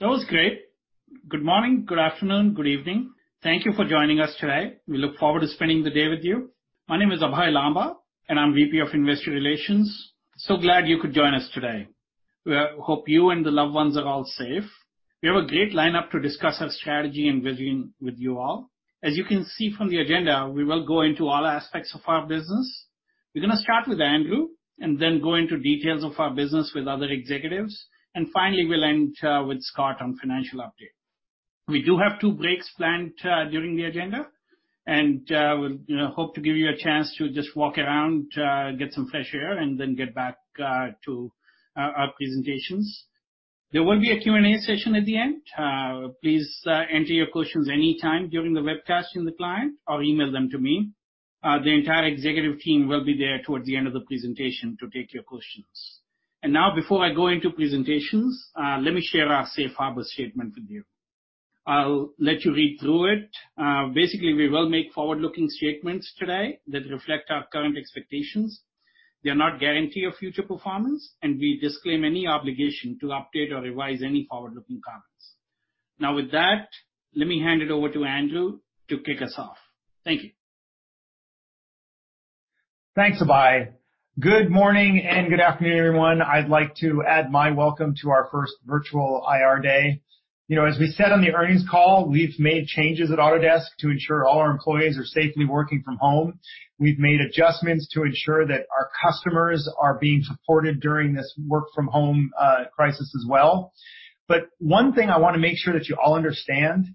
That was great. Good morning, good afternoon, good evening. Thank you for joining us today. We look forward to spending the day with you. My name is Abhey Lamba, and I'm Vice President of Investor Relations. Glad you could join us today. We hope you and the loved ones are all safe. We have a great lineup to discuss our strategy and vision with you all. As you can see from the agenda, we will go into all aspects of our business. We're going to start with Andrew, and then go into details of our business with other executives. Finally, we'll end with Scott on financial update. We do have two breaks planned during the agenda, and we hope to give you a chance to just walk around, get some fresh air, and then get back to our presentations. There will be a Q&A session at the end. Please enter your questions anytime during the webcast in the client, or email them to me. The entire executive team will be there towards the end of the presentation to take your questions. Now, before I go into presentations, let me share our safe harbor statement with you. I'll let you read through it. Basically, we will make forward-looking statements today that reflect our current expectations. They're not guarantee of future performance, and we disclaim any obligation to update or revise any forward-looking comments. Now with that, let me hand it over to Andrew to kick us off. Thank you. Thanks, Abhey. Good morning and good afternoon, everyone. I'd like to add my welcome to our first virtual IR day. As we said on the earnings call, we've made changes at Autodesk to ensure all our employees are safely working from home. We've made adjustments to ensure that our customers are being supported during this work-from-home crisis as well. One thing I want to make sure that you all understand,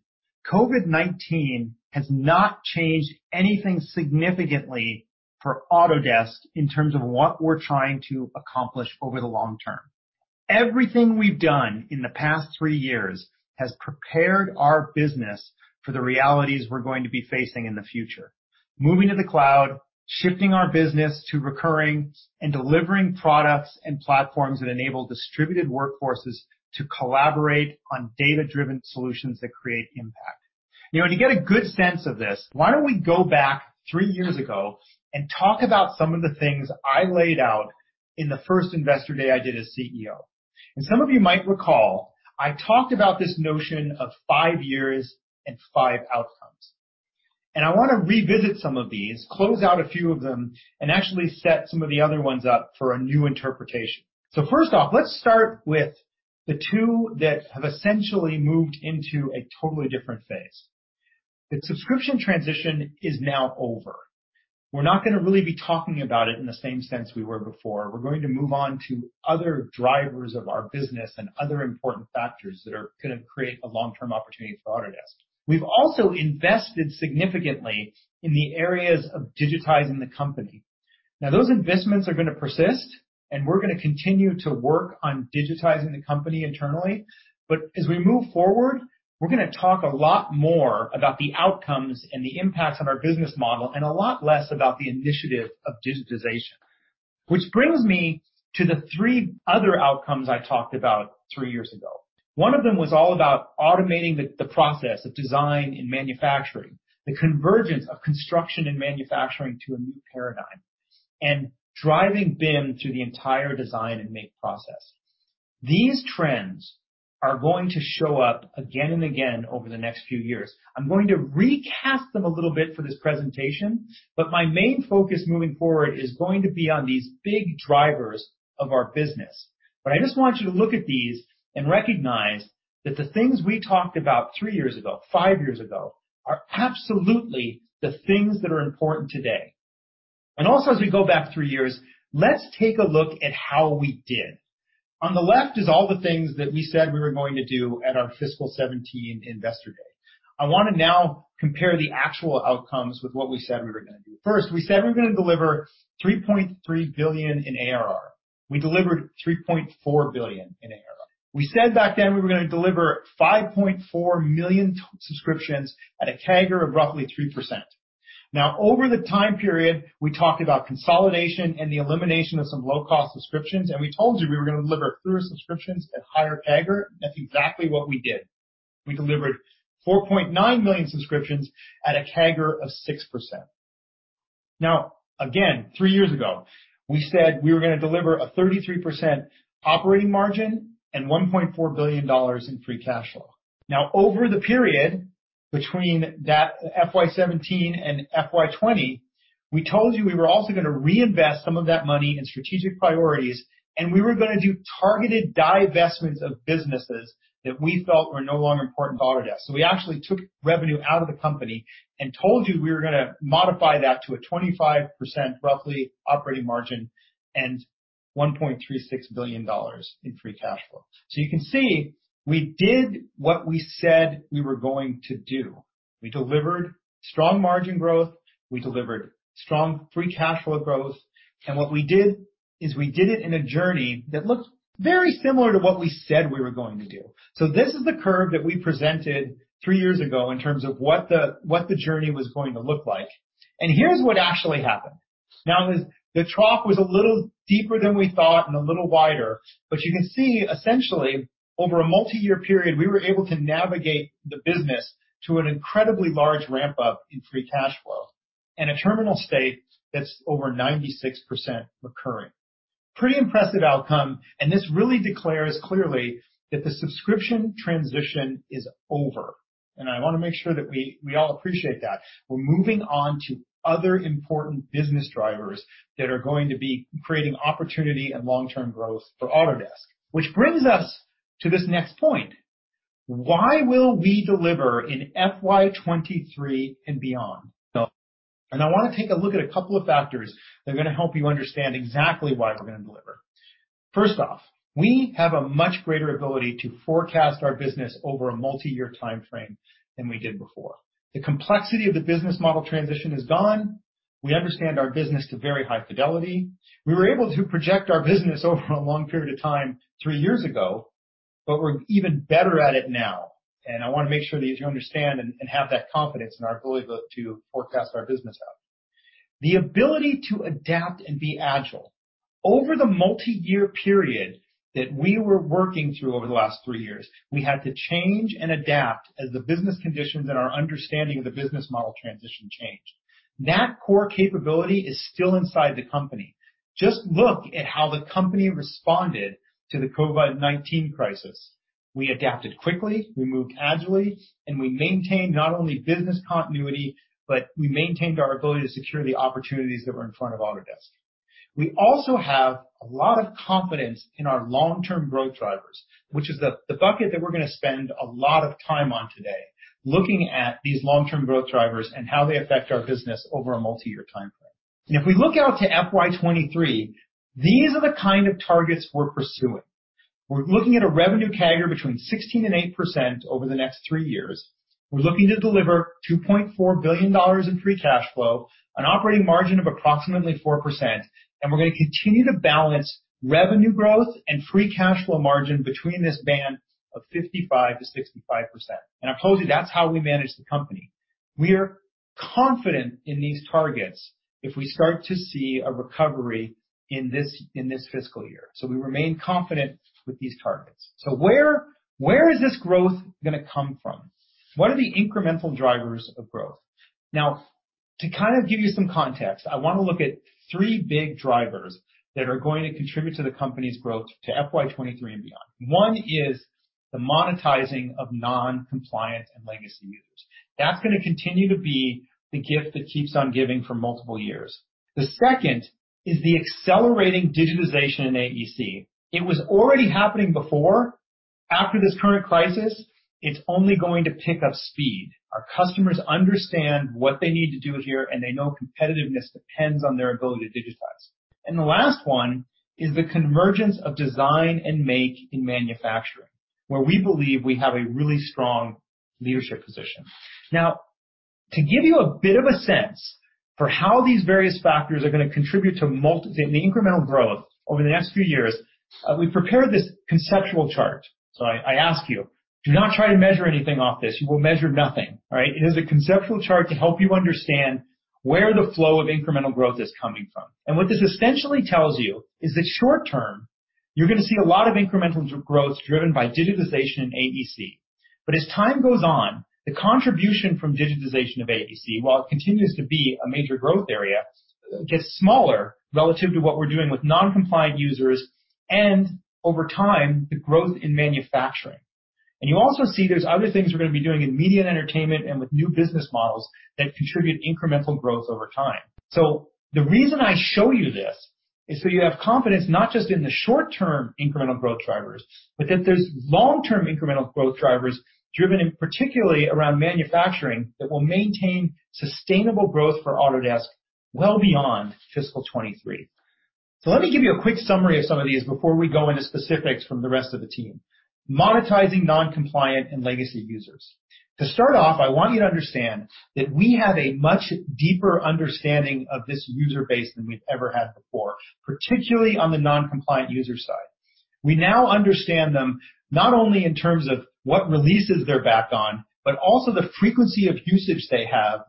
COVID-19 has not changed anything significantly for Autodesk in terms of what we're trying to accomplish over the long term. Everything we've done in the past three years has prepared our business for the realities we're going to be facing in the future. Moving to the cloud, shifting our business to recurring, delivering products and platforms that enable distributed workforces to collaborate on data-driven solutions that create impact. To get a good sense of this, why don't we go back three years ago and talk about some of the things I laid out in the first Investor Day I did as Chief Executive Officer. Some of you might recall, I talked about this notion of five years and five outcomes. I want to revisit some of these, close out a few of them, and actually set some of the other ones up for a new interpretation. First off, let's start with the two that have essentially moved into a totally different phase. The subscription transition is now over. We're not going to really be talking about it in the same sense we were before. We're going to move on to other drivers of our business and other important factors that are going to create a long-term opportunity for Autodesk. We've also invested significantly in the areas of digitizing the company. Those investments are going to persist, and we're going to continue to work on digitizing the company internally. As we move forward, we're going to talk a lot more about the outcomes and the impacts on our business model, and a lot less about the initiative of digitization. Which brings me to the three other outcomes I talked about three years ago. One of them was all about automating the process of design and manufacturing, the convergence of construction and manufacturing to a new paradigm, and driving BIM through the entire design and make process. These trends are going to show up again and again over the next few years. I'm going to recast them a little bit for this presentation, but my main focus moving forward is going to be on these big drivers of our business. I just want you to look at these and recognize that the things we talked about three years ago, five years ago, are absolutely the things that are important today. Also, as we go back three years, let's take a look at how we did. On the left is all the things that we said we were going to do at our fiscal 2017 Investor Day. I want to now compare the actual outcomes with what we said we were going to do. First, we said we were going to deliver $3.3 billion in ARR. We delivered $3.4 billion in ARR. We said back then we were going to deliver 5.4 million subscriptions at a CAGR of roughly 3%. Over the time period, we talked about consolidation and the elimination of some low-cost subscriptions, and we told you we were going to deliver fewer subscriptions at higher CAGR. That's exactly what we did. We delivered 4.9 million subscriptions at a CAGR of 6%. Again, three years ago, we said we were going to deliver a 33% operating margin and $1.4 billion in free cash flow. Over the period between that FY 2017 and FY 2020, we told you we were also going to reinvest some of that money in strategic priorities, and we were going to do targeted divestments of businesses that we felt were no longer important to Autodesk. We actually took revenue out of the company and told you we were going to modify that to a 25%, roughly, operating margin and $1.36 billion in free cash flow. You can see we did what we said we were going to do. We delivered strong margin growth, we delivered strong free cash flow growth. What we did, is we did it in a journey that looked very similar to what we said we were going to do. This is the curve that we presented three years ago in terms of what the journey was going to look like. Here's what actually happened. The trough was a little deeper than we thought and a little wider, but you can see essentially, over a multi-year period, we were able to navigate the business to an incredibly large ramp-up in free cash flow. A terminal state that's over 96% recurring. Pretty impressive outcome, and this really declares clearly that the subscription transition is over. I want to make sure that we all appreciate that. We're moving on to other important business drivers that are going to be creating opportunity and long-term growth for Autodesk. Brings us to this next point. Why will we deliver in FY 2023 and beyond? I want to take a look at a couple of factors that are going to help you understand exactly why we're going to deliver. First off, we have a much greater ability to forecast our business over a multi-year timeframe than we did before. The complexity of the business model transition is gone. We understand our business to very high fidelity. We were able to project our business over a long period of time, three years ago, but we're even better at it now, and I want to make sure that you understand and have that confidence in our ability to forecast our business out. The ability to adapt and be agile. Over the multi-year period that we were working through over the last three years, we had to change and adapt as the business conditions and our understanding of the business model transition changed. That core capability is still inside the company. Just look at how the company responded to the COVID-19 crisis. We adapted quickly, we moved agilely, and we maintained not only business continuity, but we maintained our ability to secure the opportunities that were in front of Autodesk. We also have a lot of confidence in our long-term growth drivers, which is the bucket that we're going to spend a lot of time on today, looking at these long-term growth drivers and how they affect our business over a multi-year timeframe. If we look out to FY 2023, these are the kind of targets we're pursuing. We're looking at a revenue CAGR between 16% and 8% over the next three years. We're looking to deliver $2.4 billion in free cash flow, an operating margin of approximately 4%. We're going to continue to balance revenue growth and free cash flow margin between this band of 55%-65%. I told you, that's how we manage the company. We are confident in these targets if we start to see a recovery in this fiscal year. We remain confident with these targets. Where is this growth going to come from? What are the incremental drivers of growth? To give you some context, I want to look at three big drivers that are going to contribute to the company's growth to FY 2023 and beyond. One is the monetizing of non-compliant and legacy users. That's going to continue to be the gift that keeps on giving for multiple years. Second is the accelerating digitization in AEC. It was already happening before. After this current crisis, it's only going to pick up speed. Our customers understand what they need to do here, and they know competitiveness depends on their ability to digitize. Last one is the convergence of design and make in manufacturing, where we believe we have a really strong leadership position. To give you a bit of a sense for how these various factors are going to contribute to the incremental growth over the next few years, we prepared this conceptual chart. I ask you, do not try to measure anything off this. You will measure nothing, right? It is a conceptual chart to help you understand where the flow of incremental growth is coming from. What this essentially tells you is that short-term, you're going to see a lot of incremental growth driven by digitization in AEC. As time goes on, the contribution from digitization of AEC, while it continues to be a major growth area, gets smaller relative to what we're doing with non-compliant users and over time, the growth in manufacturing. You also see there's other things we're going to be doing in media and entertainment and with new business models that contribute incremental growth over time. The reason I show you this is so you have confidence, not just in the short-term incremental growth drivers, but that there's long-term incremental growth drivers driven in particularly around manufacturing that will maintain sustainable growth for Autodesk, well beyond fiscal 2023. Let me give you a quick summary of some of these before we go into specifics from the rest of the team. Monetizing non-compliant and legacy users. To start off, I want you to understand that we have a much deeper understanding of this user base than we've ever had before, particularly on the non-compliant user side. We now understand them, not only in terms of what releases they're back on, but also the frequency of usage they have,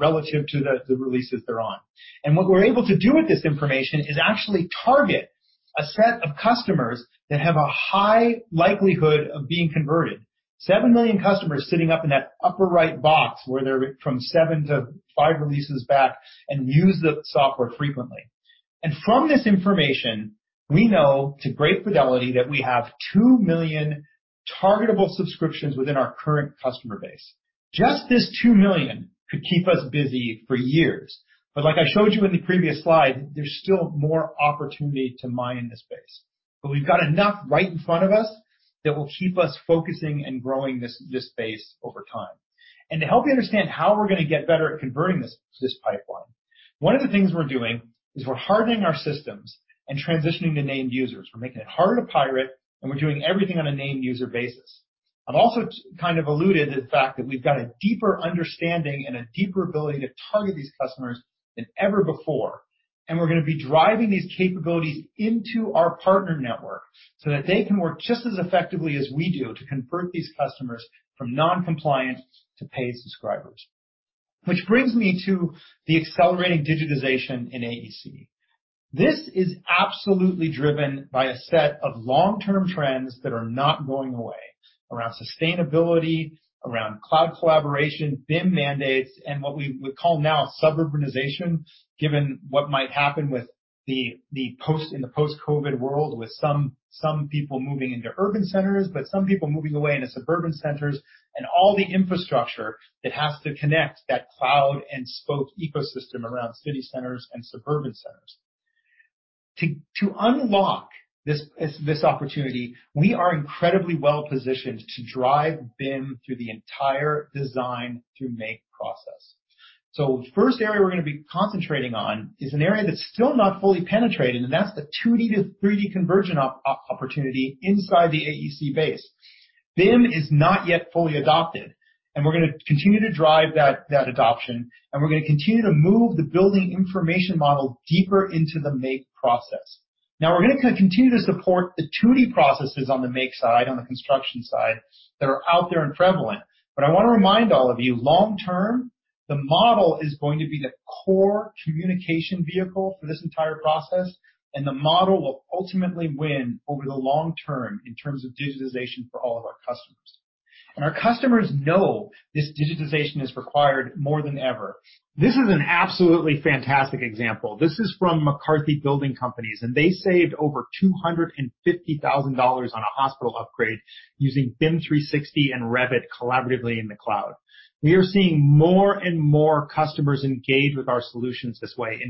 relative to the releases they're on. What we're able to do with this information is actually target a set of customers that have a high likelihood of being converted. 7 million customers sitting up in that upper right box, from seven to five releases back and use the software frequently. From this information, we know to great fidelity that we have 2 million targetable subscriptions within our current customer base. Just this 2 million could keep us busy for years. Like I showed you in the previous slide, there's still more opportunity to mine this space. We've got enough right in front of us that will keep us focusing and growing this space over time. To help you understand how we're going to get better at converting this pipeline, one of the things we're doing is we're hardening our systems and transitioning to named users. We're making it hard to pirate, and we're doing everything on a named user basis. I've also kind of alluded the fact that we've got a deeper understanding and a deeper ability to target these customers than ever before. We're going to be driving these capabilities into our partner network so that they can work just as effectively as we do to convert these customers from non-compliant to paid subscribers. Which brings me to the accelerating digitization in AEC. This is absolutely driven by a set of long-term trends that are not going away, around sustainability, around cloud collaboration, BIM mandates, and what we would call now suburbanization, given what might happen in the post-COVID-19 world, with some people moving into urban centers, but some people moving away into suburban centers, and all the infrastructure that has to connect that hub and spoke ecosystem around city centers and suburban centers. To unlock this opportunity, we are incredibly well-positioned to drive BIM through the entire design through make process. The first area we're going to be concentrating on is an area that's still not fully penetrated, and that's the 2D to 3D conversion opportunity inside the AEC base. BIM is not yet fully adopted, and we're going to continue to drive that adoption, and we're going to continue to move the building information model deeper into the make process. We're going to continue to support the 2D processes on the make side, on the construction side, that are out there and prevalent. I want to remind all of you, long-term, the model is going to be the core communication vehicle for this entire process, and the model will ultimately win over the long term in terms of digitization for all of our customers. Our customers know this digitization is required more than ever. This is an absolutely fantastic example. This is from McCarthy Building Companies. They saved over $250,000 on a hospital upgrade using BIM 360 and Revit collaboratively in the cloud. We are seeing more and more customers engage with our solutions this way.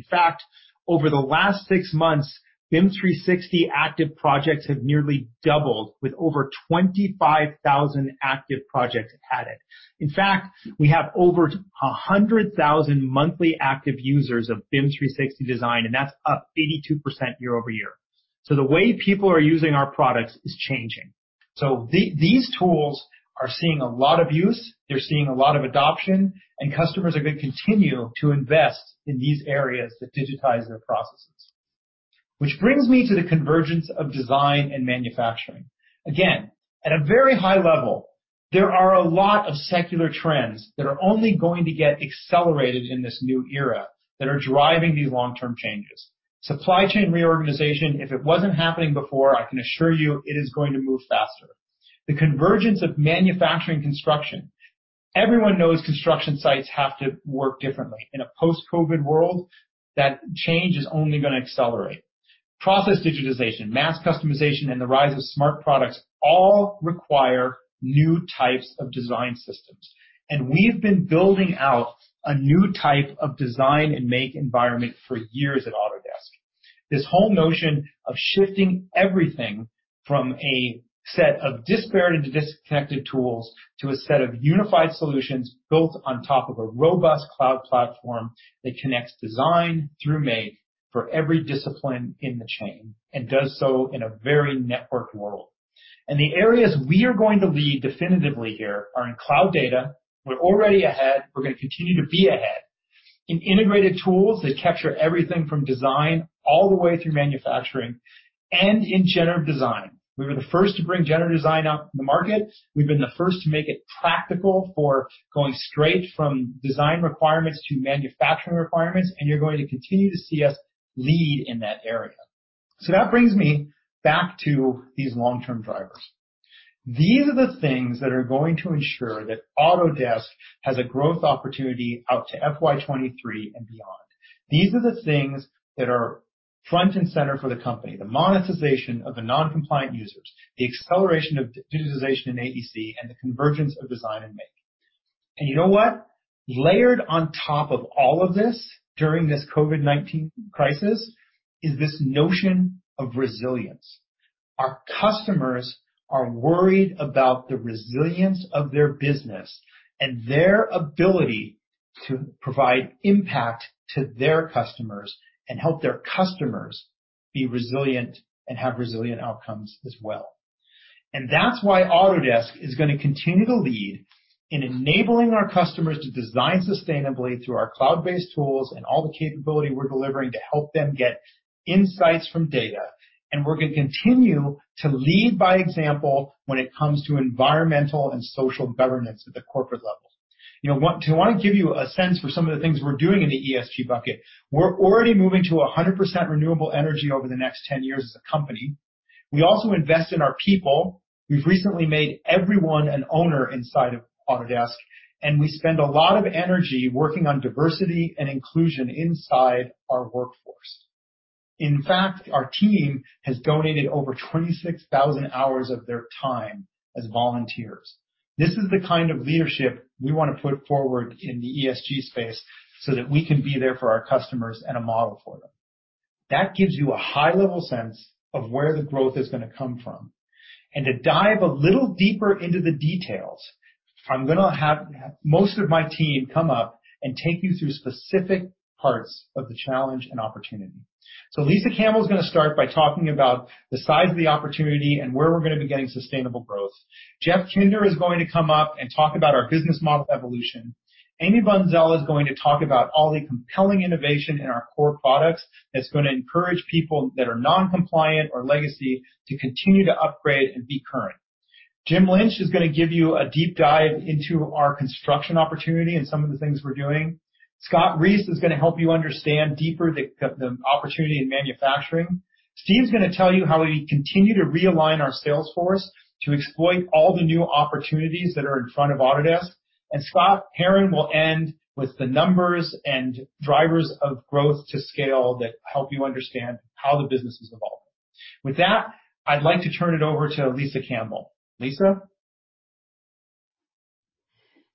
Over the last six months, BIM 360 active projects have nearly doubled with over 25,000 active projects added. We have over 100,000 monthly active users of BIM 360 Design. That's up 82% year-over-year. The way people are using our products is changing. These tools are seeing a lot of use, they're seeing a lot of adoption. Customers are going to continue to invest in these areas that digitize their processes. Which brings me to the convergence of design and manufacturing. Again, at a very high level, there are a lot of secular trends that are only going to get accelerated in this new era that are driving these long-term changes. Supply chain reorganization, if it wasn't happening before, I can assure you it is going to move faster. The convergence of manufacturing construction. Everyone knows construction sites have to work differently. In a post-COVID world, that change is only going to accelerate. Process digitization, mass customization, and the rise of smart products all require new types of design systems. We've been building out a new type of design and make environment for years at Autodesk. This whole notion of shifting everything from a set of disparate and disconnected tools to a set of unified solutions built on top of a robust cloud platform that connects design through make for every discipline in the chain, and does so in a very networked world. The areas we are going to lead definitively here are in cloud data. We're already ahead. We're going to continue to be ahead. In integrated tools that capture everything from design all the way through manufacturing, and in generative design. We were the first to bring generative design out in the market. We've been the first to make it practical for going straight from design requirements to manufacturing requirements, you're going to continue to see us lead in that area. That brings me back to these long-term drivers. These are the things that are going to ensure that Autodesk has a growth opportunity out to FY 2023 and beyond. These are the things that are front and center for the company, the monetization of the non-compliant users, the acceleration of digitization in AEC, and the convergence of design and make. You know what? Layered on top of all of this during this COVID-19 crisis is this notion of resilience. Our customers are worried about the resilience of their business and their ability to provide impact to their customers and help their customers be resilient and have resilient outcomes as well. That's why Autodesk is going to continue to lead in enabling our customers to design sustainably through our cloud-based tools and all the capability we're delivering to help them get insights from data. We're going to continue to lead by example when it comes to environmental and social governance at the corporate level. To want to give you a sense for some of the things we're doing in the ESG bucket, we're already moving to 100% renewable energy over the next 10 years as a company. We also invest in our people. We've recently made everyone an owner inside of Autodesk, and we spend a lot of energy working on diversity and inclusion inside our workforce. In fact, our team has donated over 26,000 hours of their time as volunteers. This is the kind of leadership we want to put forward in the ESG space so that we can be there for our customers and a model for them. That gives you a high-level sense of where the growth is going to come from. To dive a little deeper into the details, I'm going to have most of my team come up and take you through specific parts of the challenge and opportunity. Lisa Campbell is going to start by talking about the size of the opportunity and where we're going to be getting sustainable growth. Jeff Kinder is going to come up and talk about our business model evolution. Amy Bunszel is going to talk about all the compelling innovation in our core products that's going to encourage people that are non-compliant or legacy to continue to upgrade and be current. Jim Lynch is going to give you a deep dive into our construction opportunity and some of the things we're doing. Scott Reese is going to help you understand deeper the opportunity in manufacturing. Steve's going to tell you how we continue to realign our sales force to exploit all the new opportunities that are in front of Autodesk. Scott Herren will end with the numbers and drivers of growth to scale that help you understand how the business is evolving. With that, I'd like to turn it over to Lisa Campbell. Lisa?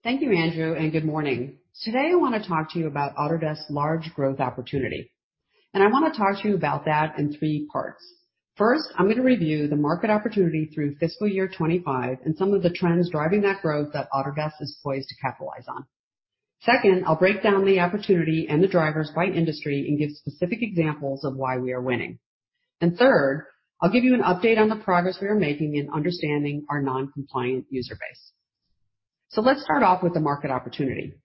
Thank you, Andrew. Good morning. Today, I want to talk to you about Autodesk large growth opportunity. I want to talk to you about that in three parts. First, I'm going to review the market opportunity through fiscal year 2025 and some of the trends driving that growth that Autodesk is poised to capitalize on. Second, I'll break down the opportunity and the drivers by industry and give specific examples of why we are winning. Third, I'll give you an update on the progress we are making in understanding our non-compliant user base. Let's start off with the market opportunity.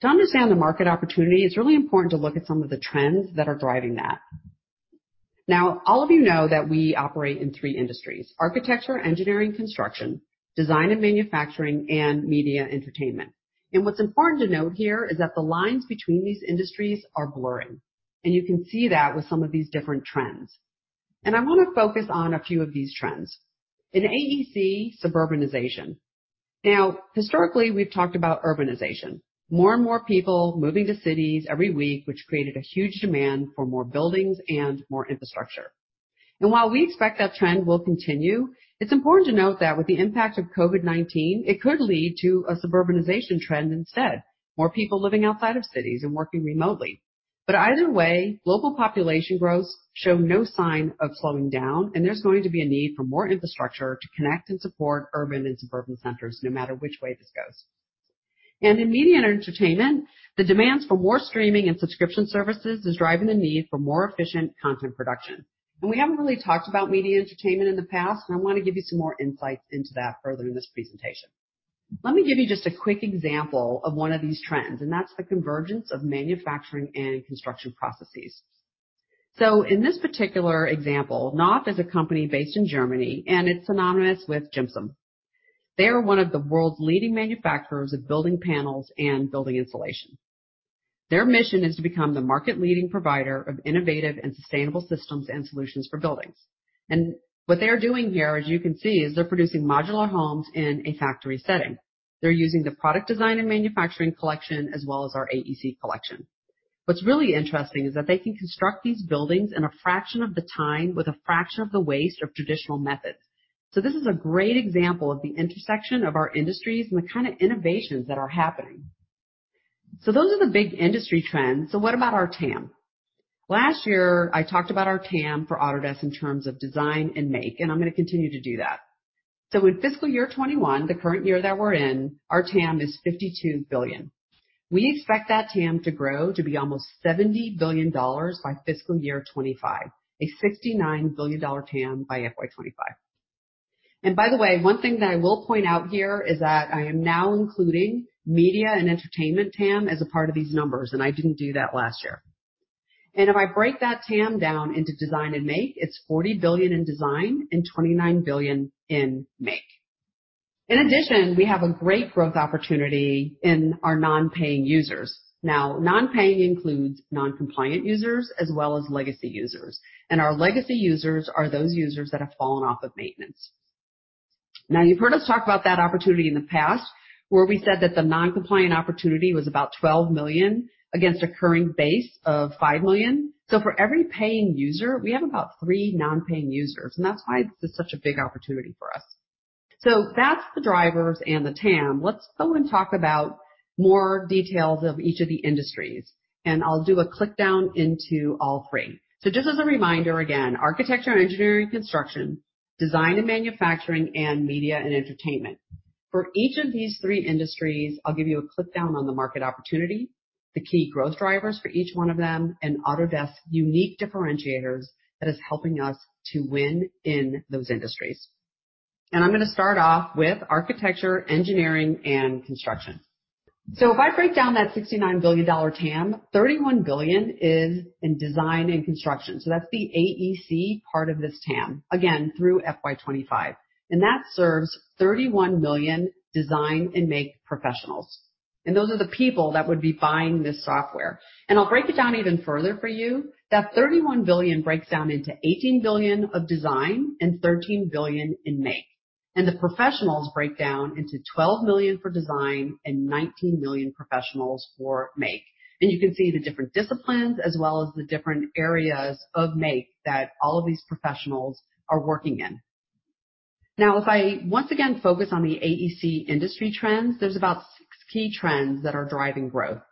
To understand the market opportunity, it's really important to look at some of the trends that are driving that. Now, all of you know that we operate in three industries, architecture, engineering, construction, design and manufacturing, and media entertainment. What's important to note here is that the lines between these industries are blurring. You can see that with some of these different trends. I want to focus on a few of these trends. In AEC, suburbanization. Now, historically, we've talked about urbanization. More and more people moving to cities every week, which created a huge demand for more buildings and more infrastructure. While we expect that trend will continue, it's important to note that with the impact of COVID-19, it could lead to a suburbanization trend instead. More people living outside of cities and working remotely. Either way, global population growth show no sign of slowing down, and there's going to be a need for more infrastructure to connect and support urban and suburban centers, no matter which way this goes. In media and entertainment, the demands for more streaming and subscription services is driving the need for more efficient content production. We haven't really talked about media entertainment in the past, and I want to give you some more insights into that further in this presentation. Let me give you just a quick example of one of these trends, and that's the convergence of manufacturing and construction processes. In this particular example, Knauf is a company based in Germany, and it's synonymous with gypsum. They are one of the world's leading manufacturers of building panels and building insulation. Their mission is to become the market leading provider of innovative and sustainable systems and solutions for buildings. What they are doing here, as you can see, is they're producing modular homes in a factory setting. They're using the Product Design & Manufacturing Collection, as well as our AEC Collection. What's really interesting is that they can construct these buildings in a fraction of the time with a fraction of the waste of traditional methods. This is a great example of the intersection of our industries and the kind of innovations that are happening. Those are the big industry trends. What about our TAM? Last year, I talked about our TAM for Autodesk in terms of design and make, and I'm going to continue to do that. In fiscal year 2021, the current year that we're in, our TAM is $52 billion. We expect that TAM to grow to be almost $70 billion by fiscal year 2025. A $69 billion TAM by FY 2025. By the way, one thing that I will point out here is that I am now including media and entertainment TAM as a part of these numbers, I didn't do that last year. If I break that TAM down into design and make, it's $40 billion in design and $29 billion in make. In addition, we have a great growth opportunity in our non-paying users. Non-paying includes non-compliant users as well as legacy users. Our legacy users are those users that have fallen off of maintenance. You've heard us talk about that opportunity in the past, where we said that the non-compliant opportunity was about $12 million against occurring base of $5 million. For every paying user, we have about three non-paying users, and that's why this is such a big opportunity for us. That's the drivers and the TAM. Let's go and talk about more details of each of the industries. I'll do a click down into all three. Just as a reminder, again, Architecture, Engineering, Construction, Design and Manufacturing, and Media and Entertainment. For each of these three industries, I'll give you a click down on the market opportunity, the key growth drivers for each one of them, and Autodesk unique differentiators that is helping us to win in those industries. I'm going to start off with Architecture, Engineering, and Construction. If I break down that $69 billion TAM, $31 billion is in design and construction. That's the AEC part of this TAM, again, through FY 2025. That serves 31 million design and make professionals. Those are the people that would be buying this software. I'll break it down even further for you. That $31 billion breaks down into $18 billion of design and $13 billion in make. The professionals break down into 12 million for design and 19 million professionals for make. You can see the different disciplines as well as the different areas of make that all of these professionals are working in. Now, if I once again focus on the AEC industry trends, there's about six key trends that are driving growth.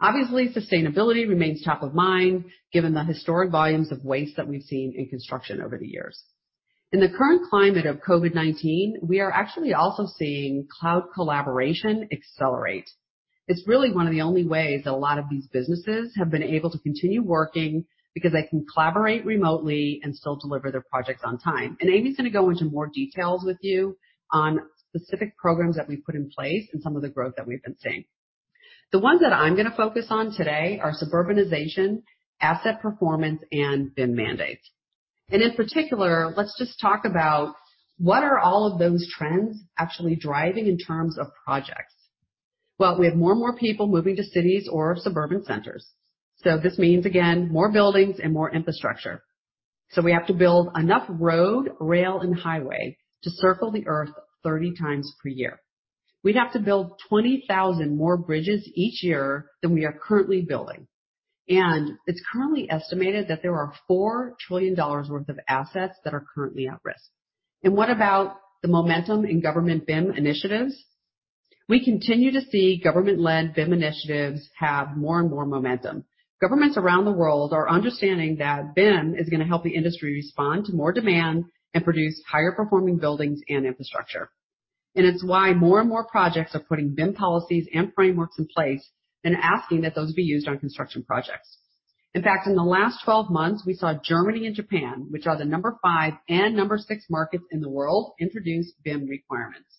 Obviously, sustainability remains top of mind given the historic volumes of waste that we've seen in construction over the years. In the current climate of COVID-19, we are actually also seeing cloud collaboration accelerate. It's really one of the only ways that a lot of these businesses have been able to continue working because they can collaborate remotely and still deliver their projects on time. Amy's going to go into more details with you on specific programs that we've put in place and some of the growth that we've been seeing. The ones that I'm going to focus on today are suburbanization, asset performance, and BIM mandate. In particular, let's just talk about what are all of those trends actually driving in terms of projects. We have more and more people moving to cities or suburban centers. This means, again, more buildings and more infrastructure. We have to build enough road, rail, and highway to circle the Earth 30x per year. We'd have to build 20,000 more bridges each year than we are currently building. It's currently estimated that there are $4 trillion worth of assets that are currently at risk. What about the momentum in government BIM initiatives? We continue to see government-led BIM initiatives have more and more momentum. Governments around the world are understanding that BIM is going to help the industry respond to more demand, and produce higher-performing buildings and infrastructure. It's why more and more projects are putting BIM policies and frameworks in place and asking that those be used on construction projects. In fact, in the last 12 months, we saw Germany and Japan, which are the number five and number six markets in the world, introduce BIM requirements.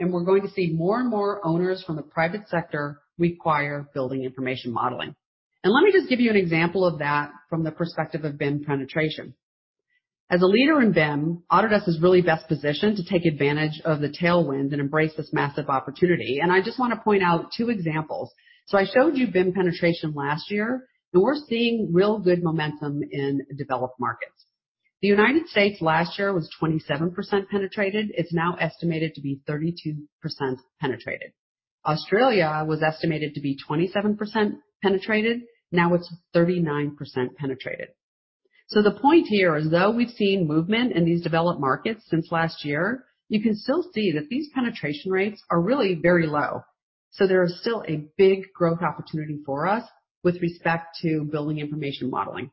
We're going to see more and more owners from the private sector require Building Information Modeling. Let me just give you an example of that from the perspective of BIM penetration. As a leader in BIM, Autodesk is really best positioned to take advantage of the tailwinds and embrace this massive opportunity, and I just want to point out two examples. I showed you BIM penetration last year, and we're seeing real good momentum in developed markets. The U.S. last year was 27% penetrated. It's now estimated to be 32% penetrated. Australia was estimated to be 27% penetrated. It's 39% penetrated. The point here is, though we've seen movement in these developed markets since last year, you can still see that these penetration rates are really very low. There is still a big growth opportunity for us with respect to Building Information Modeling.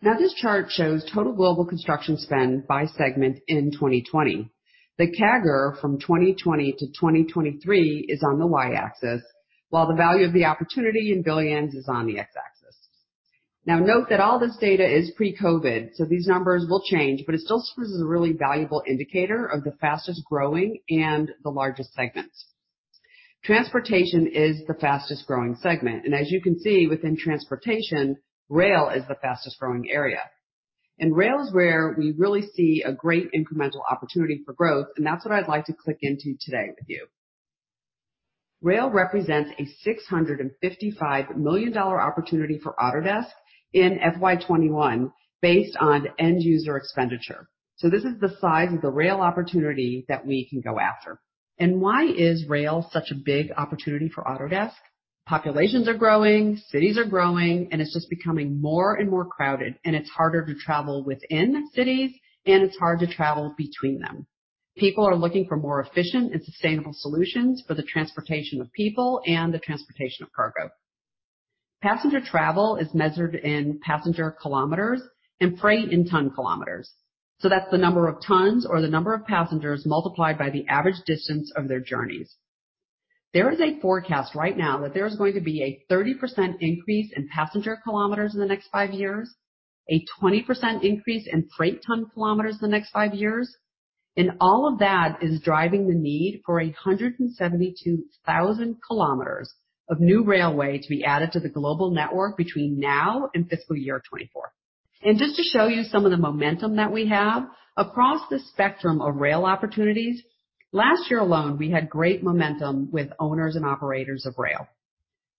This chart shows total global construction spend by segment in 2020. The CAGR from 2020 to 2023 is on the y-axis, while the value of the opportunity in billions is on the x-axis. Note that all this data is pre-COVID-19, these numbers will change, but it still serves as a really valuable indicator of the fastest-growing and the largest segments. Transportation is the fastest-growing segment. As you can see within transportation, rail is the fastest-growing area. Rail is where we really see a great incremental opportunity for growth, and that's what I'd like to click into today with you. Rail represents a $655 million opportunity for Autodesk in FY 2021 based on end-user expenditure. This is the size of the rail opportunity that we can go after. Why is rail such a big opportunity for Autodesk? Populations are growing, cities are growing, and it's just becoming more and more crowded, and it's harder to travel within cities, and it's hard to travel between them. People are looking for more efficient and sustainable solutions for the transportation of people and the transportation of cargo. Passenger travel is measured in passenger kilometers and freight in ton kilometers. That's the number of tons or the number of passengers multiplied by the average distance of their journeys. There is a forecast right now that there is going to be a 30% increase in passenger kilometers in the next five years, a 20% increase in freight ton kilometers in the next five years, and all of that is driving the need for 172,000 kilometers of new railway to be added to the global network between now and fiscal year 2024. Just to show you some of the momentum that we have across the spectrum of rail opportunities, last year alone, we had great momentum with owners and operators of rail.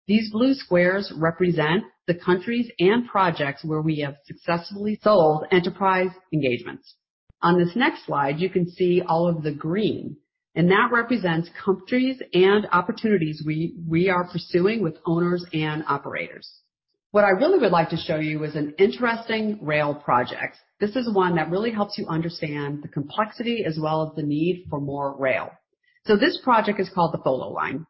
These blue squares represent the countries and projects where we have successfully sold enterprise engagements. On this next slide, you can see all of the green, and that represents countries and opportunities we are pursuing with owners and operators. What I really would like to show you is an interesting rail project. This is one that really helps you understand the complexity as well as the need for more rail. This project is called the Follo Line.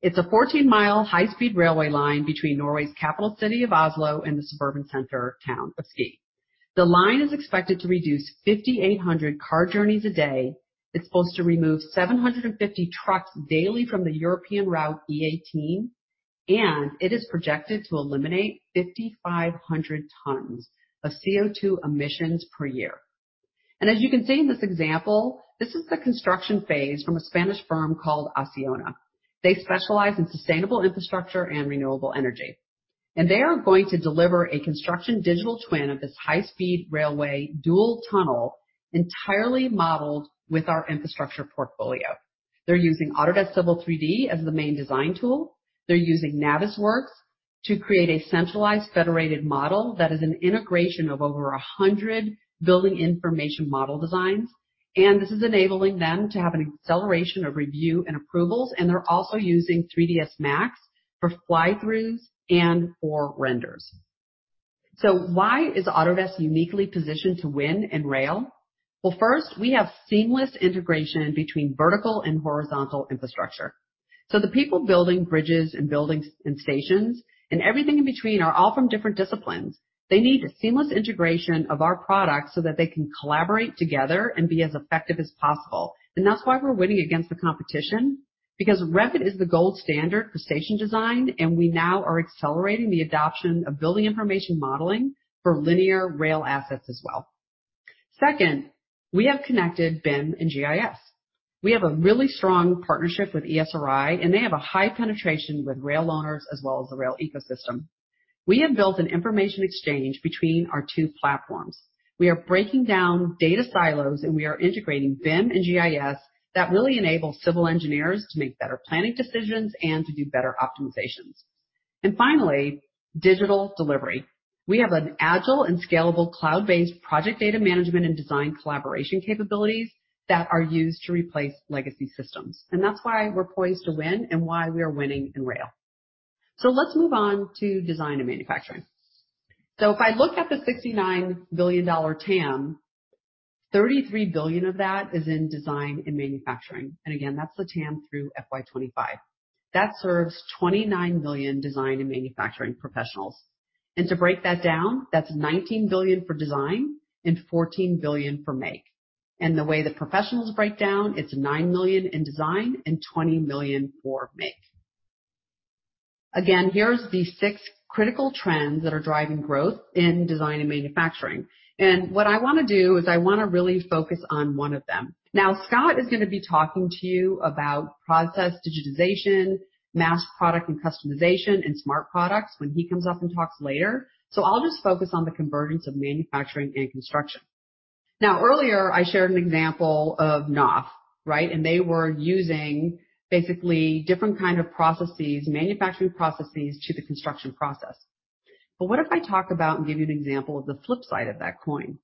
It's a 14-mile high-speed railway line between Norway's capital city of Oslo and the suburban center town of Ski. The line is expected to reduce 5,800 car journeys a day. It's supposed to remove 750 trucks daily from the European route E18, and it is projected to eliminate 5,500 tons of CO2 emissions per year. As you can see in this example, this is the construction phase from a Spanish firm called ACCIONA. They specialize in sustainable infrastructure and renewable energy. They are going to deliver a construction digital twin of this high-speed railway dual tunnel entirely modeled with our infrastructure portfolio. They're using Autodesk Civil 3D as the main design tool. They're using Navisworks to create a centralized federated model that is an integration of over 100 building information model designs. This is enabling them to have an acceleration of review and approvals. They're also using 3Ds Max for fly-throughs and for renders. Why is Autodesk uniquely positioned to win in rail? First, we have seamless integration between vertical and horizontal infrastructure. The people building bridges and buildings and stations and everything in between are all from different disciplines. They need the seamless integration of our products so that they can collaborate together and be as effective as possible. That's why we're winning against the competition, because Revit is the gold standard for station design, and we now are accelerating the adoption of building information modeling for linear rail assets as well. Second, we have connected BIM and GIS. We have a really strong partnership with Esri, and they have a high penetration with rail owners as well as the rail ecosystem. We have built an information exchange between our two platforms. We are breaking down data silos, and we are integrating BIM and GIS that really enables civil engineers to make better planning decisions and to do better optimizations. Finally, digital delivery. We have an agile and scalable cloud-based project data management and design collaboration capabilities that are used to replace legacy systems. That's why we're poised to win and why we are winning in rail. Let's move on to design and manufacturing. If I look at the $69 billion TAM, $33 billion of that is in design and manufacturing. Again, that's the TAM through FY 2025. That serves 29 million design and manufacturing professionals. To break that down, that's $19 billion for design and $14 billion for make. The way the professionals break down, it's 9 million in design and 20 million for make. Again, here's the six critical trends that are driving growth in design and manufacturing. What I want to do is I want to really focus on one of them. Now, Scott is going to be talking to you about process digitization, mass product, and customization, and smart products when he comes up and talks later. I'll just focus on the convergence of manufacturing and construction. Now, earlier, I shared an example of Knauf, right? They were using basically different kind of processes, manufacturing processes to the construction process. What if I talk about and give you an example of the flip side of that coin?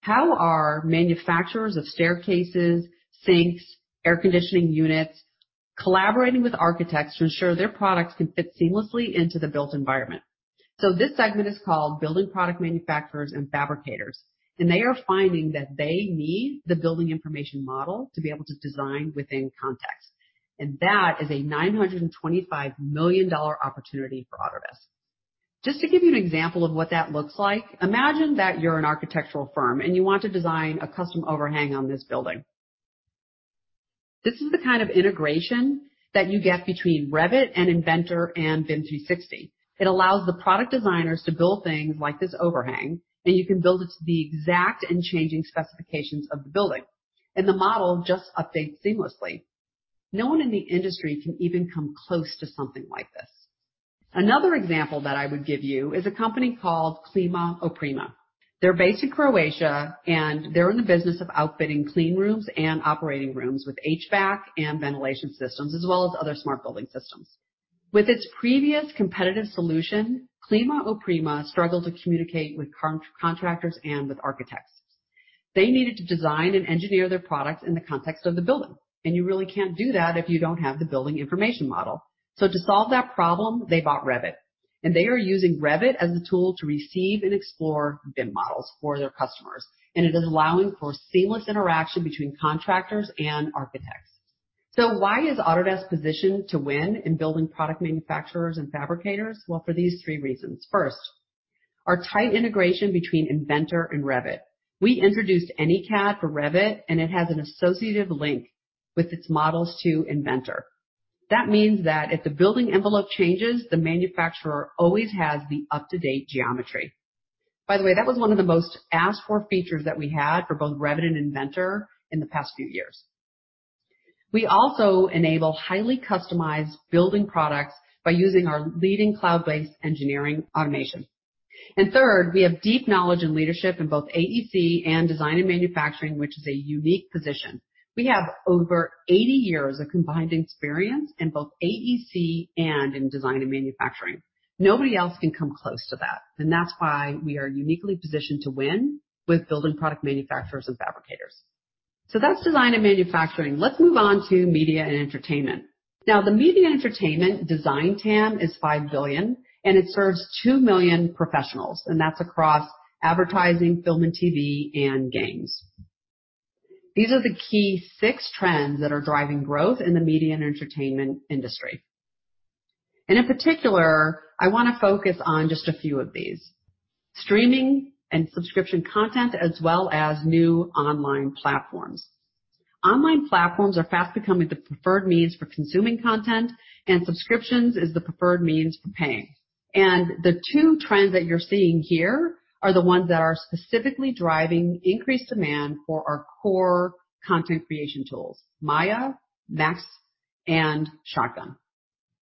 How are manufacturers of staircases, sinks, air conditioning units collaborating with architects to ensure their products can fit seamlessly into the built environment? This segment is called building product manufacturers and fabricators, and they are finding that they need the building information model to be able to design within context. That is a $925 million opportunity for Autodesk. Just to give you an example of what that looks like, imagine that you're an architectural firm and you want to design a custom overhang on this building. This is the kind of integration that you get between Revit and Inventor and BIM 360. It allows the product designers to build things like this overhang, and you can build it to the exact and changing specifications of the building. The model just updates seamlessly. No one in the industry can even come close to something like this. Another example that I would give you is a company called Klimaoprema. They're based in Croatia, and they're in the business of outfitting clean rooms and operating rooms with HVAC and ventilation systems, as well as other smart building systems. With its previous competitive solution, Klimaoprema struggled to communicate with contractors and with architects. They needed to design and engineer their product in the context of the building, and you really can't do that if you don't have the building information model. To solve that problem, they bought Revit, and they are using Revit as a tool to receive and explore BIM models for their customers, and it is allowing for seamless interaction between contractors and architects. Why is Autodesk positioned to win in building product manufacturers and fabricators? Well, for these three reasons. First, our tight integration between Inventor and Revit. We introduced AnyCAD for Revit, and it has an associative link with its models to Inventor. That means that if the building envelope changes, the manufacturer always has the up-to-date geometry. By the way, that was one of the most asked-for features that we had for both Revit and Inventor in the past few years. We also enable highly customized building products by using our leading cloud-based engineering automation. Third, we have deep knowledge and leadership in both AEC and design and manufacturing, which is a unique position. We have over 80 years of combined experience in both AEC and in design and manufacturing. Nobody else can come close to that, and that's why we are uniquely positioned to win with building product manufacturers and fabricators. That's design and manufacturing. Let's move on to media and entertainment. The media and entertainment design TAM is $5 billion, and it serves 2 million professionals, and that's across advertising, film and TV, and games. These are the key six trends that are driving growth in the media and entertainment industry. In particular, I want to focus on just a few of these. Streaming and subscription content, as well as new online platforms. Online platforms are fast becoming the preferred means for consuming content, and subscriptions is the preferred means for paying. The two trends that you're seeing here are the ones that are specifically driving increased demand for our core content creation tools, Maya, Max, and Shotgun.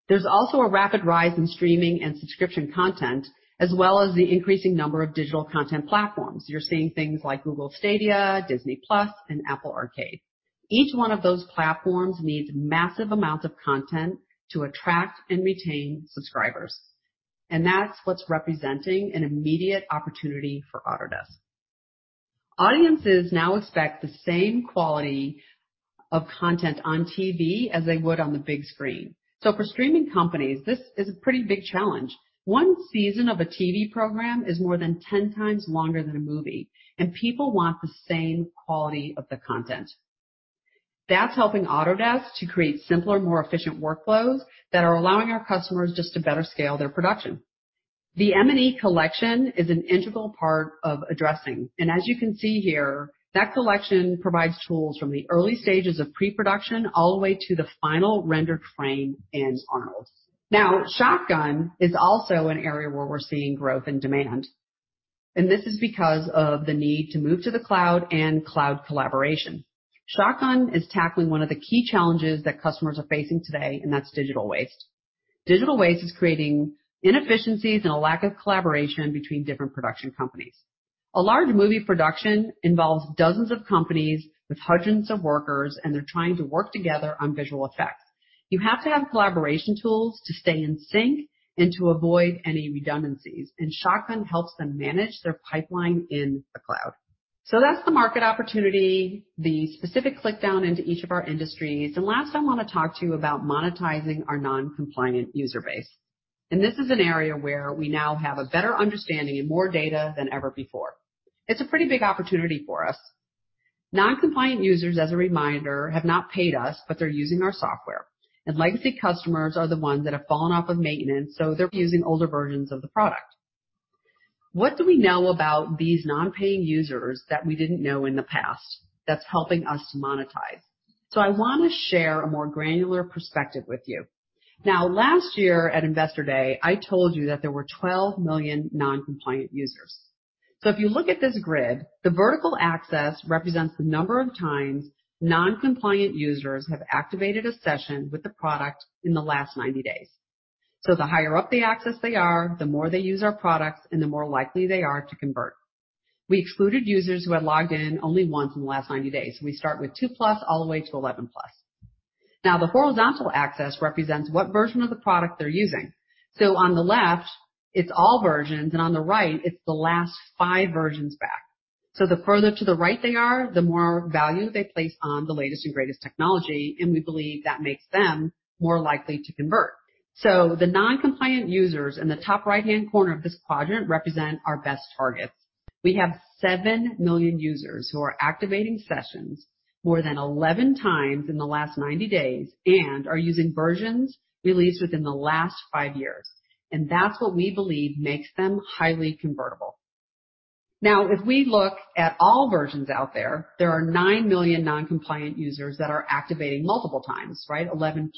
There's also a rapid rise in streaming and subscription content, as well as the increasing number of digital content platforms. You're seeing things like Google Stadia, Disney+, and Apple Arcade. Each one of those platforms needs massive amounts of content to attract and retain subscribers. That's what's representing an immediate opportunity for Autodesk. Audiences now expect the same quality of content on TV as they would on the big screen. For streaming companies, this is a pretty big challenge. One season of a TV program is more than 10x longer than a movie, and people want the same quality of the content. That's helping Autodesk to create simpler, more efficient workflows that are allowing our customers just to better scale their production. The M&E Collection is an integral part of addressing. As you can see here, that collection provides tools from the early stages of pre-production all the way to the final rendered frame in Arnold. Now, Shotgun is also an area where we're seeing growth and demand. This is because of the need to move to the cloud and cloud collaboration. Shotgun is tackling one of the key challenges that customers are facing today, and that's digital waste. Digital waste is creating inefficiencies and a lack of collaboration between different production companies. A large movie production involves dozens of companies with hundreds of workers, they're trying to work together on visual effects. You have to have collaboration tools to stay in sync and to avoid any redundancies, Shotgun helps them manage their pipeline in the cloud. That's the market opportunity, the specific click down into each of our industries. Last, I want to talk to you about monetizing our noncompliant user base. This is an area where we now have a better understanding and more data than ever before. It's a pretty big opportunity for us. Noncompliant users, as a reminder, have not paid us, but they're using our software. Legacy customers are the ones that have fallen off of maintenance, so they're using older versions of the product. What do we know about these non-paying users that we didn't know in the past that's helping us to monetize? I want to share a more granular perspective with you. Last year at Investor Day, I told you that there were 12 million noncompliant users. If you look at this grid, the vertical axis represents the number of times noncompliant users have activated a session with the product in the last 90 days. The higher up the axis they are, the more they use our products and the more likely they are to convert. We excluded users who had logged in only once in the last 90 days. We start with 2+ all the way to 11+. The horizontal axis represents what version of the product they're using. On the left, it's all versions, and on the right, it's the last five versions back. The further to the right they are, the more value they place on the latest and greatest technology, and we believe that makes them more likely to convert. The noncompliant users in the top right-hand corner of this quadrant represent our best targets. We have 7 million users who are activating sessions more than 11x in the last 90 days and are using versions released within the last five years. That's what we believe makes them highly convertible. Now, if we look at all versions out there are 9 million noncompliant users that are activating multiple times, right? 11+.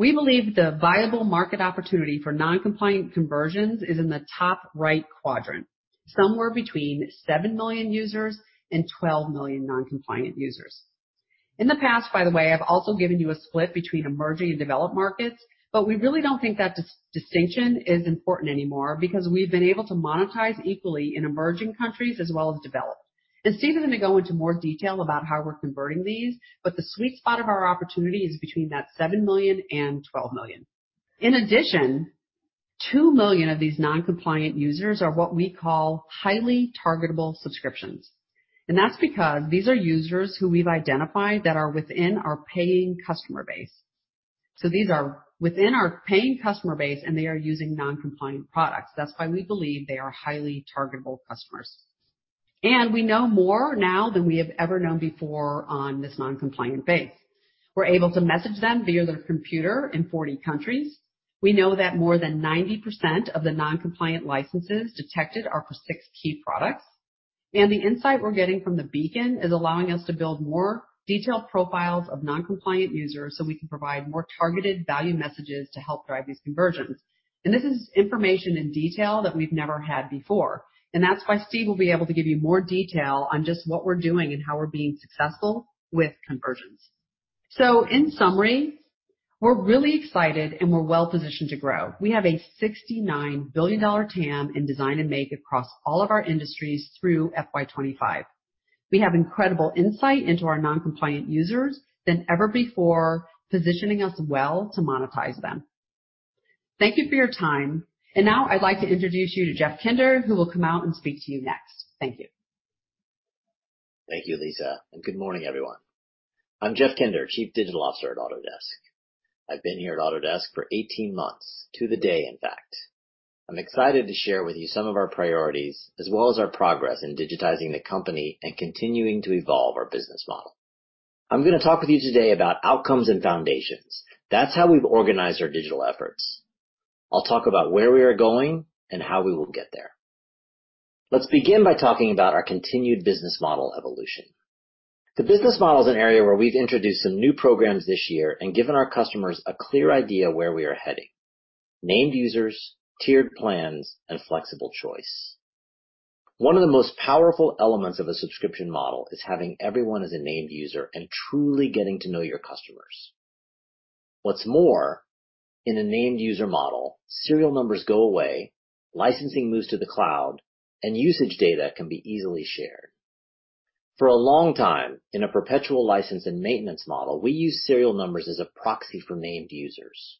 We believe the viable market opportunity for noncompliant conversions is in the top right quadrant, somewhere between 7 million users and 12 million noncompliant users. In the past, by the way, I've also given you a split between emerging and developed markets, but we really don't think that distinction is important anymore because we've been able to monetize equally in emerging countries as well as developed. Steve is going to go into more detail about how we're converting these, but the sweet spot of our opportunity is between that $7 million and $12 million. In addition, $2 million of these noncompliant users are what we call highly targetable subscriptions. That's because these are users who we've identified that are within our paying customer base. These are within our paying customer base, and they are using noncompliant products. That's why we believe they are highly targetable customers. We know more now than we have ever known before on this noncompliant base. We're able to message them via their computer in 40 countries. We know that more than 90% of the noncompliant licenses detected are for six key products. The insight we're getting from the beacon is allowing us to build more detailed profiles of noncompliant users so we can provide more targeted value messages to help drive these conversions. This is information in detail that we've never had before. That's why Steve will be able to give you more detail on just what we're doing and how we're being successful with conversions. In summary, we're really excited, and we're well-positioned to grow. We have a $69 billion TAM in Design and Make across all of our industries through FY 2025. We have incredible insight into our noncompliant users than ever before, positioning us well to monetize them. Thank you for your time. Now I'd like to introduce you to Jeff Kinder, who will come out and speak to you next. Thank you. Thank you, Lisa, and good morning, everyone. I'm Jeff Kinder, Chief Digital Officer at Autodesk. I've been here at Autodesk for 18 months to the day, in fact. I'm excited to share with you some of our priorities, as well as our progress in digitizing the company and continuing to evolve our business model. I'm going to talk with you today about outcomes and foundations. That's how we've organized our digital efforts. I'll talk about where we are going and how we will get there. Let's begin by talking about our continued business model evolution. The business model is an area where we've introduced some new programs this year and given our customers a clear idea where we are heading. Named users, tiered plans, and flexible choice. One of the most powerful elements of a subscription model is having everyone as a named user and truly getting to know your customers. What's more, in a named user model, serial numbers go away, licensing moves to the cloud, and usage data can be easily shared. For a long time, in a perpetual license and maintenance model, we used serial numbers as a proxy for named users.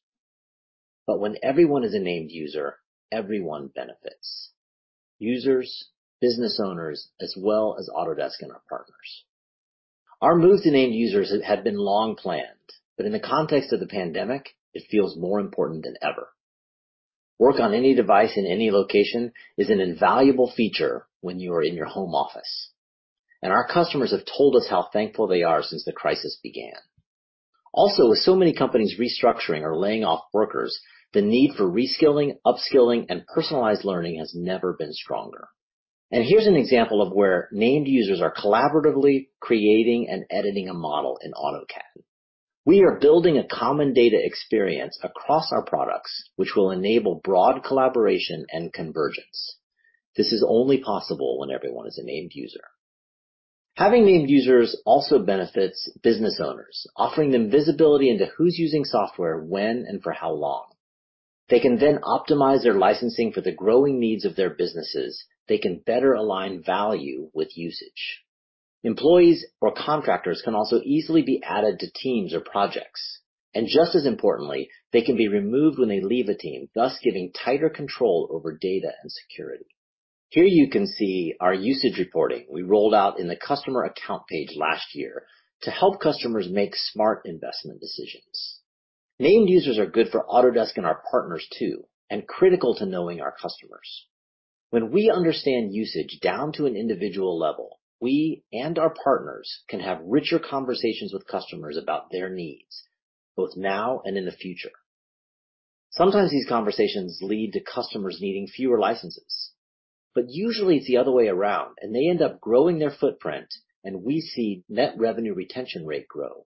When everyone is a named user, everyone benefits. Users, business owners, as well as Autodesk and our partners. Our move to named users had been long planned, but in the context of the pandemic, it feels more important than ever. Work on any device in any location is an invaluable feature when you are in your home office. Our customers have told us how thankful they are since the crisis began. Also, with so many companies restructuring or laying off workers, the need for reskilling, upskilling, and personalized learning has never been stronger. Here's an example of where named users are collaboratively creating and editing a model in AutoCAD. We are building a common data experience across our products, which will enable broad collaboration and convergence. This is only possible when everyone is a named user. Having named users also benefits business owners, offering them visibility into who's using software, when, and for how long. They can optimize their licensing for the growing needs of their businesses. They can better align value with usage. Employees or contractors can also easily be added to teams or projects. Just as importantly, they can be removed when they leave a team, thus giving tighter control over data and security. Here you can see our usage reporting we rolled out in the customer account page last year to help customers make smart investment decisions. Named users are good for Autodesk and our partners too, and critical to knowing our customers. When we understand usage down to an individual level, we and our partners can have richer conversations with customers about their needs, both now and in the future. Sometimes these conversations lead to customers needing fewer licenses. Usually, it's the other way around, and they end up growing their footprint, and we see net revenue retention rate grow.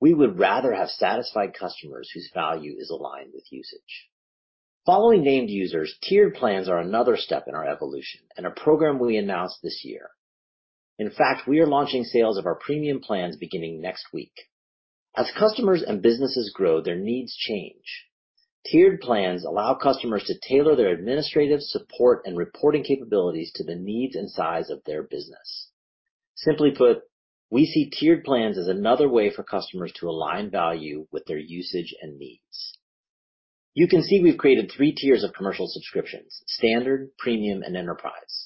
We would rather have satisfied customers whose value is aligned with usage. Following named users, tiered plans are another step in our evolution and a program we announced this year. In fact, we are launching sales of our premium plans beginning next week. As customers and businesses grow, their needs change. Tiered plans allow customers to tailor their administrative support and reporting capabilities to the needs and size of their business. Simply put, we see tiered plans as another way for customers to align value with their usage and needs. You can see we've created 3 tiers of commercial subscriptions: Standard, Premium, and Enterprise.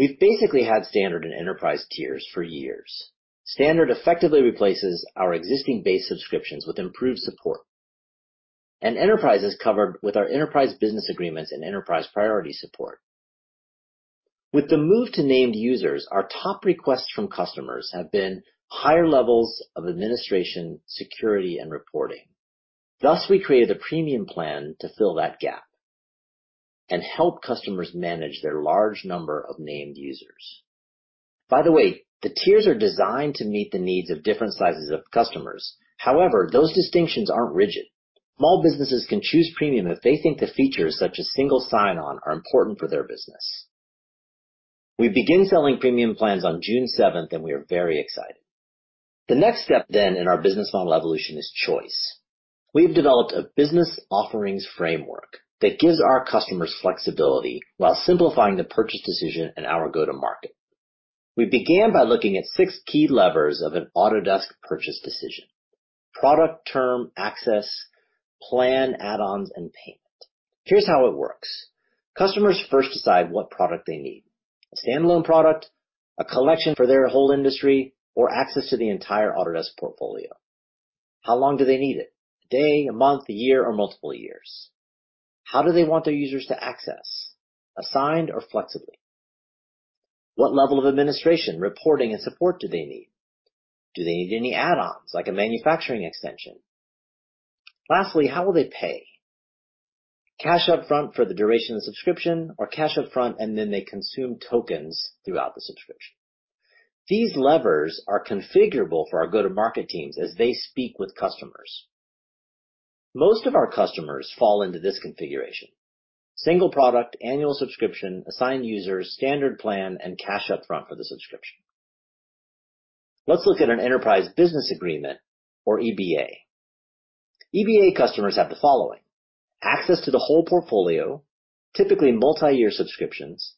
We've basically had Standard and Enterprise tiers for years. Standard effectively replaces our existing base subscriptions with improved support. Enterprise is covered with our enterprise business agreements and enterprise priority support. With the move to named users, our top requests from customers have been higher levels of administration, security, and reporting. Thus, we created a Premium plan to fill that gap and help customers manage their large number of named users. By the way, the tiers are designed to meet the needs of different sizes of customers. However, those distinctions aren't rigid. Small businesses can choose Premium if they think the features such as single sign-on are important for their business. We begin selling Premium plans on June seventh. We are very excited. The next step in our business model evolution is choice. We've developed a business offerings framework that gives our customers flexibility while simplifying the purchase decision and our go to market. We began by looking at six key levers of an Autodesk purchase decision. Product term access, plan add-ons, and payment. Here's how it works. Customers first decide what product they need. A standalone product, a collection for their whole industry, or access to the entire Autodesk portfolio. How long do they need it? A day, a month, a year, or multiple years. How do they want their users to access? Assigned or flexibly? What level of administration, reporting, and support do they need? Do they need any add-ons, like a manufacturing extension? Lastly, how will they pay? Cash up front for the duration of subscription, or cash up front and then they consume tokens throughout the subscription. These levers are configurable for our go-to-market teams as they speak with customers. Most of our customers fall into this configuration. Single product, annual subscription, assigned users, standard plan, and cash up front for the subscription. Let's look at an enterprise business agreement or EBA. EBA customers have the following. Access to the whole portfolio, typically multi-year subscriptions,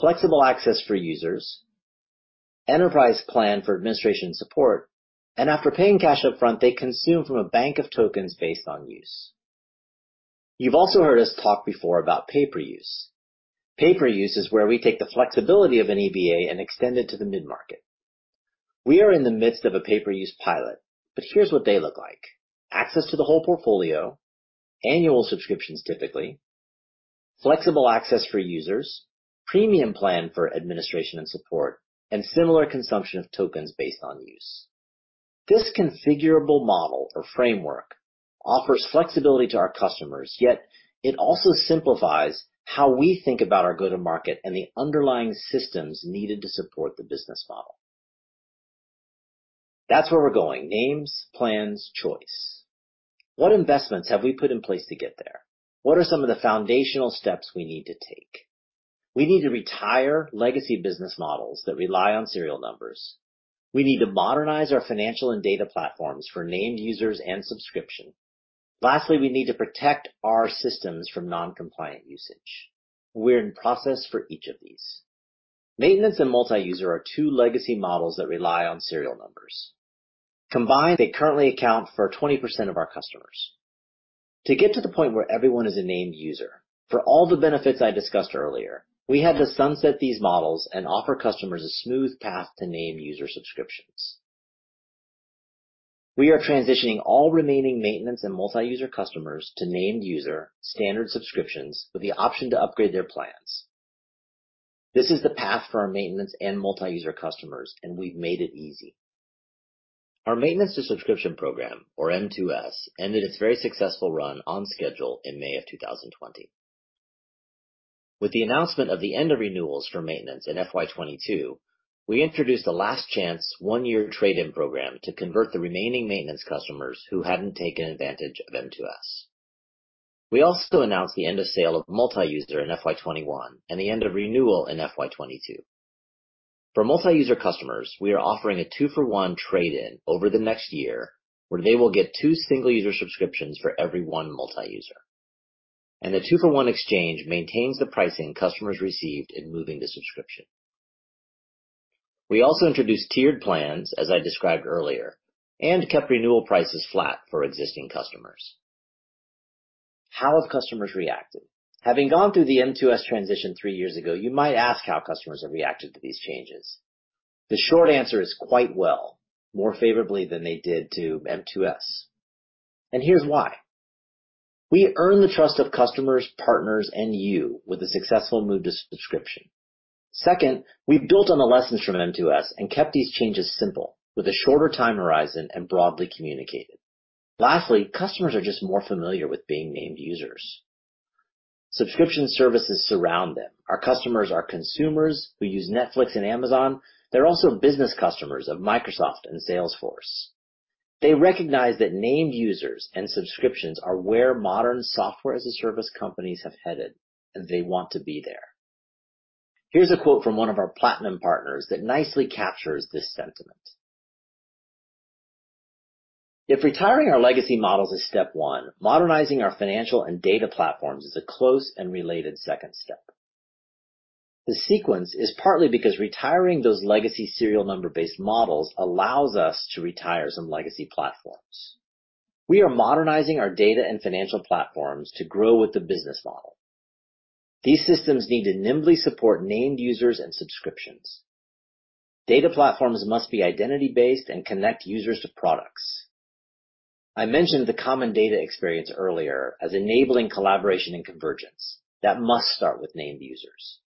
flexible access for users, enterprise plan for administration support, and after paying cash up front, they consume from a bank of tokens based on use. You've also heard us talk before about pay per use. Pay per use is where we take the flexibility of an EBA and extend it to the mid-market. We are in the midst of a pay per use pilot. Here's what they look like. Access to the whole portfolio, annual subscriptions typically, flexible access for users, premium plan for administration and support, and similar consumption of tokens based on use. This configurable model or framework offers flexibility to our customers. It also simplifies how we think about our go to market and the underlying systems needed to support the business model. That's where we're going. Names, plans, choice. What investments have we put in place to get there? What are some of the foundational steps we need to take? We need to retire legacy business models that rely on serial numbers. We need to modernize our financial and data platforms for named users and subscription. Lastly, we need to protect our systems from non-compliant usage. We're in process for each of these. Maintenance and multi-user are two legacy models that rely on serial numbers. Combined, they currently account for 20% of our customers. To get to the point where everyone is a named user, for all the benefits I discussed earlier, we had to sunset these models and offer customers a smooth path to named user subscriptions. We are transitioning all remaining maintenance and multi-user customers to named user standard subscriptions with the option to upgrade their plans. This is the path for our maintenance and multi-user customers, and we've made it easy. Our Maintenance to Subscription Program, or M2S, ended its very successful run on schedule in May of 2020. With the announcement of the end of renewals for maintenance in FY 2022, we introduced a last chance one-year trade-in program to convert the remaining maintenance customers who hadn't taken advantage of M2S. We also announced the end of sale of multi-user in FY 2021, and the end of renewal in FY 2022. For multi-user customers, we are offering a two-for-one trade-in over the next year, where they will get two single-user subscriptions for every one multi-user. The two-for-one exchange maintains the pricing customers received in moving to subscription. We also introduced tiered plans, as I described earlier, and kept renewal prices flat for existing customers. How have customers reacted? Having gone through the M2S transition three years ago, you might ask how customers have reacted to these changes. The short answer is quite well, more favorably than they did to M2S. Here's why. We earn the trust of customers, partners, and you with a successful move to subscription. Second, we've built on the lessons from M2S and kept these changes simple, with a shorter time horizon and broadly communicated. Lastly, customers are just more familiar with being named users. Subscription services surround them. Our customers are consumers who use Netflix and Amazon. They're also business customers of Microsoft and Salesforce. They recognize that named users and subscriptions are where modern software-as-a-service companies have headed, and they want to be there. Here's a quote from one of our platinum partners that nicely captures this sentiment. If retiring our legacy models is step one, modernizing our financial and data platforms is a close and related second step. The sequence is partly because retiring those legacy serial number-based models allows us to retire some legacy platforms. We are modernizing our data and financial platforms to grow with the business model. These systems need to nimbly support named users and subscriptions. Data platforms must be identity-based and connect users to products. I mentioned the Common Data Environment earlier as enabling collaboration and convergence. That must start with named users.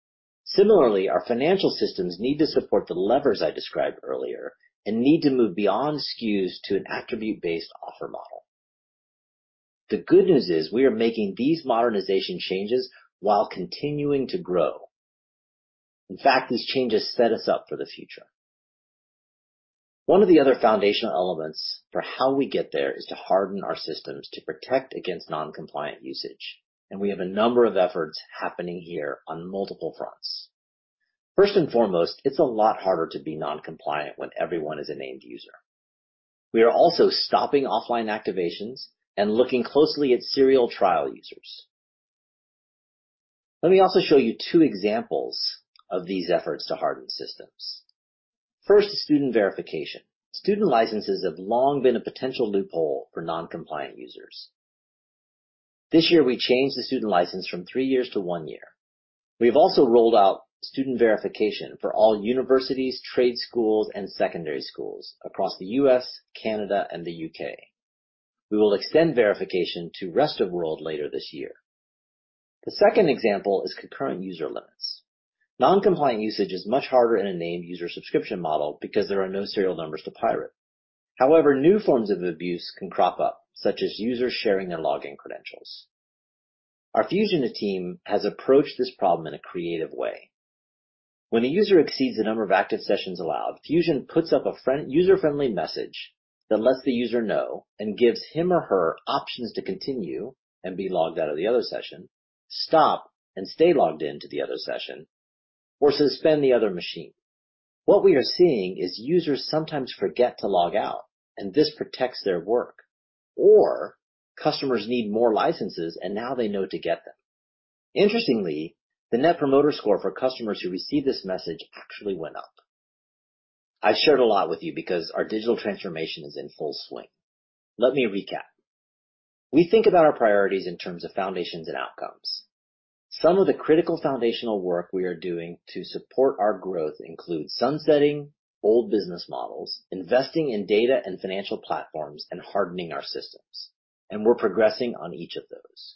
Similarly, our financial systems need to support the levers I described earlier and need to move beyond SKUs to an attribute-based offer model. The good news is we are making these modernization changes while continuing to grow. In fact, these changes set us up for the future. One of the other foundational elements for how we get there is to harden our systems to protect against non-compliant usage. We have a number of efforts happening here on multiple fronts. First and foremost, it's a lot harder to be non-compliant when everyone is a named user. We are also stopping offline activations and looking closely at serial trial users. Let me also show you two examples of these efforts to harden systems. First is student verification. Student licenses have long been a potential loophole for non-compliant users. This year, we changed the student license from three years to one year. We've also rolled out student verification for all universities, trade schools, and secondary schools across the U.S., Canada, and the U.K. We will extend verification to rest of world later this year. The second example is concurrent user limits. Non-compliant usage is much harder in a named user subscription model because there are no serial numbers to pirate. However, new forms of abuse can crop up, such as users sharing their login credentials. Our Fusion team has approached this problem in a creative way. When a user exceeds the number of active sessions allowed, Fusion puts up a user-friendly message that lets the user know and gives him or her options to continue and be logged out of the other session, stop and stay logged into the other session, or suspend the other machine. What we are seeing is users sometimes forget to log out, and this protects their work. Customers need more licenses, and now they know to get them. Interestingly, the net promoter score for customers who received this message actually went up. I've shared a lot with you because our digital transformation is in full swing. Let me recap. We think about our priorities in terms of foundations and outcomes. Some of the critical foundational work we are doing to support our growth includes sunsetting old business models, investing in data and financial platforms, and hardening our systems. We're progressing on each of those.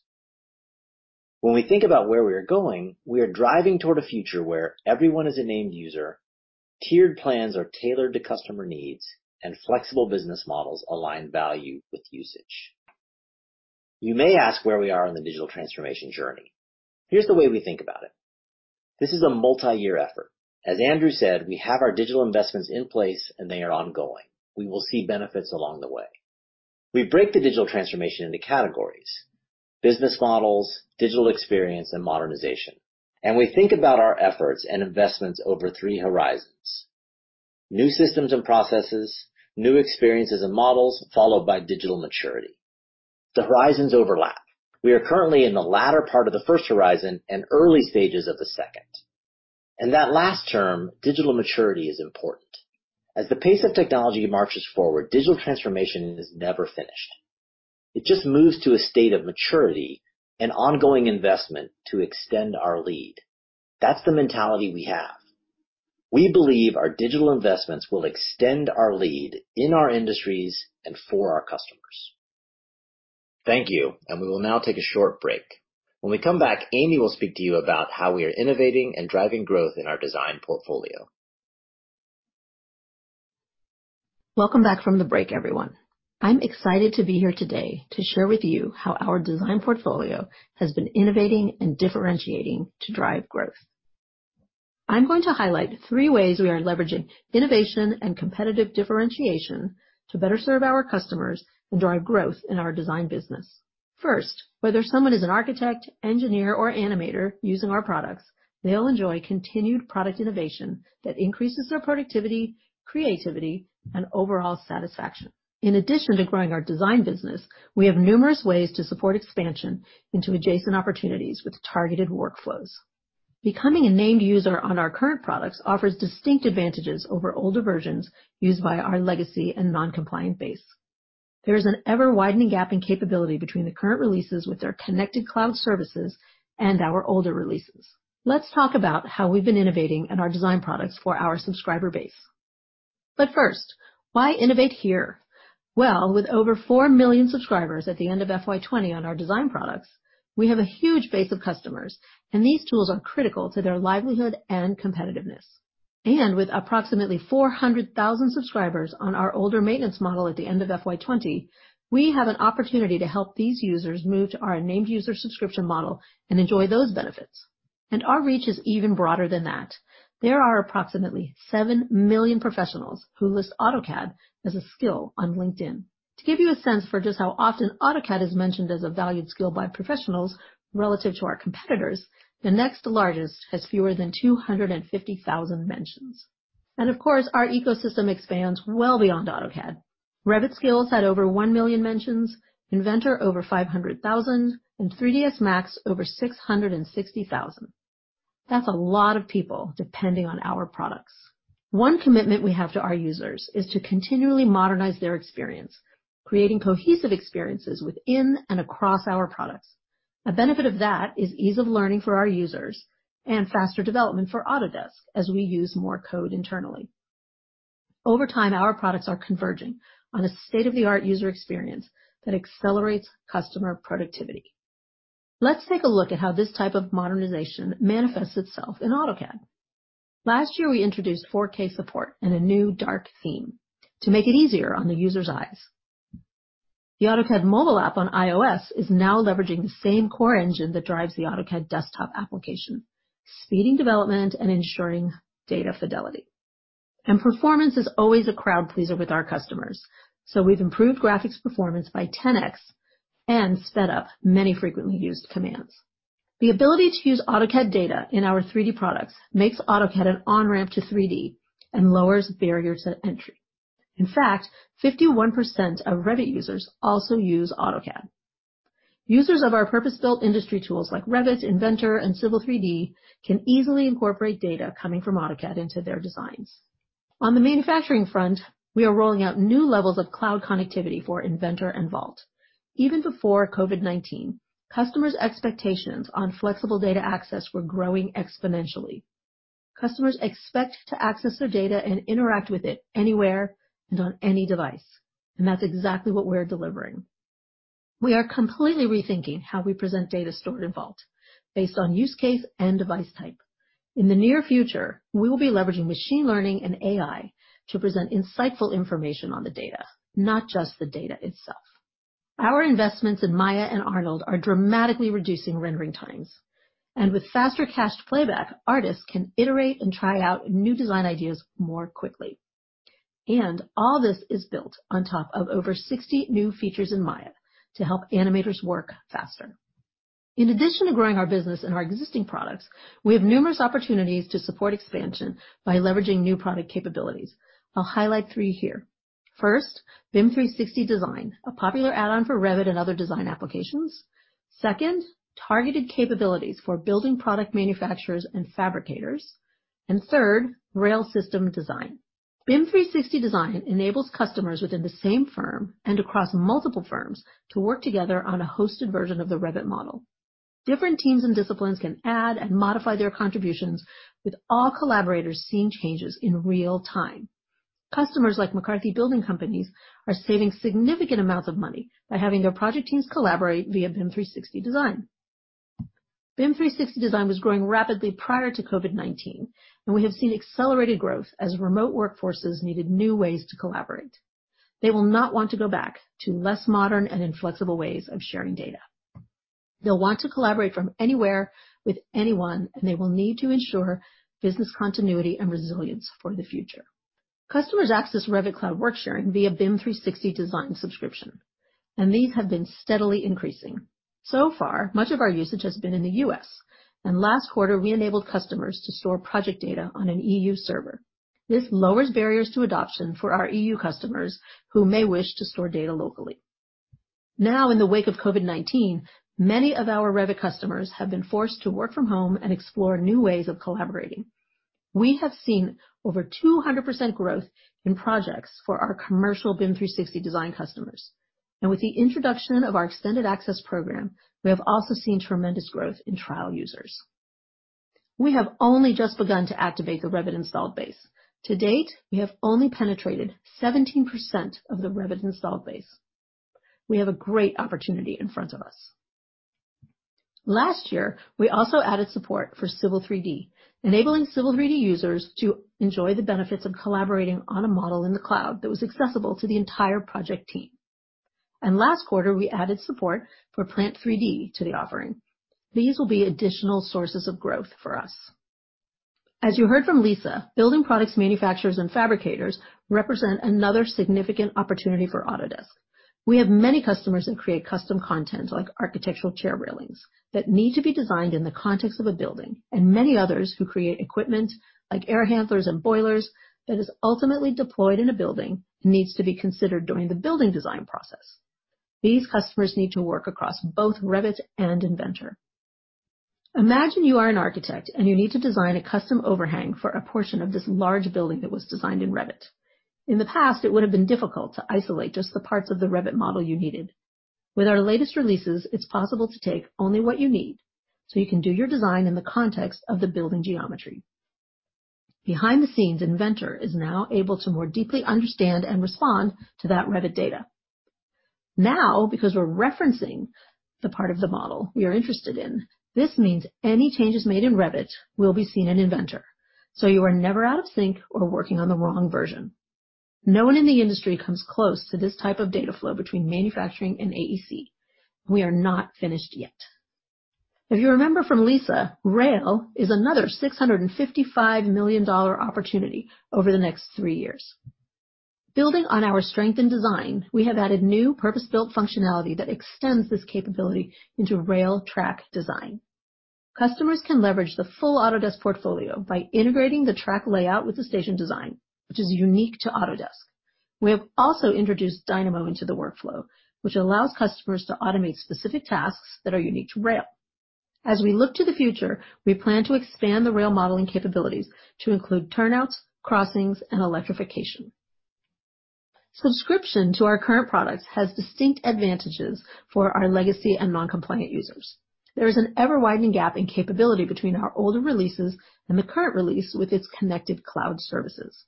When we think about where we are going, we are driving toward a future where everyone is a named user, tiered plans are tailored to customer needs, and flexible business models align value with usage. You may ask where we are on the digital transformation journey. Here's the way we think about it. This is a multi-year effort. Andrew said, we have our digital investments in place, and they are ongoing. We will see benefits along the way. We break the digital transformation into categories: business models, digital experience, and modernization. We think about our efforts and investments over three horizons. New systems and processes, new experiences and models, followed by digital maturity. The horizons overlap. We are currently in the latter part of the first horizon and early stages of the second. That last term, digital maturity, is important. As the pace of technology marches forward, digital transformation is never finished. It just moves to a state of maturity and ongoing investment to extend our lead. That's the mentality we have. We believe our digital investments will extend our lead in our industries and for our customers. Thank you. We will now take a short break. When we come back, Amy will speak to you about how we are innovating and driving growth in our design portfolio. Welcome back from the break, everyone. I'm excited to be here today to share with you how our design portfolio has been innovating and differentiating to drive growth. I'm going to highlight three ways we are leveraging innovation and competitive differentiation to better serve our customers and drive growth in our design business. First, whether someone is an architect, engineer, or animator using our products, they'll enjoy continued product innovation that increases their productivity, creativity, and overall satisfaction. In addition to growing our design business, we have numerous ways to support expansion into adjacent opportunities with targeted workflows. Becoming a named user on our current products offers distinct advantages over older versions used by our legacy and non-compliant base. There is an ever-widening gap in capability between the current releases with their connected cloud services and our older releases. Let's talk about how we've been innovating in our design products for our subscriber base. First, why innovate here? Well, with over 4 million subscribers at the end of FY 2020 on our design products, we have a huge base of customers, and these tools are critical to their livelihood and competitiveness. With approximately 400,000 subscribers on our older maintenance model at the end of FY 2020, we have an opportunity to help these users move to our named user subscription model and enjoy those benefits. Our reach is even broader than that. There are approximately 7 million professionals who list AutoCAD as a skill on LinkedIn. To give you a sense for just how often AutoCAD is mentioned as a valued skill by professionals relative to our competitors, the next largest has fewer than 250,000 mentions. Of course, our ecosystem expands well beyond AutoCAD. Revit skills had over 1 million mentions, Inventor over 500,000, and 3ds Max over 660,000. That's a lot of people depending on our products. One commitment we have to our users is to continually modernize their experience, creating cohesive experiences within and across our products. A benefit of that is ease of learning for our users and faster development for Autodesk as we use more code internally. Over time, our products are converging on a state-of-the-art user experience that accelerates customer productivity. Let's take a look at how this type of modernization manifests itself in AutoCAD. Last year, we introduced 4K support and a new dark theme to make it easier on the user's eyes. The AutoCAD mobile app on iOS is now leveraging the same core engine that drives the AutoCAD desktop application, speeding development and ensuring data fidelity. Performance is always a crowd-pleaser with our customers. We've improved graphics performance by 10x and sped up many frequently used commands. The ability to use AutoCAD data in our 3D products makes AutoCAD an on-ramp to 3D and lowers barrier to entry. In fact, 51% of Revit users also use AutoCAD. Users of our purpose-built industry tools like Revit, Inventor, and Civil 3D can easily incorporate data coming from AutoCAD into their designs. On the manufacturing front, we are rolling out new levels of cloud connectivity for Inventor and Vault. Even before COVID-19, customers' expectations on flexible data access were growing exponentially. Customers expect to access their data and interact with it anywhere and on any device. That's exactly what we're delivering. We are completely rethinking how we present data stored in Vault based on use case and device type. In the near future, we will be leveraging machine learning and AI to present insightful information on the data, not just the data itself. Our investments in Maya and Arnold are dramatically reducing rendering times. With faster cached playback, artists can iterate and try out new design ideas more quickly. All this is built on top of over 60 new features in Maya to help animators work faster. In addition to growing our business and our existing products, we have numerous opportunities to support expansion by leveraging new product capabilities. I'll highlight three here. First, BIM 360 Design, a popular add-on for Revit and other design applications. Second, targeted capabilities for building product manufacturers and fabricators. Third, rail system design. BIM 360 Design enables customers within the same firm and across multiple firms to work together on a hosted version of the Revit model. Different teams and disciplines can add and modify their contributions with all collaborators seeing changes in real time. Customers like McCarthy Building Companies are saving significant amounts of money by having their project teams collaborate via BIM 360 Design. BIM 360 Design was growing rapidly prior to COVID-19, we have seen accelerated growth as remote workforces needed new ways to collaborate. They will not want to go back to less modern and inflexible ways of sharing data. They'll want to collaborate from anywhere with anyone, and they will need to ensure business continuity and resilience for the future. Customers access Revit Cloud Worksharing via BIM 360 Design subscription, and these have been steadily increasing. So far, much of our usage has been in the U.S., and last quarter, we enabled customers to store project data on an EU server. This lowers barriers to adoption for our EU customers who may wish to store data locally. In the wake of COVID-19, many of our Revit customers have been forced to work from home and explore new ways of collaborating. We have seen over 200% growth in projects for our commercial BIM 360 Design customers. With the introduction of our Extended Access Program, we have also seen tremendous growth in trial users. We have only just begun to activate the Revit installed base. To date, we have only penetrated 17% of the Revit installed base. We have a great opportunity in front of us. Last year, we also added support for Civil 3D, enabling Civil 3D users to enjoy the benefits of collaborating on a model in the cloud that was accessible to the entire project team. Last quarter, we added support for Plant 3D to the offering. These will be additional sources of growth for us. As you heard from Lisa, building products manufacturers and fabricators represent another significant opportunity for Autodesk. We have many customers that create custom content, like architectural chair railings, that need to be designed in the context of a building, and many others who create equipment, like air handlers and boilers, that is ultimately deployed in a building and needs to be considered during the building design process. These customers need to work across both Revit and Inventor. Imagine you are an architect, and you need to design a custom overhang for a portion of this large building that was designed in Revit. In the past, it would've been difficult to isolate just the parts of the Revit model you needed. With our latest releases, it's possible to take only what you need. You can do your design in the context of the building geometry. Behind the scenes, Inventor is now able to more deeply understand and respond to that Revit data. Because we're referencing the part of the model we are interested in, this means any changes made in Revit will be seen in Inventor. You are never out of sync or working on the wrong version. No one in the industry comes close to this type of data flow between manufacturing and AEC. We are not finished yet. If you remember from Lisa, rail is another $655 million opportunity over the next three years. Building on our strength and design, we have added new purpose-built functionality that extends this capability into rail track design. Customers can leverage the full Autodesk portfolio by integrating the track layout with the station design, which is unique to Autodesk. We have also introduced Dynamo into the workflow, which allows customers to automate specific tasks that are unique to rail. As we look to the future, we plan to expand the rail modeling capabilities to include turnouts, crossings, and electrification. Subscription to our current products has distinct advantages for our legacy and non-compliant users. There is an ever-widening gap in capability between our older releases and the current release with its connected cloud services.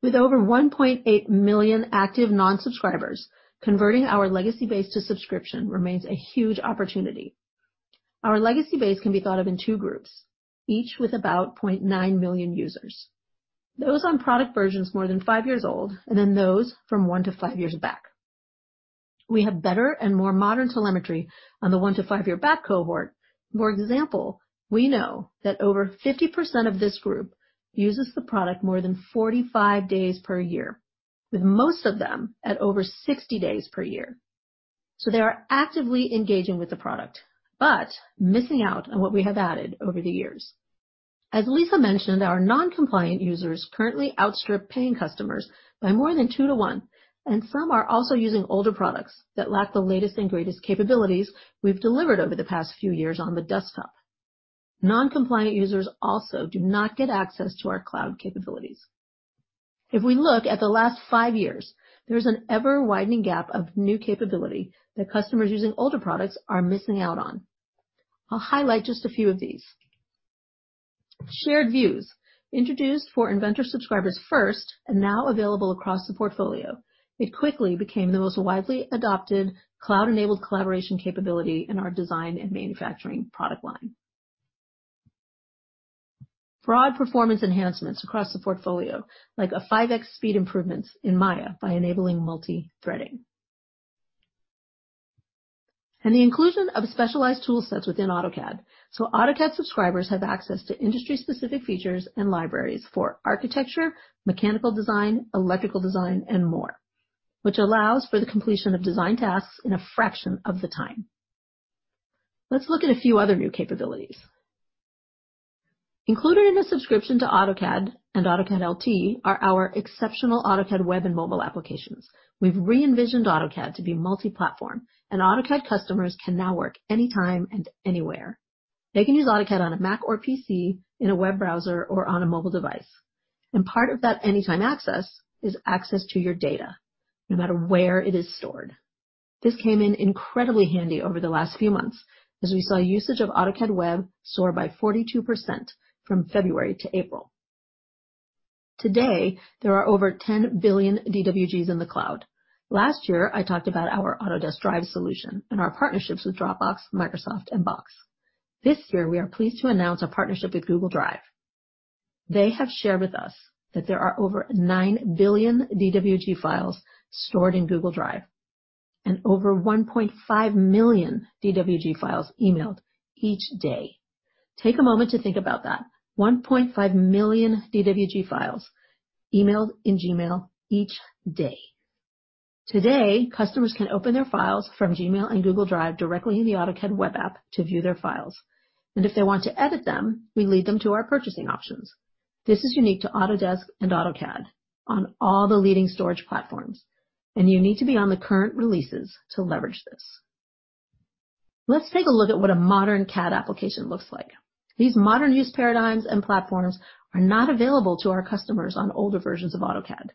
With over 1.8 million active non-subscribers, converting our legacy base to subscription remains a huge opportunity. Our legacy base can be thought of in two groups, each with about 0.9 million users. Those on product versions more than five years old, and then those from one to five years back. We have better and more modern telemetry on the one-to-five year back cohort. For example, we know that over 50% of this group uses the product more than 45 days per year, with most of them at over 60 days per year. They are actively engaging with the product, but missing out on what we have added over the years. As Lisa mentioned, our non-compliant users currently outstrip paying customers by more than two to one, and some are also using older products that lack the latest capabilities we've delivered over the past few years on the desktop. Non-compliant users also do not get access to our cloud capabilities. If we look at the last five years, there's an ever-widening gap of new capability that customers using older products are missing out on. I'll highlight just a few of these. Shared views, introduced for Inventor subscribers first, and now available across the portfolio. It quickly became the most widely adopted cloud-enabled collaboration capability in our design and manufacturing product line. Broad performance enhancements across the portfolio, like a 5x speed improvements in Maya by enabling multithreading. The inclusion of specialized tool sets within AutoCAD. AutoCAD subscribers have access to industry-specific features and libraries for architecture, mechanical design, electrical design, and more, which allows for the completion of design tasks in a fraction of the time. Let's look at a few other new capabilities. Included in the subscription to AutoCAD and AutoCAD LT are our exceptional AutoCAD web and mobile applications. We've re-envisioned AutoCAD to be multi-platform, and AutoCAD customers can now work anytime and anywhere. They can use AutoCAD on a Mac or PC, in a web browser, or on a mobile device. Part of that anytime access is access to your data, no matter where it is stored. This came in incredibly handy over the last few months, as we saw usage of AutoCAD web soar by 42% from February to April. Today, there are over 10 billion DWGs in the cloud. Last year, I talked about our Autodesk Drive solution and our partnerships with Dropbox, Microsoft, and Box. This year, we are pleased to announce our partnership with Google Drive. They have shared with us that there are over 9 billion DWG files stored in Google Drive, and over 1.5 million DWG files emailed each day. Take a moment to think about that. 1.5 million DWG files emailed in Gmail each day. Today, customers can open their files from Gmail and Google Drive directly in the AutoCAD web app to view their files. If they want to edit them, we lead them to our purchasing options. This is unique to Autodesk and AutoCAD on all the leading storage platforms. You need to be on the current releases to leverage this. Let's take a look at what a modern CAD application looks like. These modern use paradigms and platforms are not available to our customers on older versions of AutoCAD,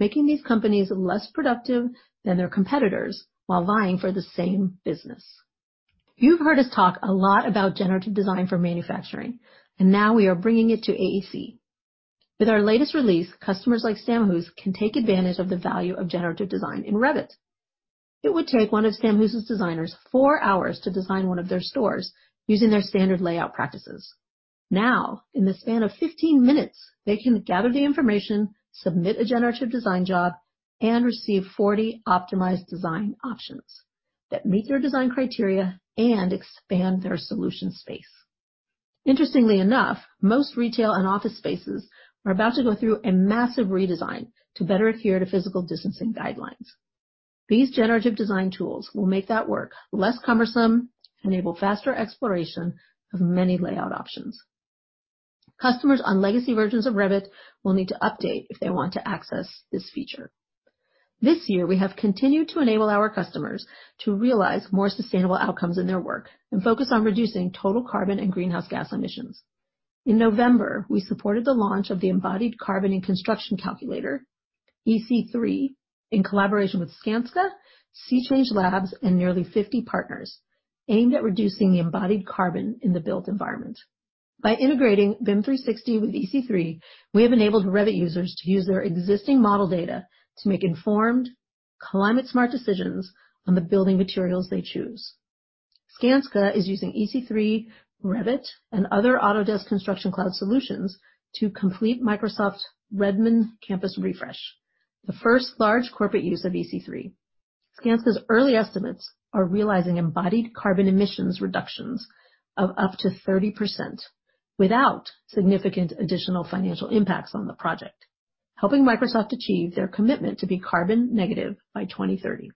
making these companies less productive than their competitors while vying for the same business. You've heard us talk a lot about generative design for manufacturing, now we are bringing it to AEC. With our latest release, customers like Stamhuis can take advantage of the value of generative design in Revit. It would take one of Stamhuis's designers four hours to design one of their stores using their standard layout practices. Now, in the span of 15 minutes, they can gather the information, submit a generative design job, and receive 40 optimized design options that meet their design criteria and expand their solution space. Interestingly enough, most retail and office spaces are about to go through a massive redesign to better adhere to physical distancing guidelines. These generative design tools will make that work less cumbersome, enable faster exploration of many layout options. Customers on legacy versions of Revit will need to update if they want to access this feature. This year, we have continued to enable our customers to realize more sustainable outcomes in their work and focus on reducing total carbon and greenhouse gas emissions. In November, we supported the launch of the embodied carbon in construction calculator, EC3, in collaboration with Skanska, C-Change Labs, and nearly 50 partners, aimed at reducing the embodied carbon in the built environment. By integrating BIM 360 with EC3, we have enabled Revit users to use their existing model data to make informed, climate-smart decisions on the building materials they choose. Skanska is using EC3, Revit, and other Autodesk Construction Cloud solutions to complete Microsoft's Redmond campus refresh, the first large corporate use of EC3. Skanska's early estimates are realizing embodied carbon emissions reductions of up to 30% without significant additional financial impacts on the project, helping Microsoft achieve their commitment to be carbon negative by 2030.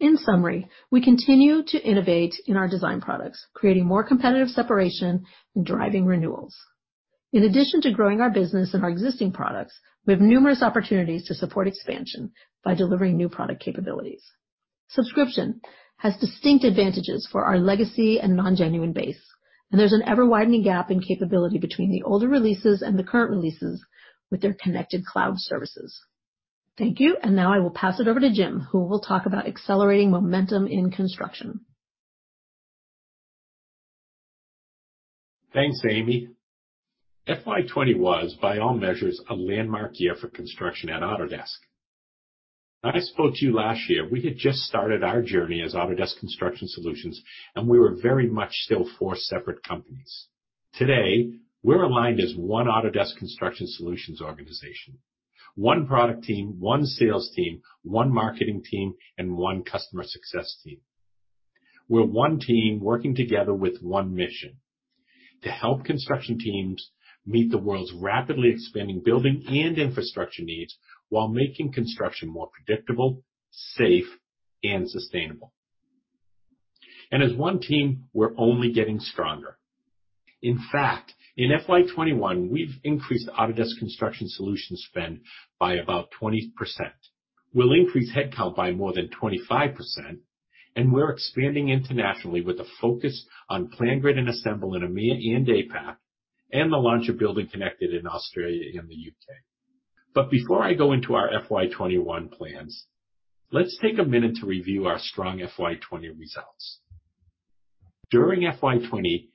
In summary, we continue to innovate in our design products, creating more competitive separation and driving renewals. In addition to growing our business and our existing products, we have numerous opportunities to support expansion by delivering new product capabilities. Subscription has distinct advantages for our legacy and non-genuine base, and there's an ever-widening gap in capability between the older releases and the current releases with their connected cloud services. Thank you. Now I will pass it over to Jim, who will talk about accelerating momentum in construction. Thanks, Amy. FY 2020 was, by all measures, a landmark year for construction at Autodesk. When I spoke to you last year, we had just started our journey as Autodesk Construction Solutions, and we were very much still four separate companies. Today, we're aligned as one Autodesk Construction Solutions organization, one product team, one sales team, one marketing team, and one customer success team. We're one team working together with one mission: to help construction teams meet the world's rapidly expanding building and infrastructure needs while making construction more predictable, safe, and sustainable. As one team, we're only getting stronger. In fact, in FY 2021, we've increased Autodesk Construction Solutions spend by about 20%. We'll increase headcount by more than 25%, and we're expanding internationally with a focus on PlanGrid and Assemble in EMEA and APAC, and the launch of BuildingConnected in Australia and the U.K. Before I go into our FY 2021 plans, let's take a minute to review our strong FY 2020 results. During FY 2020,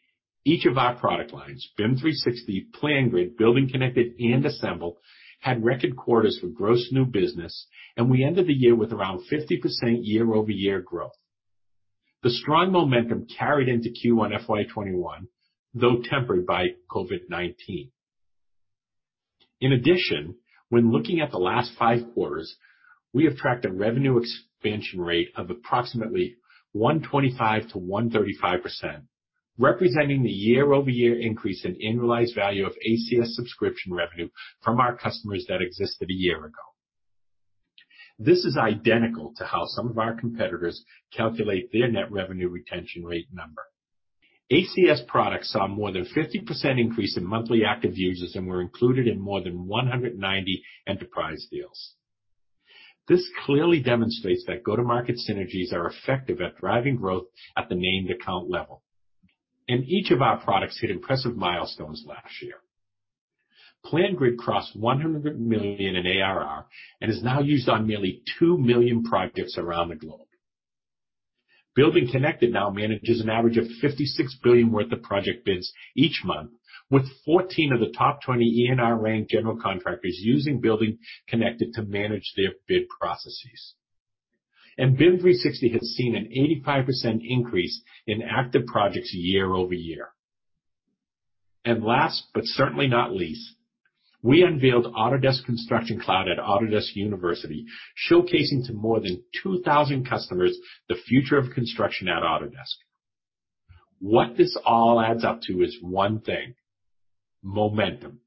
each of our product lines, BIM 360, PlanGrid, BuildingConnected, and Assemble, had record quarters for gross new business, and we ended the year with around 50% year-over-year growth. The strong momentum carried into Q1 FY 2021, though tempered by COVID-19. In addition, when looking at the last five quarters, we have tracked a revenue expansion rate of approximately 125%-135%, representing the year-over-year increase in annualized value of ACS subscription revenue from our customers that existed a year ago. This is identical to how some of our competitors calculate their net revenue retention rate number. ACS products saw more than 50% increase in monthly active users and were included in more than 190 enterprise deals. This clearly demonstrates that go-to-market synergies are effective at driving growth at the named account level. Each of our products hit impressive milestones last year. PlanGrid crossed $100 million in ARR and is now used on nearly 2 million projects around the globe. BuildingConnected now manages an average of $56 billion worth of project bids each month, with 14 of the top 20 ENR-ranked general contractors using BuildingConnected to manage their bid processes. BIM 360 has seen an 85% increase in active projects year-over-year. Last, but certainly not least, we unveiled Autodesk Construction Cloud at Autodesk University, showcasing to more than 2,000 customers the future of construction at Autodesk. What this all adds up to is one thing: momentum.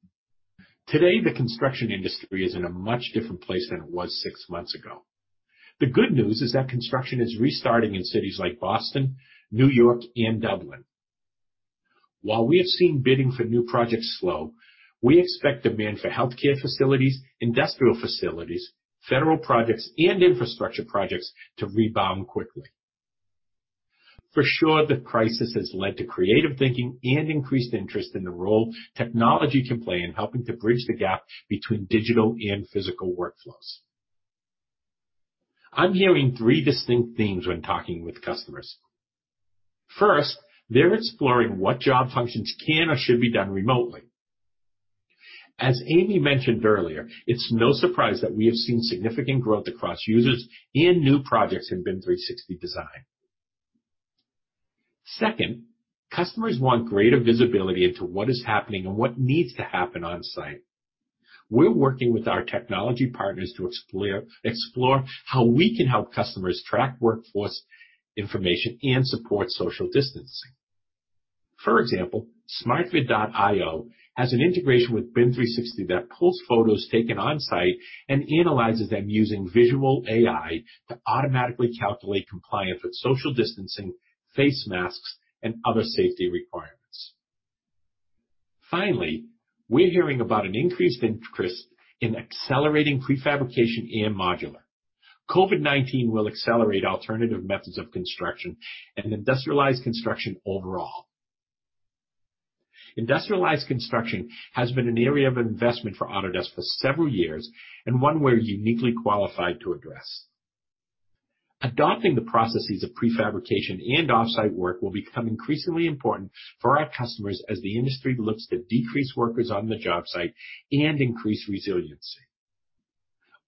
Today, the construction industry is in a much different place than it was six months ago. The good news is that construction is restarting in cities like Boston, New York, and Dublin. While we have seen bidding for new projects slow, we expect demand for healthcare facilities, industrial facilities, federal projects, and infrastructure projects to rebound quickly. For sure, the crisis has led to creative thinking and increased interest in the role technology can play in helping to bridge the gap between digital and physical workflows. I'm hearing three distinct themes when talking with customers. First, they're exploring what job functions can or should be done remotely. As Amy mentioned earlier, it's no surprise that we have seen significant growth across users and new projects in BIM 360 Design. Second, customers want greater visibility into what is happening and what needs to happen on-site. We're working with our technology partners to explore how we can help customers track workforce information and support social distancing. For example, Smartvid.io has an integration with BIM 360 that pulls photos taken on-site and analyzes them using visual AI to automatically calculate compliance with social distancing, face masks, and other safety requirements. We're hearing about an increased interest in accelerating prefabrication and modular. COVID-19 will accelerate alternative methods of construction and industrialized construction overall. Industrialized construction has been an area of investment for Autodesk for several years and one we're uniquely qualified to address. Adopting the processes of prefabrication and off-site work will become increasingly important for our customers as the industry looks to decrease workers on the job site and increase resiliency.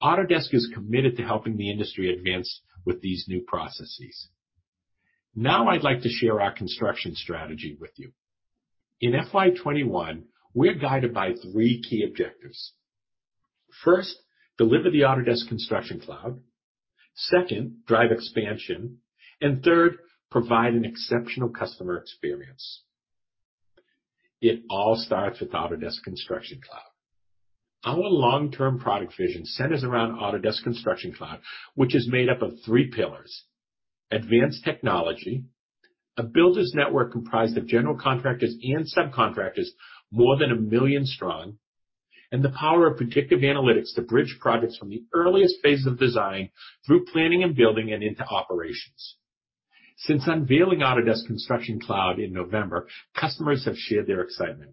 Autodesk is committed to helping the industry advance with these new processes. I'd like to share our construction strategy with you. In FY 2021, we're guided by three key objectives. First, deliver the Autodesk Construction Cloud. Second, drive expansion. Third, provide an exceptional customer experience. It all starts with Autodesk Construction Cloud. Our long-term product vision centers around Autodesk Construction Cloud, which is made up of three pillars. Advanced technology, a builder's network comprised of general contractors and subcontractors more than a million strong, and the power of predictive analytics to bridge projects from the earliest phases of design through planning and building and into operations. Since unveiling Autodesk Construction Cloud in November, customers have shared their excitement.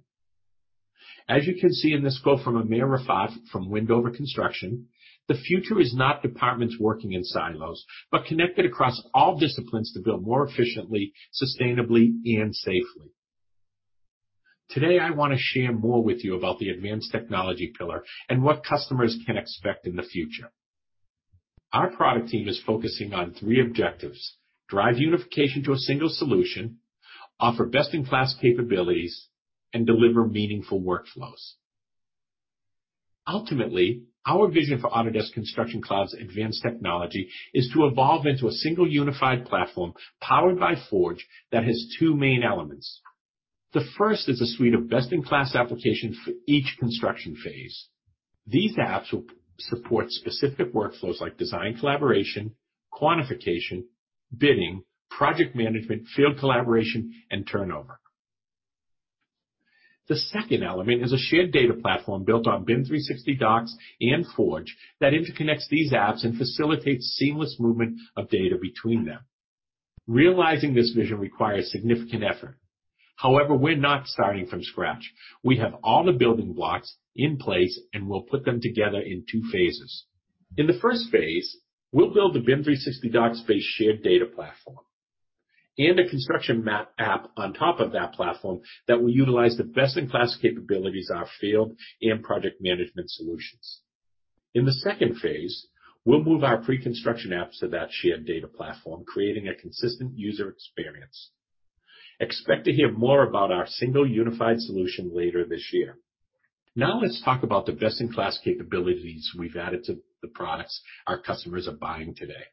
As you can see in this quote from Amr Raafat from Windover Construction, the future is not departments working in silos, but connected across all disciplines to build more efficiently, sustainably, and safely. Today, I want to share more with you about the advanced technology pillar and what customers can expect in the future. Our product team is focusing on three objectives, drive unification to a single solution, offer best-in-class capabilities, and deliver meaningful workflows. Ultimately, our vision for Autodesk Construction Cloud's advanced technology is to evolve into a single unified platform powered by Forge that has two main elements. The first is a suite of best-in-class applications for each construction phase. These apps will support specific workflows like design collaboration, quantification, bidding, project management, field collaboration, and turnover. The second element is a shared data platform built on BIM 360 Docs and Forge that interconnects these apps and facilitates seamless movement of data between them. Realizing this vision requires significant effort. However, we're not starting from scratch. We have all the building blocks in place, and we'll put them together in two phases. In the phase I, we'll build the BIM 360 Docs-based shared data platform and a construction map app on top of that platform that will utilize the best-in-class capabilities of our field and project management solutions. In the phase II, we'll move our pre-construction apps to that shared data platform, creating a consistent user experience. Expect to hear more about our single unified solution later this year. Let's talk about the best-in-class capabilities we've added to the products our customers are buying today.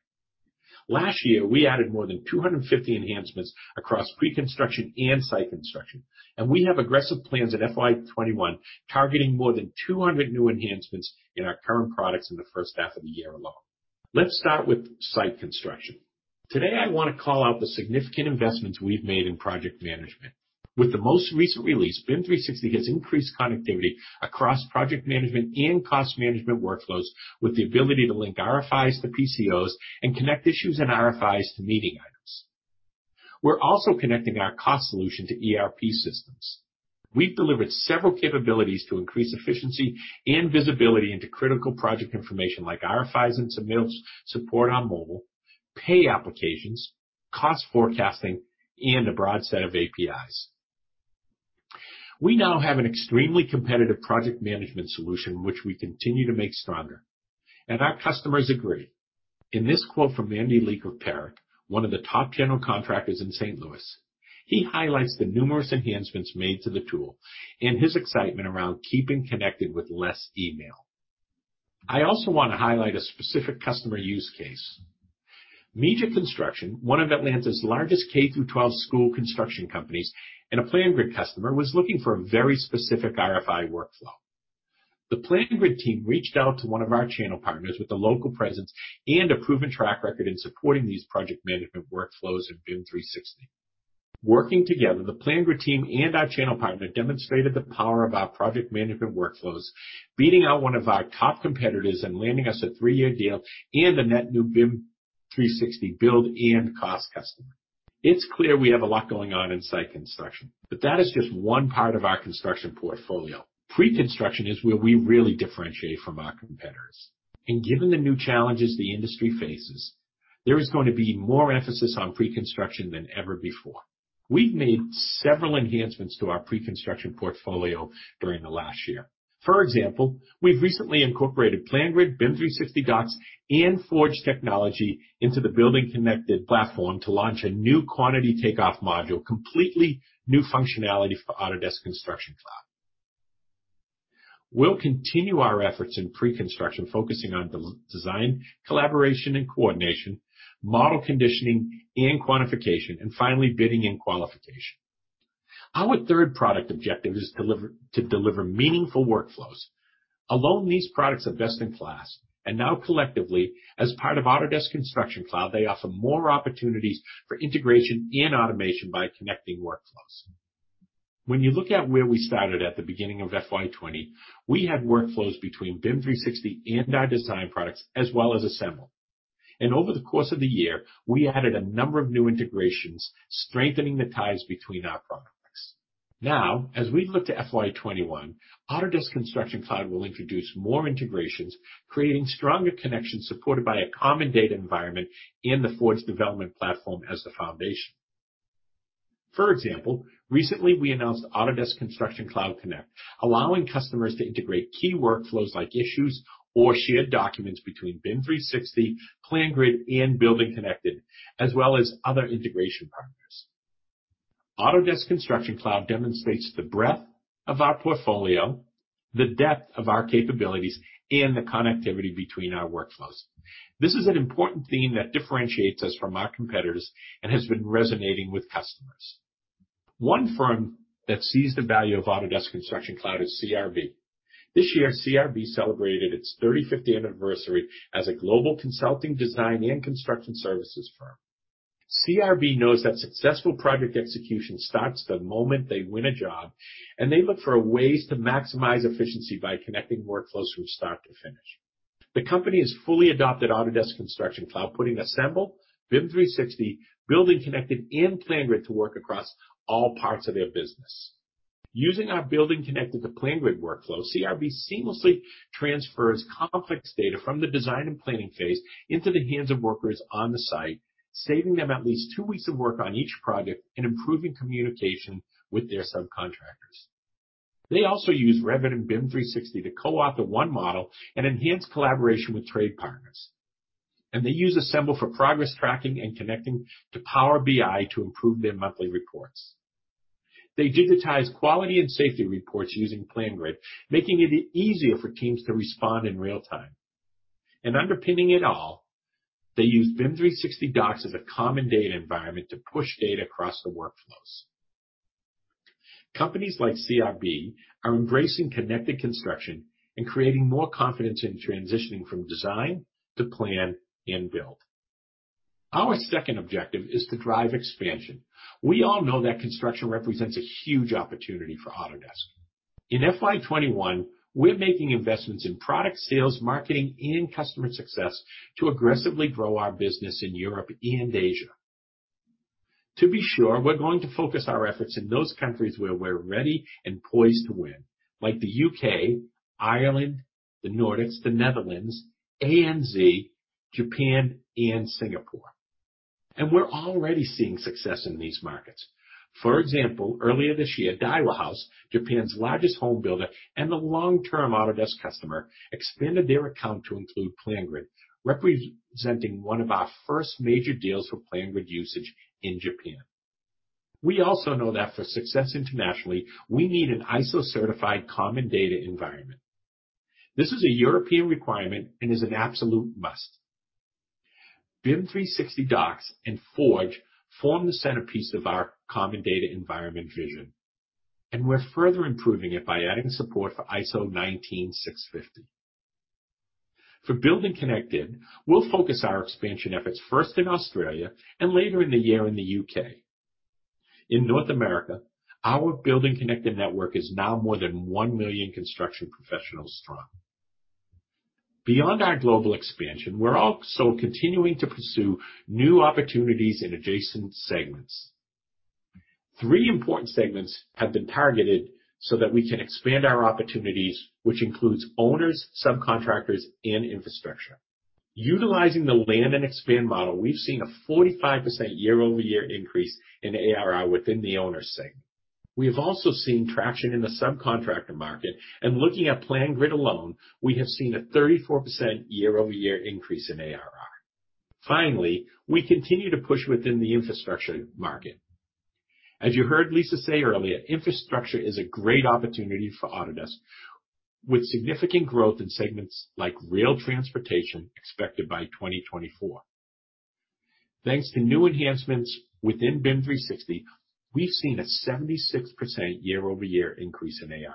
Last year, we added more than 250 enhancements across pre-construction and site construction, and we have aggressive plans at FY 2021 targeting more than 200 new enhancements in our current products in the first half of the year alone. Let's start with site construction. Today, I want to call out the significant investments we've made in project management. With the most recent release, BIM 360 has increased connectivity across project management and cost management workflows with the ability to link RFIs to PCOs and connect issues and RFIs to meeting items. We're also connecting our cost solution to ERP systems. We've delivered several capabilities to increase efficiency and visibility into critical project information like RFIs and submittals, support on mobile, pay applications, cost forecasting, and a broad set of APIs. We now have an extremely competitive project management solution which we continue to make stronger, and our customers agree. In this quote from Andy Leek of PARIC, one of the top general contractors in St. Louis, he highlights the numerous enhancements made to the tool and his excitement around keeping connected with less email. I also want to highlight a specific customer use case. Miga Construction, one of Atlanta's largest K-12 school construction companies and a PlanGrid customer, was looking for a very specific RFI workflow. The PlanGrid team reached out to one of our channel partners with a local presence and a proven track record in supporting these project management workflows in BIM 360. Working together, the PlanGrid team and our channel partner demonstrated the power of our project management workflows, beating out one of our top competitors and landing us a three-year deal and a net new BIM 360 build and cost customer. It's clear we have a lot going on in site construction, but that is just one part of our construction portfolio. Pre-construction is where we really differentiate from our competitors. Given the new challenges the industry faces, there is going to be more emphasis on pre-construction than ever before. We've made several enhancements to our pre-construction portfolio during the last year. For example, we've recently incorporated PlanGrid, BIM 360 Docs, and Forge technology into the BuildingConnected platform to launch a new quantity takeoff module, completely new functionality for Autodesk Construction Cloud. We'll continue our efforts in pre-construction, focusing on design, collaboration, and coordination, model conditioning, and quantification, and finally, bidding and qualification. Our third product objective is to deliver meaningful workflows. Alone, these products are best in class, and now collectively, as part of Autodesk Construction Cloud, they offer more opportunities for integration and automation by connecting workflows. When you look at where we started at the beginning of FY 2020, we had workflows between BIM 360 and our design products, as well as Assemble. Over the course of the year, we added a number of new integrations, strengthening the ties between our products. Now, as we look to FY 2021, Autodesk Construction Cloud will introduce more integrations, creating stronger connections supported by a Common Data Environment in the Forge development platform as the foundation. For example, recently, we announced Autodesk Construction Cloud Connect, allowing customers to integrate key workflows like issues or shared documents between BIM 360, PlanGrid, and BuildingConnected, as well as other integration partners. Autodesk Construction Cloud demonstrates the breadth of our portfolio, the depth of our capabilities, and the connectivity between our workflows. This is an important theme that differentiates us from our competitors and has been resonating with customers. One firm that sees the value of Autodesk Construction Cloud is CRB. This year, CRB celebrated its 35th anniversary as a global consulting, design, and construction services firm. CRB knows that successful project execution starts the moment they win a job, and they look for ways to maximize efficiency by connecting workflows from start to finish. The company has fully adopted Autodesk Construction Cloud, putting Assemble, BIM 360, BuildingConnected, and PlanGrid to work across all parts of their business. Using our BuildingConnected to PlanGrid workflow, CRB seamlessly transfers complex data from the design and planning phase into the hands of workers on the site, saving them at least two weeks of work on each project and improving communication with their subcontractors. They also use Revit and BIM 360 to co-author one model and enhance collaboration with trade partners. They use Assemble for progress tracking and connecting to Power BI to improve their monthly reports. They digitize quality and safety reports using PlanGrid, making it easier for teams to respond in real time. Underpinning it all, they use BIM 360 Docs as a Common Data Environment to push data across the workflows. Companies like CRB are embracing connected construction and creating more confidence in transitioning from design to plan and build. Our second objective is to drive expansion. We all know that construction represents a huge opportunity for Autodesk. In FY 2021, we're making investments in product sales, marketing, and customer success to aggressively grow our business in Europe and Asia. To be sure, we're going to focus our efforts in those countries where we're ready and poised to win, like the U.K., Ireland, the Nordics, the Netherlands, ANZ, Japan, and Singapore. We're already seeing success in these markets. For example, earlier this year, Daiwa House, Japan's largest home builder and a long-term Autodesk customer, expanded their account to include PlanGrid, representing one of our first major deals for PlanGrid usage in Japan. We also know that for success internationally, we need an ISO-certified common data environment. This is a European requirement and is an absolute must. BIM 360 Docs and Forge form the centerpiece of our common data environment vision, and we're further improving it by adding support for ISO 19650. For BuildingConnected, we'll focus our expansion efforts first in Australia and later in the year in the U.K. In North America, our BuildingConnected network is now more than one million construction professionals strong. Beyond our global expansion, we're also continuing to pursue new opportunities in adjacent segments. Three important segments have been targeted so that we can expand our opportunities, which includes owners, subcontractors, and infrastructure. Utilizing the land and expand model, we've seen a 45% year-over-year increase in ARR within the owner segment. We have also seen traction in the subcontractor market, and looking at PlanGrid alone, we have seen a 34% year-over-year increase in ARR. Finally, we continue to push within the infrastructure market. As you heard Lisa say earlier, infrastructure is a great opportunity for Autodesk, with significant growth in segments like rail transportation expected by 2024. Thanks to new enhancements within BIM 360, we've seen a 76% year-over-year increase in ARR.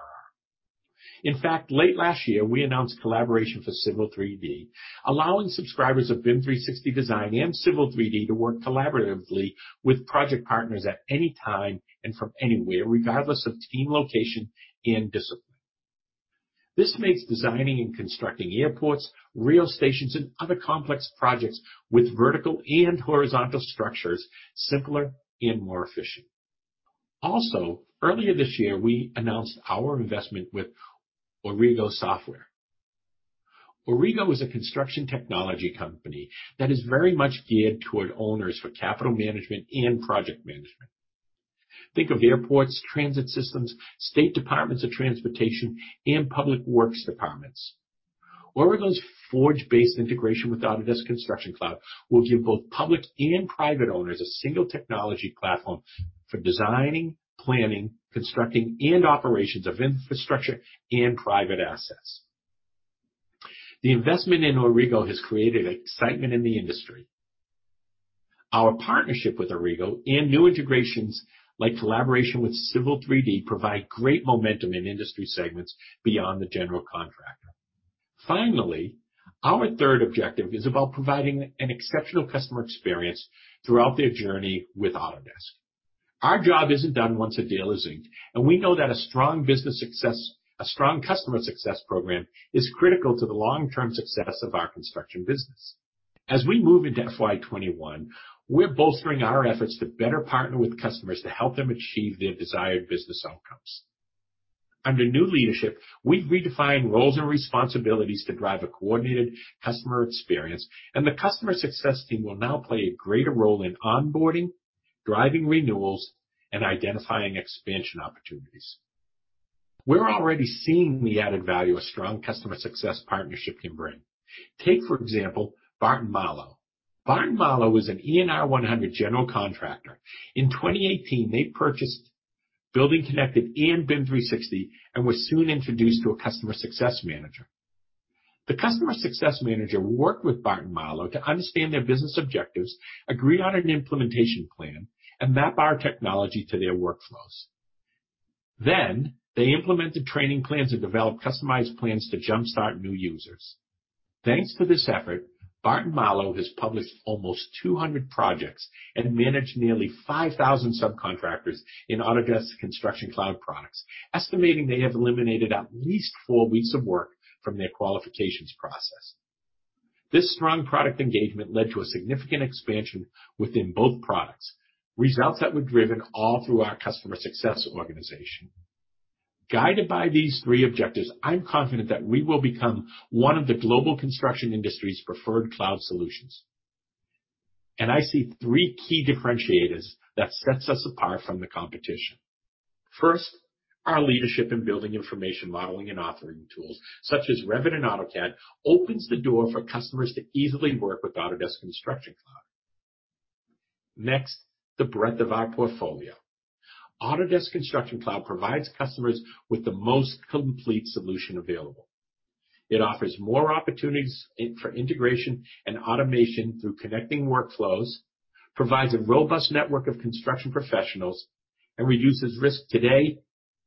In fact, late last year, we announced collaboration for Civil 3D, allowing subscribers of BIM 360 Design and Civil 3D to work collaboratively with project partners at any time and from anywhere, regardless of team location and discipline. This makes designing and constructing airports, rail stations, and other complex projects with vertical and horizontal structures simpler and more efficient. Also, earlier this year, we announced our investment with Aurigo Software. Aurigo is a construction technology company that is very much geared toward owners for capital management and project management. Think of airports, transit systems, state departments of transportation, and public works departments. Aurigo's Forge-based integration with Autodesk Construction Cloud will give both public and private owners a single technology platform for designing, planning, constructing, and operations of infrastructure and private assets. The investment in Aurigo has created excitement in the industry. Our partnership with Aurigo and new integrations, like collaboration with Civil 3D, provide great momentum in industry segments beyond the general contractor. Our third objective is about providing an exceptional customer experience throughout their journey with Autodesk. Our job isn't done once a deal is inked, and we know that a strong customer success program is critical to the long-term success of our construction business. As we move into FY 2021, we're bolstering our efforts to better partner with customers to help them achieve their desired business outcomes. Under new leadership, we've redefined roles and responsibilities to drive a coordinated customer experience. The customer success team will now play a greater role in onboarding, driving renewals, and identifying expansion opportunities. We're already seeing the added value a strong customer success partnership can bring. Take, for example, Barton Malow. Barton Malow is an ENR 100 general contractor. In 2018, they purchased BuildingConnected and BIM 360 and were soon introduced to a customer success manager. The customer success manager worked with Barton Malow to understand their business objectives, agree on an implementation plan, and map our technology to their workflows. They implemented training plans and developed customized plans to jumpstart new users. Thanks to this effort, Barton Malow has published almost 200 projects and managed nearly 5,000 subcontractors in Autodesk Construction Cloud products, estimating they have eliminated at least four weeks of work from their qualifications process. This strong product engagement led to a significant expansion within both products, results that were driven all through our customer success organization. Guided by these three objectives, I'm confident that we will become one of the global construction industry's preferred cloud solutions. I see three key differentiators that sets us apart from the competition. First, our leadership in building information modeling and authoring tools such as Revit and AutoCAD, opens the door for customers to easily work with Autodesk Construction Cloud. Next, the breadth of our portfolio. Autodesk Construction Cloud provides customers with the most complete solution available. It offers more opportunities for integration and automation through connecting workflows, provides a robust network of construction professionals, and reduces risk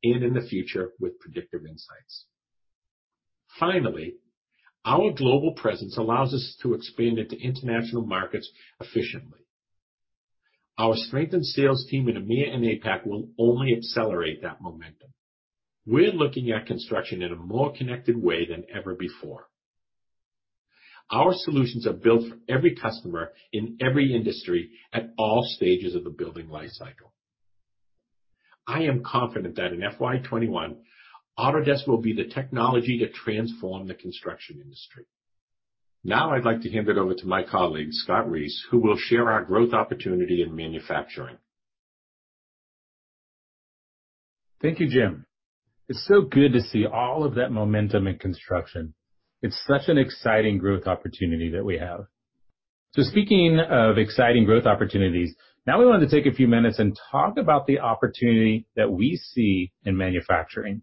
today and in the future with predictive insights. Finally, our global presence allows us to expand into international markets efficiently. Our strengthened sales team in EMEA and APAC will only accelerate that momentum. We're looking at construction in a more connected way than ever before. Our solutions are built for every customer, in every industry, at all stages of the building life cycle. I am confident that in FY 2021, Autodesk will be the technology to transform the construction industry. Now I'd like to hand it over to my colleague, Scott Reese, who will share our growth opportunity in manufacturing. Thank you, Jim. It's so good to see all of that momentum in construction. It's such an exciting growth opportunity that we have. Speaking of exciting growth opportunities, we wanted to take a few minutes and talk about the opportunity that we see in manufacturing.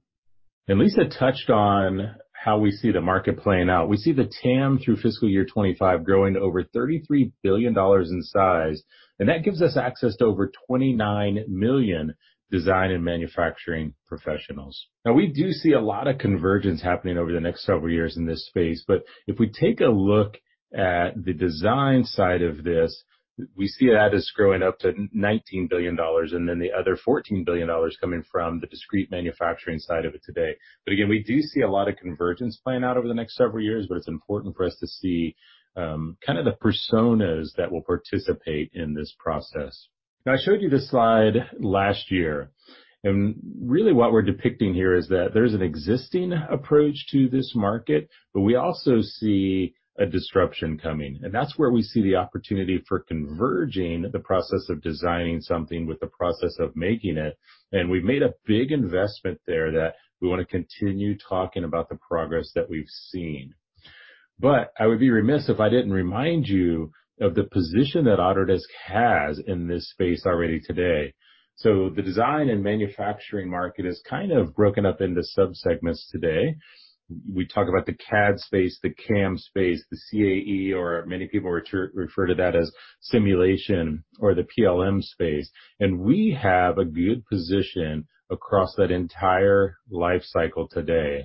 Lisa touched on how we see the market playing out. We see the TAM through fiscal year 2025 growing to over $33 billion in size, and that gives us access to over 29 million design and manufacturing professionals. We do see a lot of convergence happening over the next several years in this space, but if we take a look at the design side of this, we see that as growing up to $19 billion, and then the other $14 billion coming from the discrete manufacturing side of it today. Again, we do see a lot of convergence playing out over the next several years, but it's important for us to see the personas that will participate in this process. I showed you this slide last year, really what we're depicting here is that there's an existing approach to this market, we also see a disruption coming. That's where we see the opportunity for converging the process of designing something with the process of making it. We've made a big investment there that we want to continue talking about the progress that we've seen. I would be remiss if I didn't remind you of the position that Autodesk has in this space already today. The design and manufacturing market is broken up into subsegments today. We talk about the CAD space, the CAM space, the CAE, or many people refer to that as simulation or the PLM space. We have a good position across that entire life cycle today.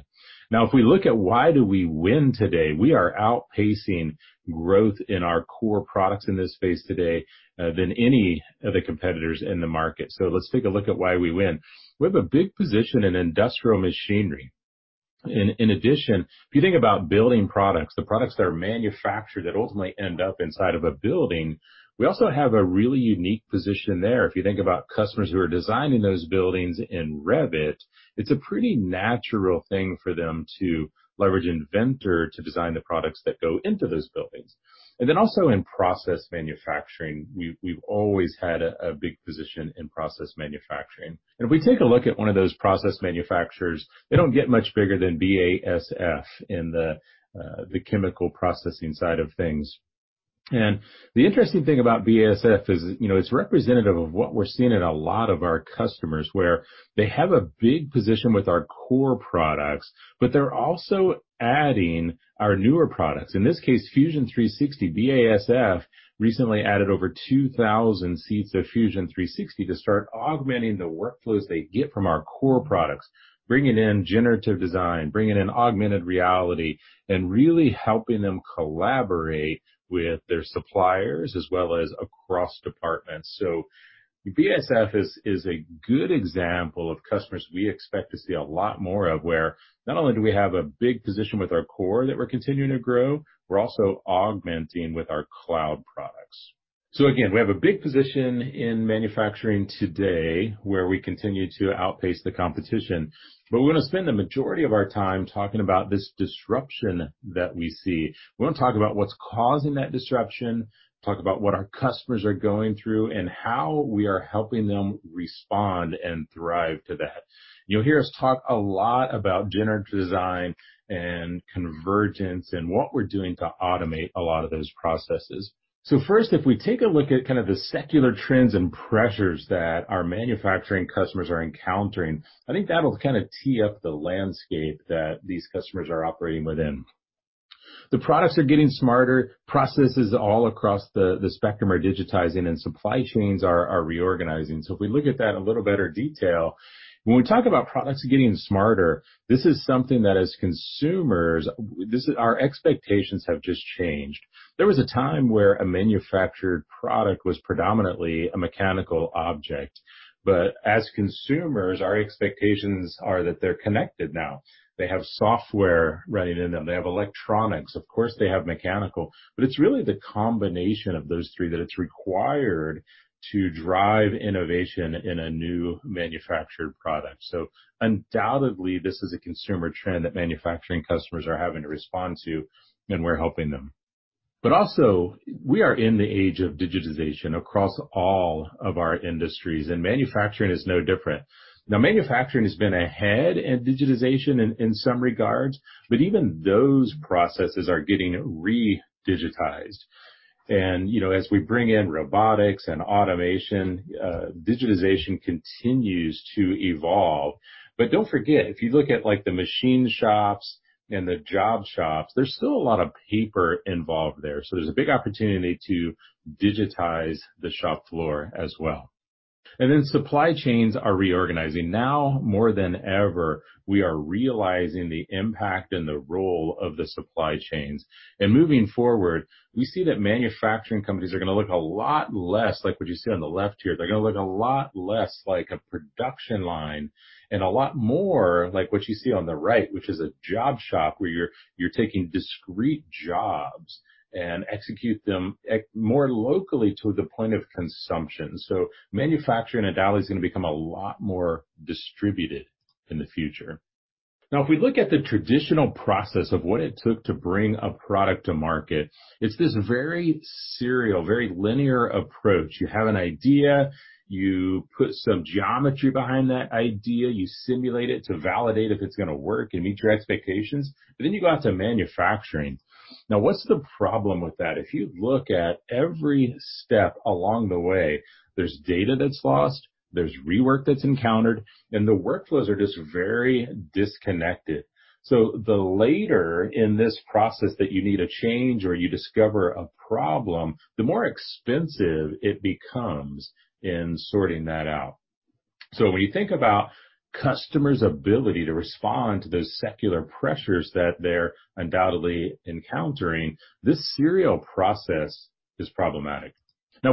Now, if we look at why do we win today, we are outpacing growth in our core products in this space today, than any of the competitors in the market. Let's take a look at why we win. We have a big position in industrial machinery. In addition, if you think about building products, the products that are manufactured that ultimately end up inside of a building, we also have a really unique position there. If you think about customers who are designing those buildings in Revit, it's a pretty natural thing for them to leverage Inventor to design the products that go into those buildings. Also in process manufacturing, we've always had a big position in process manufacturing. If we take a look at one of those process manufacturers, they don't get much bigger than BASF in the chemical processing side of things. The interesting thing about BASF is it's representative of what we're seeing in a lot of our customers, where they have a big position with our core products, but they're also adding our newer products, in this case, Fusion 360. BASF recently added over 2,000 seats to Fusion 360 to start augmenting the workflows they get from our core products, bringing in generative design, bringing in augmented reality, and really helping them collaborate with their suppliers as well as across departments. BASF is a good example of customers we expect to see a lot more of, where not only do we have a big position with our core that we're continuing to grow, we're also augmenting with our cloud products. Again, we have a big position in manufacturing today, where we continue to outpace the competition, but we're going to spend the majority of our time talking about this disruption that we see. We want to talk about what's causing that disruption, talk about what our customers are going through, and how we are helping them respond and thrive to that. You'll hear us talk a lot about generative design and convergence and what we're doing to automate a lot of those processes. First, if we take a look at kind of the secular trends and pressures that our manufacturing customers are encountering, I think that'll kind of tee up the landscape that these customers are operating within. The products are getting smarter, processes all across the spectrum are digitizing, and supply chains are reorganizing. If we look at that in a little better detail, when we talk about products getting smarter, this is something that as consumers, our expectations have just changed. There was a time where a manufactured product was predominantly a mechanical object. As consumers, our expectations are that they're connected now. They have software running in them. They have electronics. Of course, they have mechanical, but it's really the combination of those three that it's required to drive innovation in a new manufactured product. Undoubtedly, this is a consumer trend that manufacturing customers are having to respond to, and we're helping them. Also, we are in the age of digitization across all of our industries, and manufacturing is no different. Manufacturing has been ahead in digitization in some regards, but even those processes are getting re-digitized. As we bring in robotics and automation, digitization continues to evolve. Don't forget, if you look at the machine shops and the job shops, there's still a lot of paper involved there. There's a big opportunity to digitize the shop floor as well. Supply chains are reorganizing. More than ever, we are realizing the impact and the role of the supply chains. Moving forward, we see that manufacturing companies are going to look a lot less like what you see on the left here. They're going to look a lot less like a production line and a lot more like what you see on the right, which is a job shop where you're taking discrete jobs and execute them more locally to the point of consumption. Manufacturing, undoubtedly, is going to become a lot more distributed in the future. If we look at the traditional process of what it took to bring a product to market, it's this very serial, very linear approach. You have an idea. You put some geometry behind that idea. You simulate it to validate if it's going to work and meet your expectations. Then you go out to manufacturing. What's the problem with that? If you look at every step along the way, there's data that's lost, there's rework that's encountered, and the workflows are just very disconnected. The later in this process that you need a change or you discover a problem, the more expensive it becomes in sorting that out. When you think about customers' ability to respond to those secular pressures that they're undoubtedly encountering, this serial process is problematic.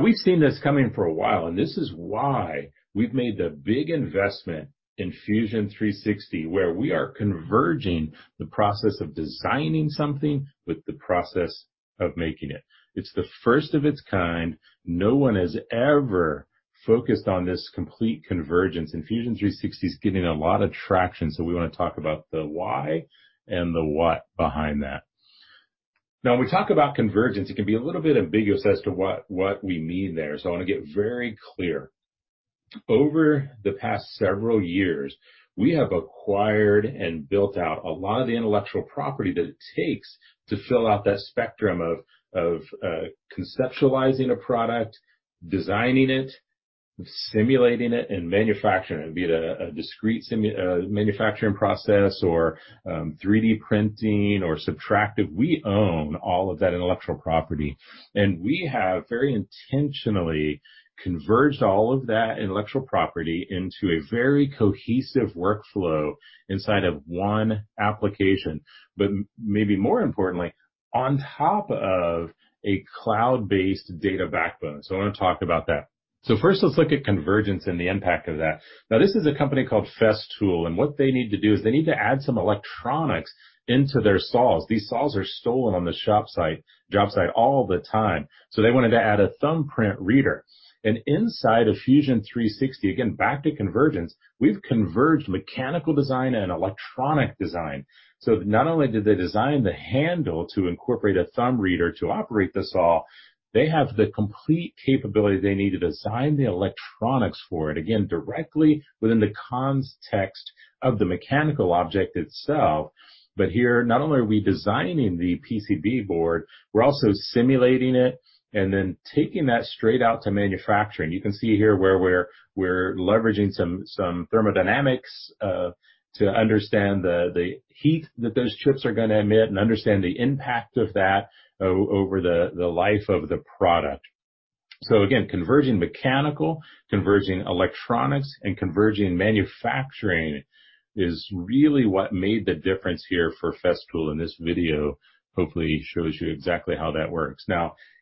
We've seen this coming for a while, and this is why we've made the big investment in Fusion 360, where we are converging the process of designing something with the process of making it. It's the first of its kind. No one has ever focused on this complete convergence, and Fusion 360 is getting a lot of traction. We want to talk about the why and the what behind that. When we talk about convergence, it can be a little bit ambiguous as to what we mean there. I want to get very clear. Over the past several years, we have acquired and built out a lot of the intellectual property that it takes to fill out that spectrum of conceptualizing a product, designing it, simulating it, and manufacturing it, be it a discrete manufacturing process or 3D printing or subtractive. We own all of that intellectual property, and we have very intentionally converged all of that intellectual property into a very cohesive workflow inside of one application. Maybe more importantly, on top of a cloud-based data backbone. I want to talk about that. First, let's look at convergence and the impact of that. Now, this is a company called Festool, and what they need to do is they need to add some electronics into their saws. These saws are stolen on the job site all the time. They wanted to add a thumbprint reader. Inside of Fusion 360, again, back to convergence, we've converged mechanical design and electronic design. Not only did they design the handle to incorporate a thumb reader to operate the saw, they have the complete capability they need to design the electronics for it, again, directly within the context of the mechanical object itself. Here, not only are we designing the PCB board, we're also simulating it and then taking that straight out to manufacturing. You can see here where we're leveraging some thermodynamics to understand the heat that those chips are going to emit and understand the impact of that over the life of the product. Again, converging mechanical, converging electronics, and converging manufacturing is really what made the difference here for Festool, and this video hopefully shows you exactly how that works.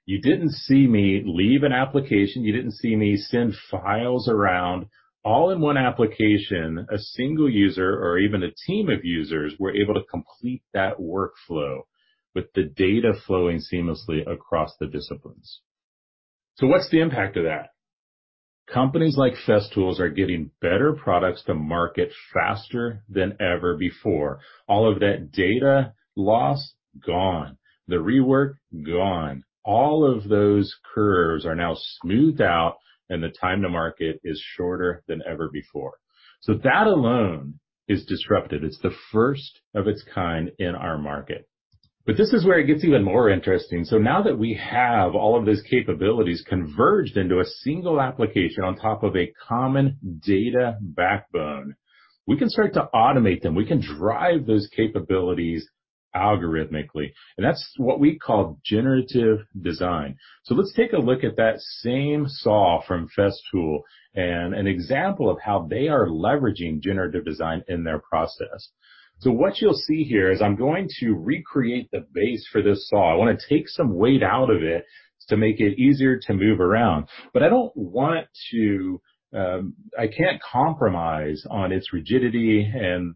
You didn't see me leave an application. You didn't see me send files around. All in one application, a single user or even a team of users were able to complete that workflow with the data flowing seamlessly across the disciplines. What's the impact of that? Companies like Festool are getting better products to market faster than ever before. All of that data loss, gone. The rework, gone. All of those curves are now smoothed out, and the time to market is shorter than ever before. That alone is disruptive. It's the first of its kind in our market. This is where it gets even more interesting. Now that we have all of those capabilities converged into a single application on top of a common data backbone, we can start to automate them. We can drive those capabilities algorithmically, and that's what we call generative design. Let's take a look at that same saw from Festool and an example of how they are leveraging generative design in their process. What you'll see here is I'm going to recreate the base for this saw. I want to take some weight out of it to make it easier to move around. I can't compromise on its rigidity and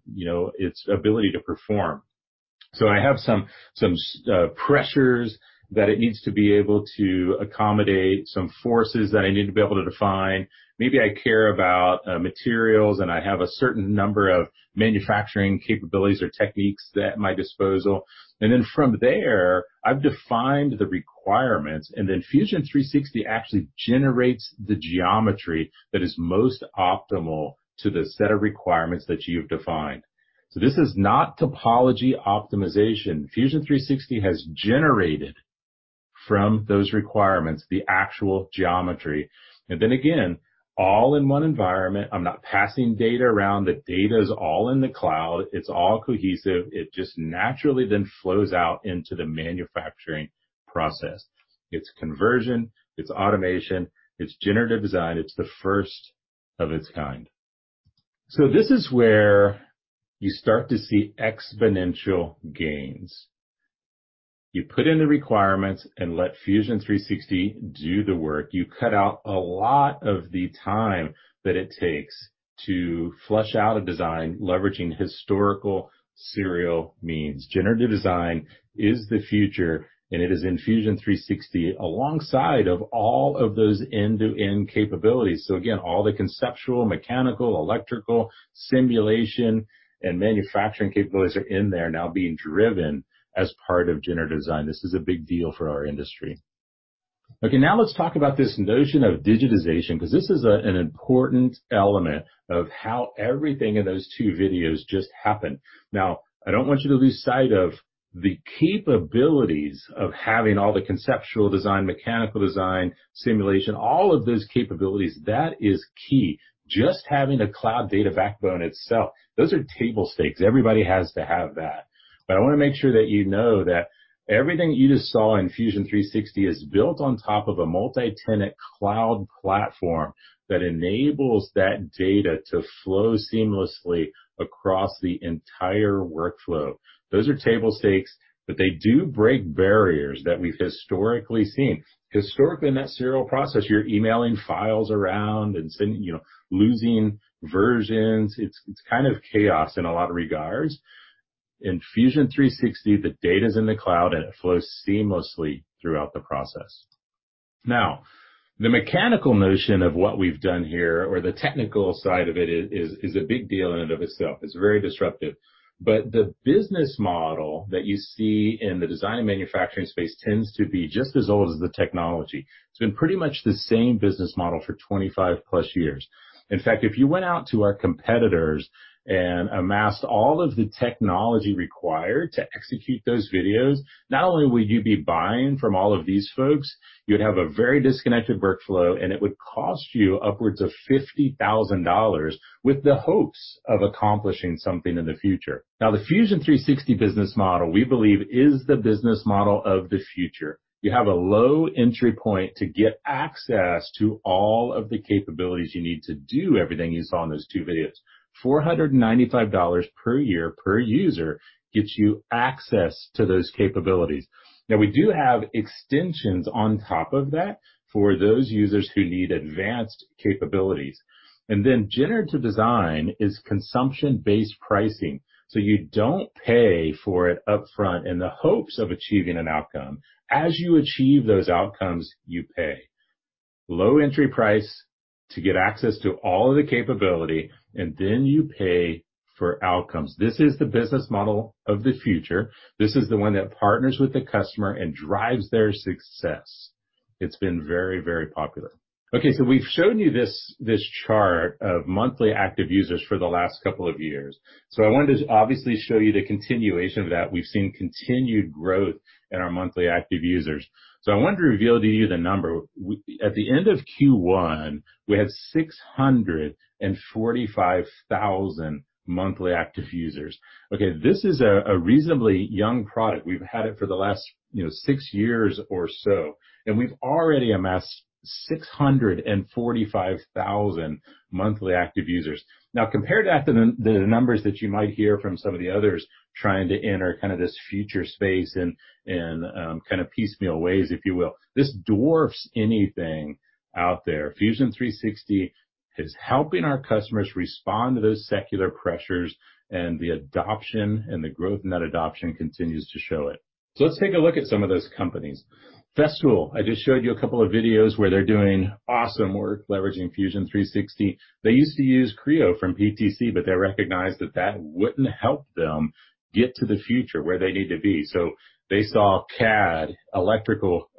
its ability to perform. I have some pressures that it needs to be able to accommodate, some forces that I need to be able to define. Maybe I care about materials, and I have a certain number of manufacturing capabilities or techniques at my disposal. From there, I've defined the requirements, and then Fusion 360 actually generates the geometry that is most optimal to the set of requirements that you've defined. This is not topology optimization. Fusion 360 has generated from those requirements the actual geometry. Again, all in one environment. I'm not passing data around. The data is all in the cloud. It's all cohesive. It just naturally flows out into the manufacturing process. It's conversion, it's automation, it's generative design. It's the first of its kind. This is where you start to see exponential gains. You put in the requirements and let Fusion 360 do the work. You cut out a lot of the time that it takes to flush out a design leveraging historical serial means. Generative design is the future, and it is in Fusion 360 alongside all of those end-to-end capabilities. Again, all the conceptual, mechanical, electrical, simulation, and manufacturing capabilities are in there now being driven as part of generative design. This is a big deal for our industry. Let's talk about this notion of digitization, because this is an important element of how everything in those two videos just happened. I don't want you to lose sight of the capabilities of having all the conceptual design, mechanical design, simulation, all of those capabilities. That is key. Just having a cloud data backbone itself, those are table stakes. Everybody has to have that. I want to make sure that you know that everything you just saw in Fusion 360 is built on top of a multi-tenant cloud platform that enables that data to flow seamlessly across the entire workflow. Those are table stakes, but they do break barriers that we've historically seen. Historically, in that serial process, you're emailing files around and losing versions. It's kind of chaos in a lot of regards. In Fusion 360, the data's in the cloud, and it flows seamlessly throughout the process. The mechanical notion of what we've done here, or the technical side of it, is a big deal in and of itself. It's very disruptive. The business model that you see in the design and manufacturing space tends to be just as old as the technology. It's been pretty much the same business model for 25+ years. In fact, if you went out to our competitors and amassed all of the technology required to execute those videos, not only would you be buying from all of these folks, you would have a very disconnected workflow, and it would cost you upwards of $50,000 with the hopes of accomplishing something in the future. The Fusion 360 business model, we believe, is the business model of the future. You have a low entry point to get access to all of the capabilities you need to do everything you saw in those two videos. $495 per year per user gets you access to those capabilities. We do have extensions on top of that for those users who need advanced capabilities. Generative design is consumption-based pricing, so you don't pay for it upfront in the hopes of achieving an outcome. As you achieve those outcomes, you pay. Low entry price to get access to all of the capability, and then you pay for outcomes. This is the business model of the future. This is the one that partners with the customer and drives their success. It's been very, very popular. We've shown you this chart of monthly active users for the last couple of years. I wanted to obviously show you the continuation of that. We've seen continued growth in our monthly active users. I want to reveal to you the number. At the end of Q1, we had 645,000 monthly active users. This is a reasonably young product. We've had it for the last six years or so, and we've already amassed 645,000 monthly active users. Compared to the numbers that you might hear from some of the others trying to enter kind of this future space in kind of piecemeal ways, if you will, this dwarfs anything out there. Fusion 360 is helping our customers respond to those secular pressures and the adoption and the growth in that adoption continues to show it. Let's take a look at some of those companies. Festool, I just showed you a couple of videos where they're doing awesome work leveraging Fusion 360. They used to use Creo from PTC, but they recognized that that wouldn't help them get to the future where they need to be. They saw CAD electrical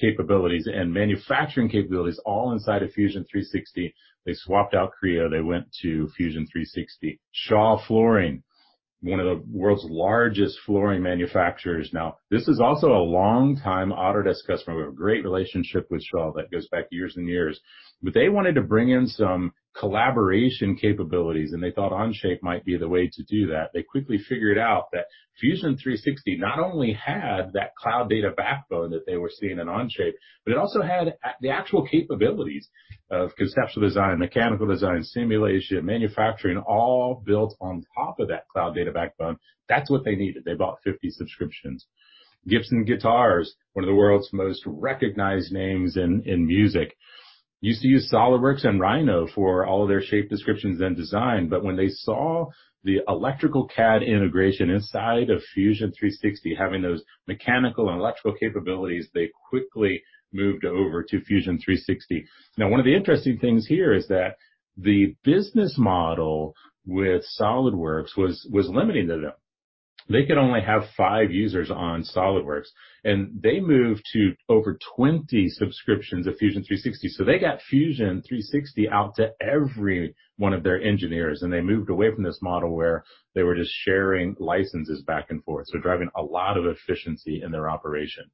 capabilities and manufacturing capabilities all inside of Fusion 360. They swapped out Creo. They went to Fusion 360. Shaw Flooring, one of the world's largest flooring manufacturers now. This is also a long-time Autodesk customer. We have a great relationship with Shaw that goes back years and years. They wanted to bring in some collaboration capabilities, and they thought Onshape might be the way to do that. They quickly figured out that Fusion 360 not only had that cloud data backbone that they were seeing in Onshape, but it also had the actual capabilities of conceptual design, mechanical design, simulation, manufacturing, all built on top of that cloud data backbone. That's what they needed. They bought 50 subscriptions. Gibson Guitars, one of the world's most recognized names in music, used to use SOLIDWORKS and Rhino for all of their shape descriptions and design. When they saw the electrical CAD integration inside of Fusion 360 having those mechanical and electrical capabilities, they quickly moved over to Fusion 360. One of the interesting things here is that the business model with SOLIDWORKS was limiting to them. They could only have five users on SOLIDWORKS, and they moved to over 20 subscriptions of Fusion 360. They got Fusion 360 out to every one of their engineers, and they moved away from this model where they were just sharing licenses back and forth. Driving a lot of efficiency in their operation.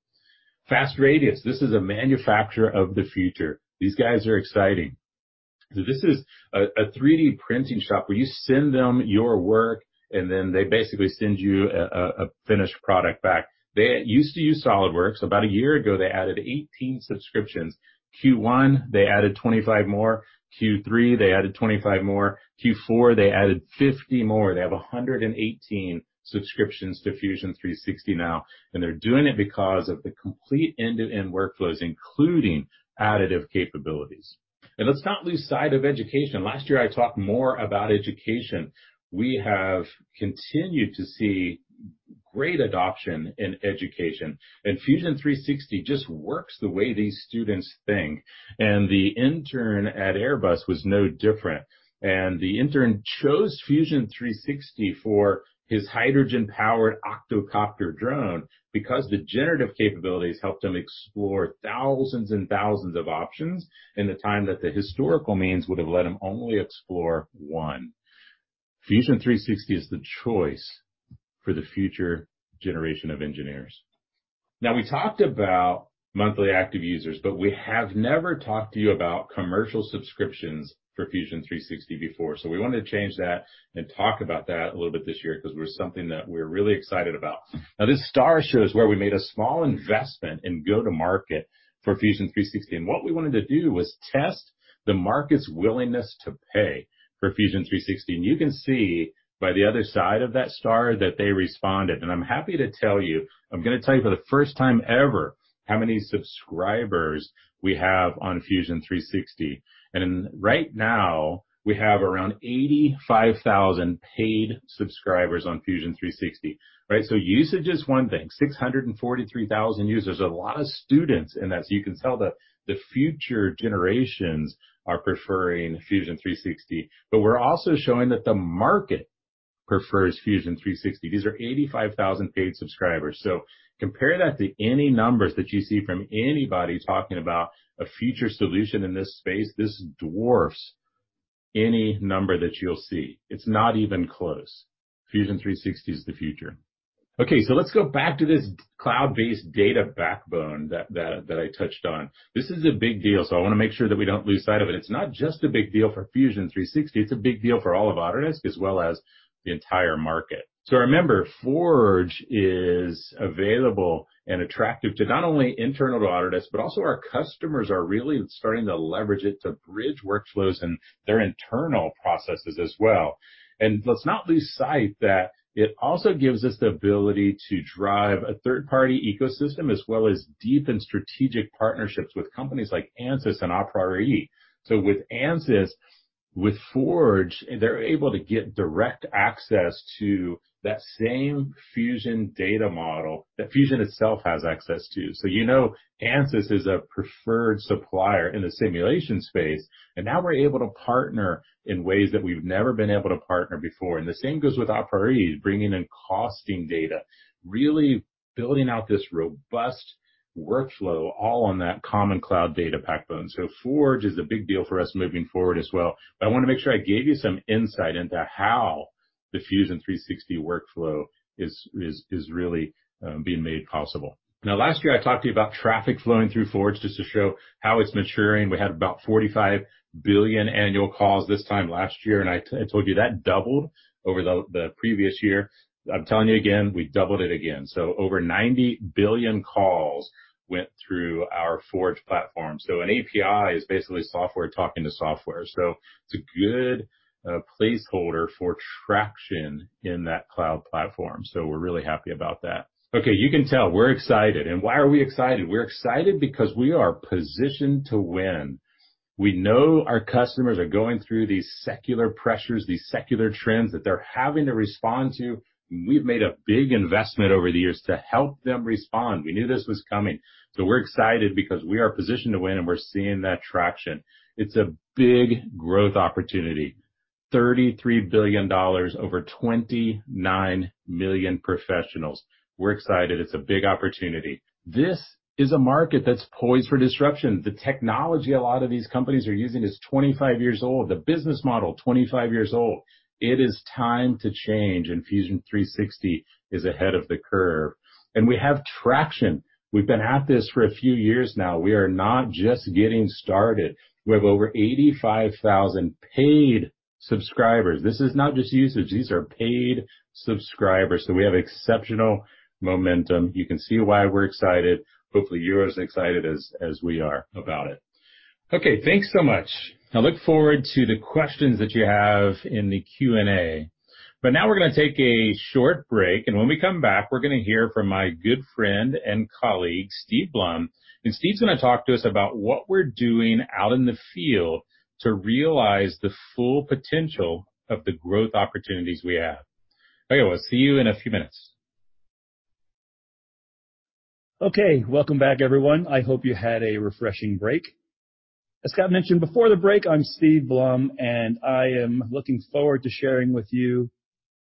Fast Radius. This is a manufacturer of the future. These guys are exciting. This is a 3D printing shop where you send them your work and then they basically send you a finished product back. They used to use SOLIDWORKS. About a year ago, they added 18 subscriptions. Q1, they added 25 more. Q3, they added 25 more. Q4, they added 50 more. They have 118 subscriptions to Fusion 360 now, and they're doing it because of the complete end-to-end workflows, including additive capabilities. Let's not lose sight of education. Last year, I talked more about education. We have continued to see great adoption in education, and Fusion 360 just works the way these students think, and the intern at Airbus was no different. The intern chose Fusion 360 for his hydrogen-powered octocopter drone because the generative capabilities helped him explore thousands and thousands of options in the time that the historical means would have let him only explore one. Fusion 360 is the choice for the future generation of engineers. We talked about monthly active users, but we have never talked to you about commercial subscriptions for Fusion 360 before. We wanted to change that and talk about that a little bit this year because it was something that we're really excited about. This star shows where we made a small investment in go-to-market for Fusion 360, and what we wanted to do was test the market's willingness to pay for Fusion 360. You can see by the other side of that star that they responded. I'm happy to tell you, I'm going to tell you for the first time ever how many subscribers we have on Fusion 360. Right now, we have around 85,000 paid subscribers on Fusion 360, right? Usage is one thing. 643,000 users. A lot of students in that. You can tell the future generations are preferring Fusion 360. We're also showing that the market prefers Fusion 360. These are 85,000 paid subscribers. Compare that to any numbers that you see from anybody talking about a future solution in this space. This dwarfs any number that you'll see. It's not even close. Fusion 360 is the future. Let's go back to this cloud-based data backbone that I touched on. This is a big deal, so I want to make sure that we don't lose sight of it. It's not just a big deal for Fusion 360. It's a big deal for all of Autodesk as well as the entire market. Remember, Forge is available and attractive to not only internal to Autodesk, but also our customers are really starting to leverage it to bridge workflows and their internal processes as well. Let's not lose sight that it also gives us the ability to drive a third-party ecosystem as well as deepen strategic partnerships with companies like Ansys and aPriori. With Forge, they're able to get direct access to that same Fusion data model that Fusion itself has access to. You know Ansys is a preferred supplier in the simulation space, and now we're able to partner in ways that we've never been able to partner before. The same goes with aPriori, bringing in costing data, really building out this robust workflow all on that common cloud data backbone. Forge is a big deal for us moving forward as well. I want to make sure I gave you some insight into how the Fusion 360 workflow is really being made possible. Now, last year, I talked to you about traffic flowing through Forge just to show how it's maturing. We had about 45 billion annual calls this time last year, and I told you that doubled over the previous year. I'm telling you again, we doubled it again. Over 90 billion calls went through our Forge platform. An API is basically software talking to software. It's a good placeholder for traction in that cloud platform. We're really happy about that. Okay, you can tell we're excited. Why are we excited? We're excited because we are positioned to win. We know our customers are going through these secular pressures, these secular trends that they're having to respond to. We've made a big investment over the years to help them respond. We knew this was coming. We're excited because we are positioned to win, and we're seeing that traction. It's a big growth opportunity. $33 billion, over 29 million professionals. We're excited. It's a big opportunity. This is a market that's poised for disruption. The technology a lot of these companies are using is 25 years old. The business model, 25 years old. It is time to change, Fusion 360 is ahead of the curve. We have traction. We've been at this for a few years now. We are not just getting started. We have over 85,000 paid subscribers. This is not just usage. These are paid subscribers. We have exceptional momentum. You can see why we're excited. Hopefully, you're as excited as we are about it. Okay, thanks so much. I look forward to the questions that you have in the Q&A. Now we're going to take a short break, and when we come back, we're going to hear from my good friend and colleague, Steve Blum. Steve's going to talk to us about what we're doing out in the field to realize the full potential of the growth opportunities we have. Anyway, we'll see you in a few minutes. Okay. Welcome back, everyone. I hope you had a refreshing break. As Scott mentioned before the break, I'm Steve Blum, and I am looking forward to sharing with you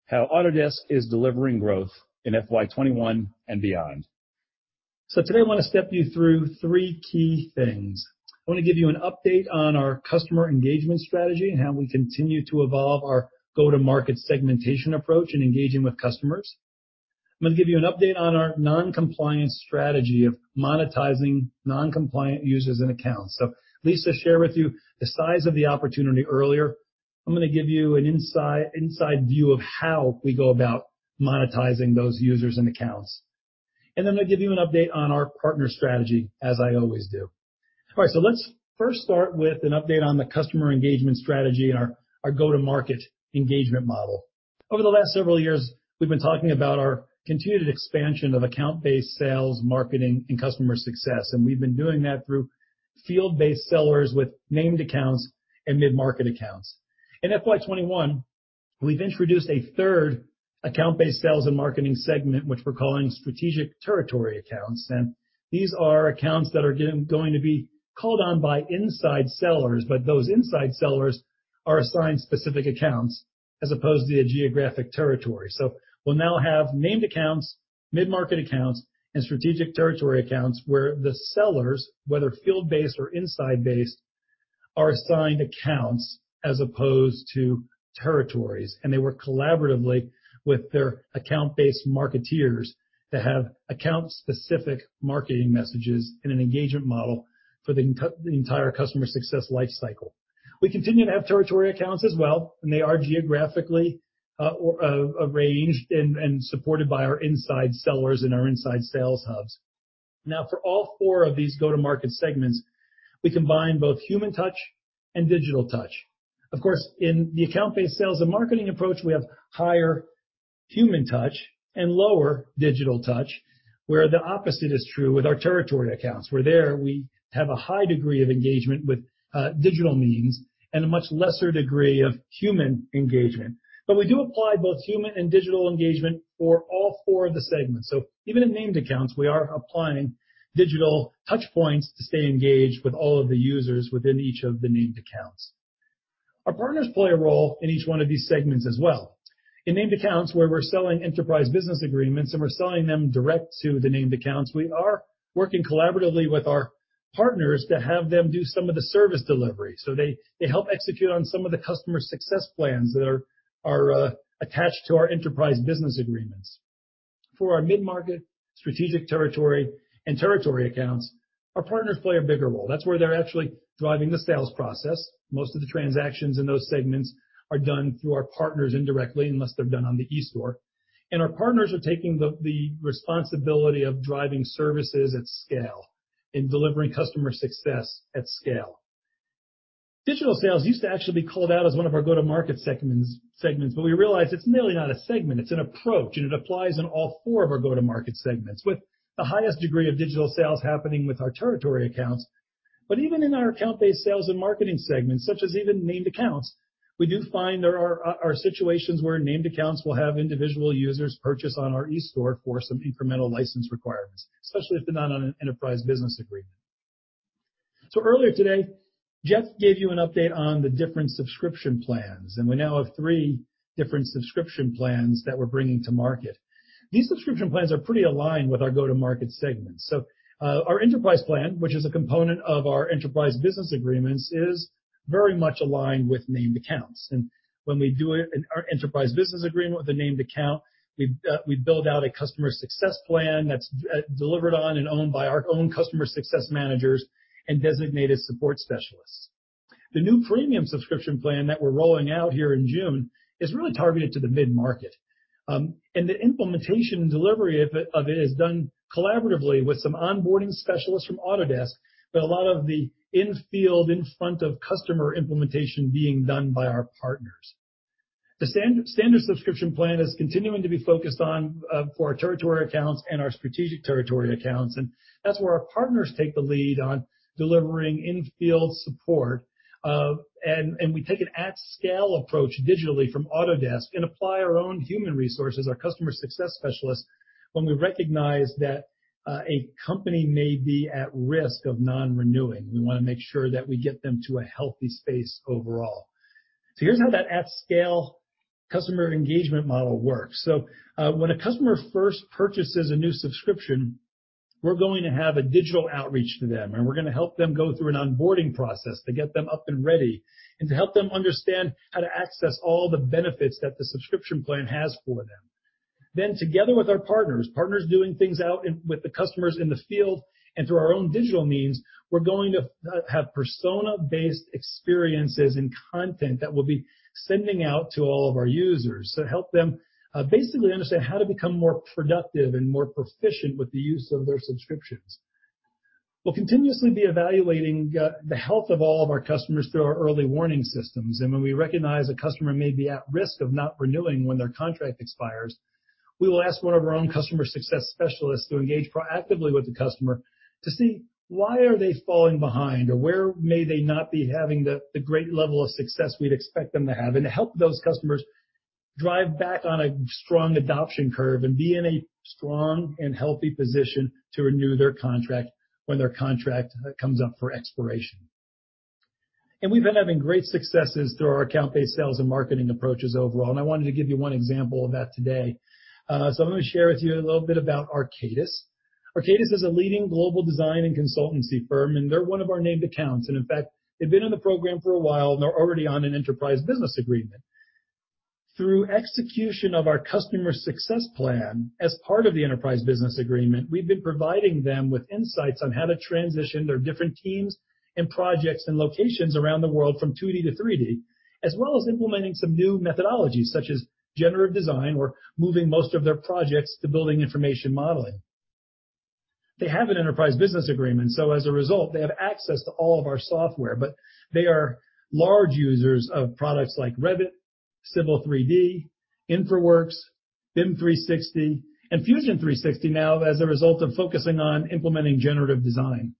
how Autodesk is delivering growth in FY 2021 and beyond. Today, I want to step you through three key things. I want to give you an update on our customer engagement strategy and how we continue to evolve our go-to-market segmentation approach in engaging with customers. I'm going to give you an update on our non-compliance strategy of monetizing non-compliant users and accounts. Lisa shared with you the size of the opportunity earlier. I'm going to give you an inside view of how we go about monetizing those users and accounts. I'll give you an update on our partner strategy, as I always do. All right. Let's first start with an update on the customer engagement strategy and our go-to-market engagement model. Over the last several years, we've been talking about our continued expansion of account-based sales, marketing, and customer success, and we've been doing that through field-based sellers with named accounts and mid-market accounts. In FY 2021, we've introduced a third account-based sales and marketing segment, which we're calling Strategic Territory Accounts. These are accounts that are going to be called on by inside sellers, but those inside sellers are assigned specific accounts as opposed to a geographic territory. We'll now have named accounts, mid-market accounts, and strategic territory accounts where the sellers, whether field-based or inside-based, are assigned accounts as opposed to territories. They work collaboratively with their account-based marketeers to have account-specific marketing messages in an engagement model for the entire customer success life cycle. We continue to have territory accounts as well, and they are geographically arranged and supported by our inside sellers and our inside sales hubs. For all four of these go-to-market segments, we combine both human touch and digital touch. Of course, in the account-based sales and marketing approach, we have higher human touch and lower digital touch. The opposite is true with our territory accounts, where there we have a high degree of engagement with digital means and a much lesser degree of human engagement. We do apply both human and digital engagement for all four of the segments. Even in named accounts, we are applying digital touchpoints to stay engaged with all of the users within each of the named accounts. Our partners play a role in each one of these segments as well. In named accounts, where we're selling Enterprise Business Agreements and we're selling them direct to the named accounts, we are working collaboratively with our partners to have them do some of the service delivery. They help execute on some of the customer success plans that are attached to our Enterprise Business Agreements. For our mid-market strategic territory and territory accounts, our partners play a bigger role. That's where they're actually driving the sales process. Most of the transactions in those segments are done through our partners indirectly, unless they're done on the e-store. Our partners are taking the responsibility of driving services at scale and delivering customer success at scale. Digital sales used to actually be called out as one of our go-to-market segments, but we realized it's really not a segment. It's an approach, and it applies in all four of our go-to-market segments. The highest degree of digital sales happening with our territory accounts. Even in our account-based sales and marketing segments, such as even named accounts, we do find there are situations where named accounts will have individual users purchase on our e-store for some incremental license requirements, especially if they're not on an Enterprise Business Agreement. Earlier today, Jeff gave you an update on the different subscription plans, and we now have three different subscription plans that we're bringing to market. These subscription plans are pretty aligned with our go-to-market segments. Our Enterprise Plan, which is a component of our Enterprise Business Agreements, is very much aligned with named accounts. When we do our Enterprise Business Agreement with a named account, we build out a Customer Success Plan that's delivered on and owned by our own Customer Success Managers and designated Support Specialists. The new premium subscription plan that we're rolling out here in June is really targeted to the mid-market. The implementation and delivery of it is done collaboratively with some onboarding specialists from Autodesk, but a lot of the in-field, in front of customer implementation being done by our partners. The standard subscription plan is continuing to be focused on for our territory accounts and our strategic territory accounts, and that's where our partners take the lead on delivering in-field support. We take an at-scale approach digitally from Autodesk and apply our own human resources, our customer success specialists, when we recognize that a company may be at risk of non-renewing. We want to make sure that we get them to a healthy space overall. Here's how that at-scale customer engagement model works. When a customer first purchases a new subscription, we're going to have a digital outreach to them, and we're going to help them go through an onboarding process to get them up and ready, and to help them understand how to access all the benefits that the subscription plan has for them. Together with our partners doing things out with the customers in the field and through our own digital means, we're going to have persona-based experiences and content that we'll be sending out to all of our users to help them basically understand how to become more productive and more proficient with the use of their subscriptions. We'll continuously be evaluating the health of all of our customers through our early warning systems. When we recognize a customer may be at risk of not renewing when their contract expires, we will ask one of our own customer success specialists to engage proactively with the customer to see why are they falling behind or where may they not be having the great level of success we'd expect them to have, and to help those customers drive back on a strong adoption curve and be in a strong and healthy position to renew their contract when their contract comes up for expiration. We've been having great successes through our account-based sales and marketing approaches overall, and I wanted to give you one example of that today. I'm going to share with you a little bit about Arcadis. Arcadis is a leading global design and consultancy firm, and they're one of our named accounts. In fact, they've been in the program for a while, and they're already on an enterprise business agreement. Through execution of our customer success plan as part of the enterprise business agreement, we've been providing them with insights on how to transition their different teams and projects and locations around the world from 2D to 3D, as well as implementing some new methodologies such as generative design, or moving most of their projects to building information modeling. They have an enterprise business agreement, so as a result, they have access to all of our software. They are large users of products like Revit, Civil 3D, InfraWorks, BIM 360, and Fusion 360 now as a result of focusing on implementing generative design.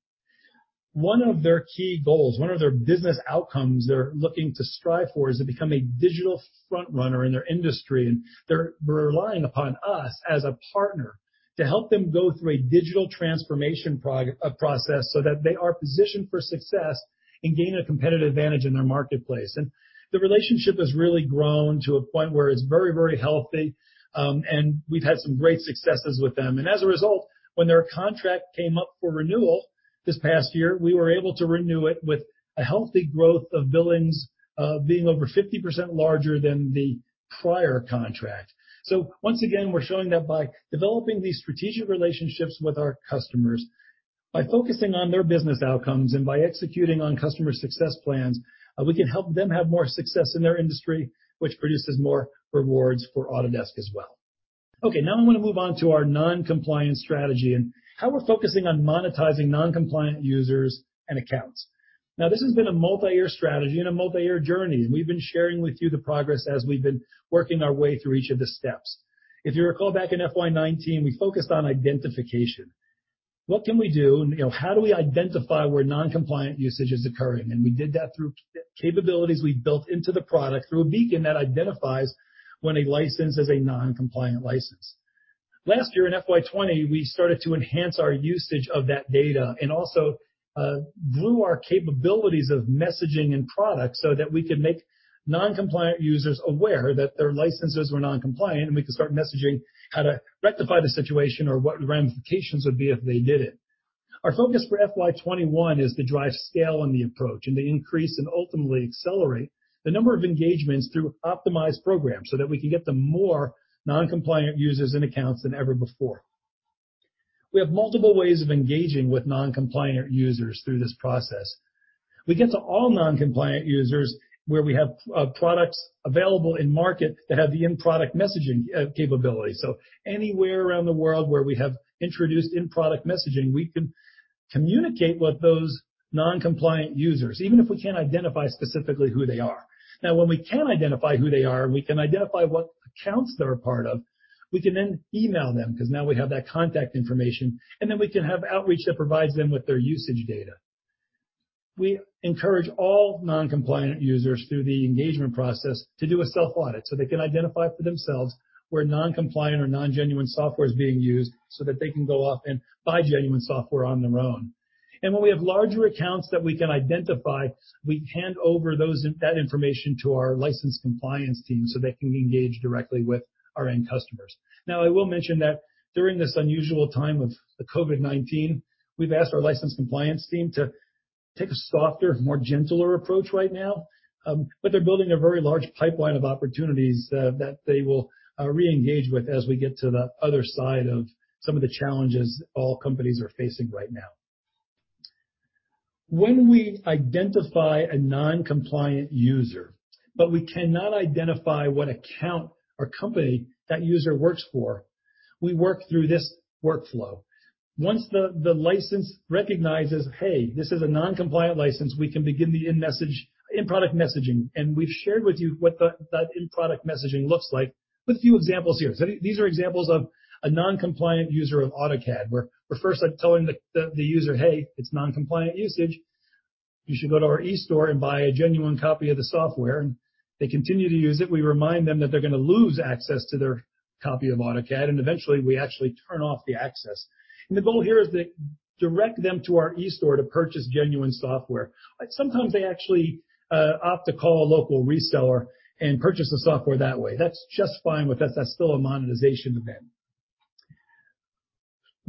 One of their key goals, one of their business outcomes they're looking to strive for is to become a digital front-runner in their industry. They're relying upon us as a partner to help them go through a digital transformation process so that they are positioned for success and gain a competitive advantage in their marketplace. The relationship has really grown to a point where it's very, very healthy, and we've had some great successes with them. As a result, when their contract came up for renewal this past year, we were able to renew it with a healthy growth of billings, being over 50% larger than the prior contract. Once again, we're showing that by developing these strategic relationships with our customers, by focusing on their business outcomes, and by executing on customer success plans, we can help them have more success in their industry, which produces more rewards for Autodesk as well. Now I'm going to move on to our non-compliance strategy and how we're focusing on monetizing non-compliant users and accounts. This has been a multi-year strategy and a multi-year journey. We've been sharing with you the progress as we've been working our way through each of the steps. If you recall back in FY 2019, we focused on identification. What can we do, and how do we identify where non-compliant usage is occurring? We did that through capabilities we built into the product through a beacon that identifies when a license is a non-compliant license. Last year in FY 2020, we started to enhance our usage of that data and also grew our capabilities of messaging and product so that we could make non-compliant users aware that their licenses were non-compliant, and we could start messaging how to rectify the situation or what the ramifications would be if they didn't. Our focus for FY 2021 is to drive scale on the approach and to increase and ultimately accelerate the number of engagements through optimized programs so that we can get to more non-compliant users and accounts than ever before. We have multiple ways of engaging with non-compliant users through this process. We get to all non-compliant users where we have products available in market that have the in-product messaging capability. Anywhere around the world where we have introduced in-product messaging, we can communicate with those non-compliant users, even if we can't identify specifically who they are. When we can identify who they are, we can identify what accounts they're a part of. We can then email them because now we have that contact information, and then we can have outreach that provides them with their usage data. We encourage all non-compliant users through the engagement process to do a self-audit so they can identify for themselves where non-compliant or non-genuine software is being used so that they can go off and buy genuine software on their own. When we have larger accounts that we can identify, we hand over that information to our license compliance team so they can engage directly with our end customers. I will mention that during this unusual time of the COVID-19, we've asked our license compliance team to take a softer, more gentler approach right now. They're building a very large pipeline of opportunities that they will reengage with as we get to the other side of some of the challenges all companies are facing right now. When we identify a non-compliant user, but we cannot identify what account or company that user works for, we work through this workflow. Once the license recognizes, hey, this is a non-compliant license, we can begin the in-product messaging. We've shared with you what that in-product messaging looks like with a few examples here. These are examples of a non-compliant user of AutoCAD, where we're first telling the user, "Hey, it's non-compliant usage. You should go to our e-store and buy a genuine copy of the software." If they continue to use it, we remind them that they're going to lose access to their copy of AutoCAD, and eventually, we actually turn off the access. The goal here is to direct them to our e-store to purchase genuine software. Sometimes they actually opt to call a local reseller and purchase the software that way. That's just fine with us. That's still a monetization event.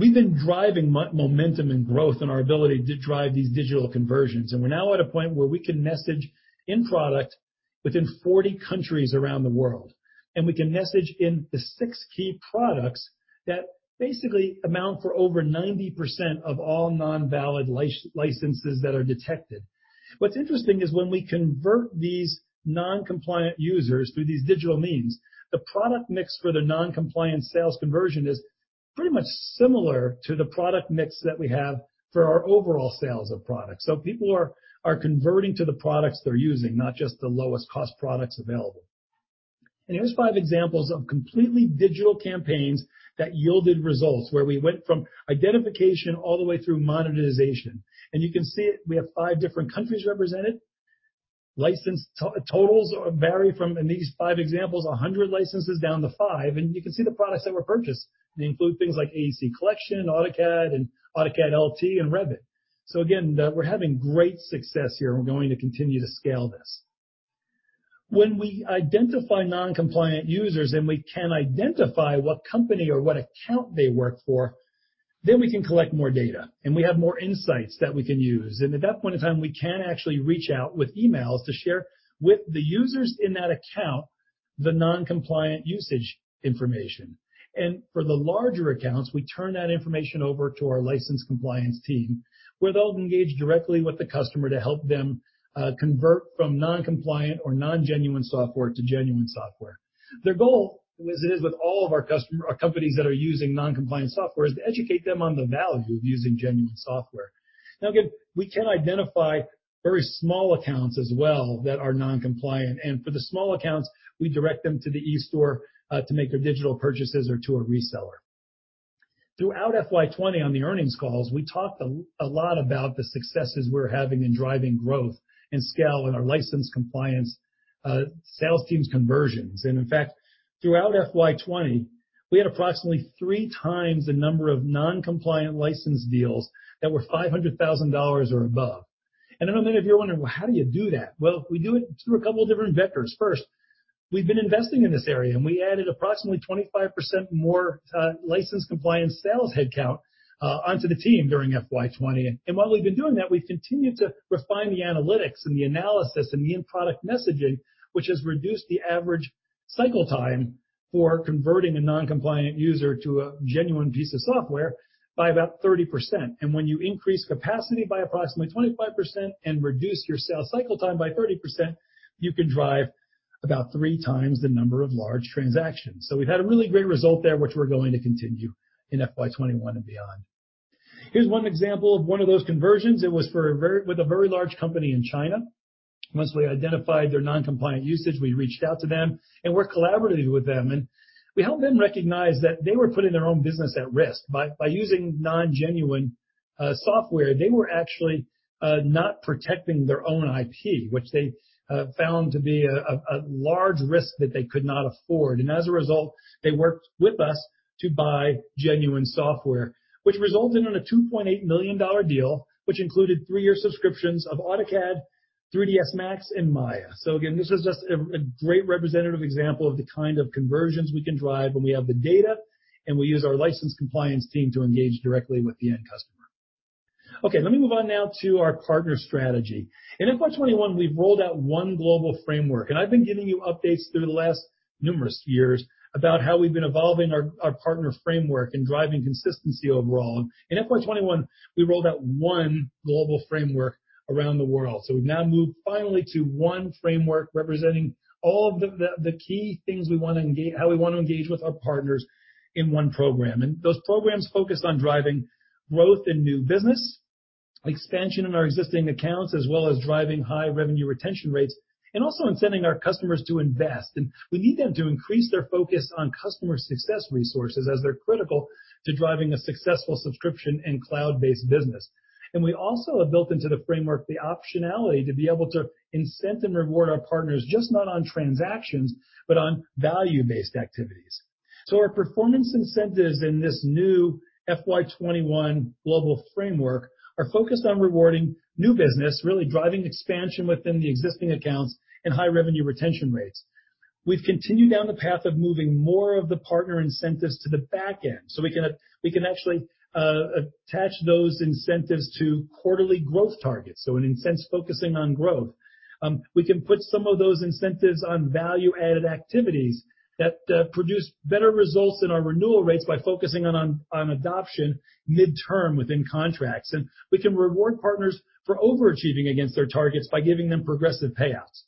We've been driving momentum and growth in our ability to drive these digital conversions. We're now at a point where we can message in-product within 40 countries around the world. We can message in the six key products that basically amount for over 90% of all non-valid licenses that are detected. When we convert these non-compliant users through these digital means, the product mix for the non-compliant sales conversion is pretty much similar to the product mix that we have for our overall sales of products. People are converting to the products they're using, not just the lowest cost products available. Here's five examples of completely digital campaigns that yielded results where we went from identification all the way through monetization. You can see we have five different countries represented. License totals vary from, in these five examples, 100 licenses down to five. You can see the products that were purchased. They include things like AEC Collection, AutoCAD, and AutoCAD LT, and Revit. Again, we're having great success here, and we're going to continue to scale this. When we identify non-compliant users and we can identify what company or what account they work for, then we can collect more data and we have more insights that we can use. At that point in time, we can actually reach out with emails to share with the users in that account the non-compliant usage information. For the larger accounts, we turn that information over to our license compliance team, where they'll engage directly with the customer to help them convert from non-compliant or non-genuine software to genuine software. Their goal, as it is with all of our companies that are using non-compliant software, is to educate them on the value of using genuine software. Again, we can identify very small accounts as well that are non-compliant. For the small accounts, we direct them to the e-store to make their digital purchases or to a reseller. Throughout FY 2020 on the earnings calls, we talked a lot about the successes we're having in driving growth and scale in our license compliance sales team's conversions. In fact, throughout FY 2020, we had approximately three times the number of non-compliant license deals that were $500,000 or above. I know many of you are wondering, well, how do you do that? Well, we do it through a couple of different vectors. First, we've been investing in this area, and we added approximately 25% more license compliance sales headcount onto the team during FY 2020. While we've been doing that, we've continued to refine the analytics and the analysis and the in-product messaging, which has reduced the average cycle time for converting a non-compliant user to a genuine piece of software by about 30%. When you increase capacity by approximately 25% and reduce your sales cycle time by 30%, you can drive about three times the number of large transactions. We've had a really great result there, which we're going to continue in FY 2021 and beyond. Here's one example of one of those conversions. It was with a very large company in China. Once we identified their non-compliant usage, we reached out to them and worked collaboratively with them. We helped them recognize that they were putting their own business at risk. By using non-genuine software, they were actually not protecting their own IP, which they found to be a large risk that they could not afford. As a result, they worked with us to buy genuine software, which resulted in a $2.8 million deal, which included three-year subscriptions of AutoCAD, 3ds Max, and Maya. Again, this is just a great representative example of the kind of conversions we can drive when we have the data and we use our license compliance team to engage directly with the end customer. Okay, let me move on now to our partner strategy. In FY 2021, we've rolled out one global framework, I've been giving you updates through the last numerous years about how we've been evolving our partner framework and driving consistency overall. In FY 2021, we rolled out one global framework around the world. We've now moved finally to one framework representing all of the key things how we want to engage with our partners in one program. Those programs focused on driving growth in new business, expansion in our existing accounts, as well as driving high revenue retention rates, also incenting our customers to invest. We need them to increase their focus on customer success resources as they're critical to driving a successful subscription and cloud-based business. We also have built into the framework the optionality to be able to incent and reward our partners, just not on transactions, but on value-based activities. Our performance incentives in this new FY 2021 global framework are focused on rewarding new business, really driving expansion within the existing accounts and high revenue retention rates. We've continued down the path of moving more of the partner incentives to the back end. We can actually attach those incentives to quarterly growth targets. In a sense, focusing on growth. We can put some of those incentives on value-added activities that produce better results in our renewal rates by focusing on adoption midterm within contracts. We can reward partners for overachieving against their targets by giving them progressive payouts.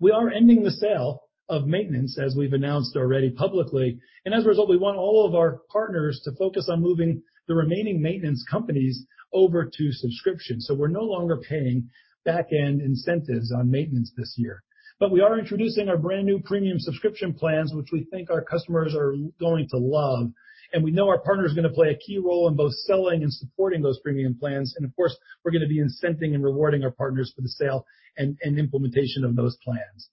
We are ending the sale of maintenance, as we've announced already publicly, and as a result, we want all of our partners to focus on moving the remaining maintenance companies over to subscription. We're no longer paying back-end incentives on maintenance this year. We are introducing our brand-new premium subscription plans, which we think our customers are going to love, and we know our partners are going to play a key role in both selling and supporting those premium plans. Of course, we're going to be incenting and rewarding our partners for the sale and implementation of those plans.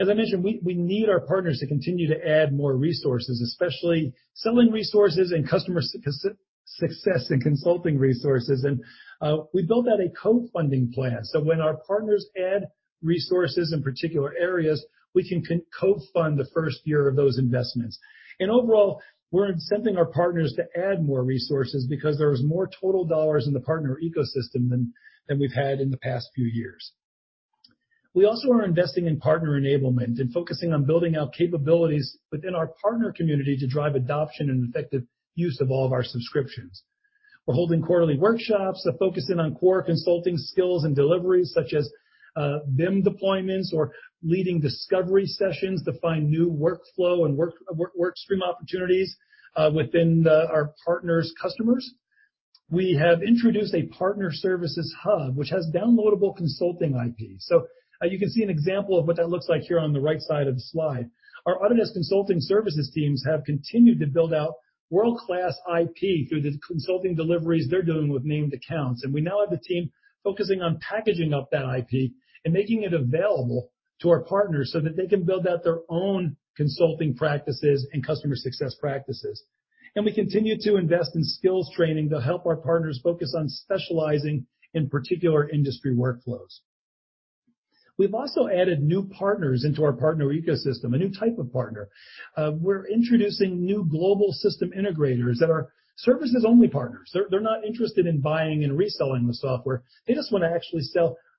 As I mentioned, we need our partners to continue to add more resources, especially selling resources and customer success and consulting resources. We built out a co-funding plan, so when our partners add resources in particular areas, we can co-fund the first year of those investments. Overall, we're incenting our partners to add more resources because there is more total dollars in the partner ecosystem than we've had in the past few years. We also are investing in partner enablement and focusing on building out capabilities within our partner community to drive adoption and effective use of all of our subscriptions. We're holding quarterly workshops. They're focusing on core consulting skills and deliveries, such as BIM deployments or leading discovery sessions to find new workflow and work stream opportunities within our partners' customers. We have introduced a partner services hub, which has downloadable consulting IP. You can see an example of what that looks like here on the right side of the slide. Our Autodesk consulting services teams have continued to build out world-class IP through the consulting deliveries they're doing with named accounts. We now have a team focusing on packaging up that IP and making it available to our partners so that they can build out their own consulting practices and customer success practices. We continue to invest in skills training to help our partners focus on specializing in particular industry workflows. We've also added new partners into our partner ecosystem, a new type of partner. We're introducing new global system integrators that are services-only partners. They're not interested in buying and reselling the software. They just want to actually sell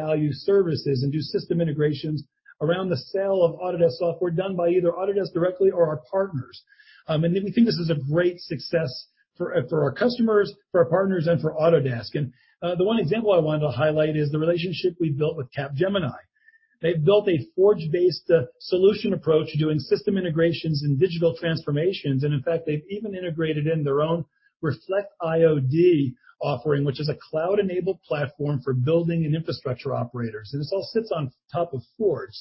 high-value services and do system integrations around the sale of Autodesk software done by either Autodesk directly or our partners. We think this is a great success for our customers, for our partners, and for Autodesk. The one example I wanted to highlight is the relationship we've built with Capgemini. They've built a Forge-based solution approach doing system integrations and digital transformations. In fact, they've even integrated in their own Reflect IoD offering, which is a cloud-enabled platform for building and infrastructure operators. This all sits on top of Forge.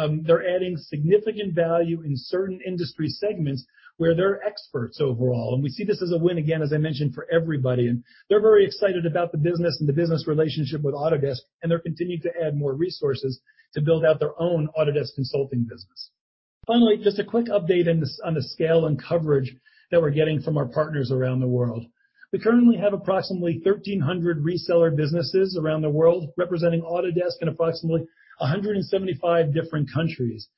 They're adding significant value in certain industry segments where they're experts overall. We see this as a win, again, as I mentioned, for everybody, and they're very excited about the business and the business relationship with Autodesk, and they're continuing to add more resources to build out their own Autodesk consulting business. Finally, just a quick update on the scale and coverage that we're getting from our partners around the world. We currently have approximately 1,300 reseller businesses around the world representing Autodesk in approximately 175 different countries.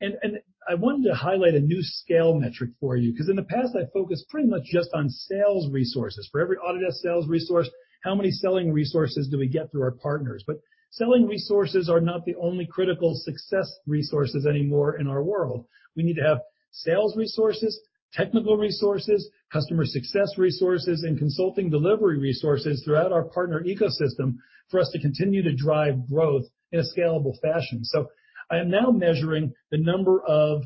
I wanted to highlight a new scale metric for you because in the past, I focused pretty much just on sales resources. For every Autodesk sales resource, how many selling resources do we get through our partners? Selling resources are not the only critical success resources anymore in our world. We need to have sales resources, technical resources, customer success resources, and consulting delivery resources throughout our partner ecosystem for us to continue to drive growth in a scalable fashion. I am now measuring the number of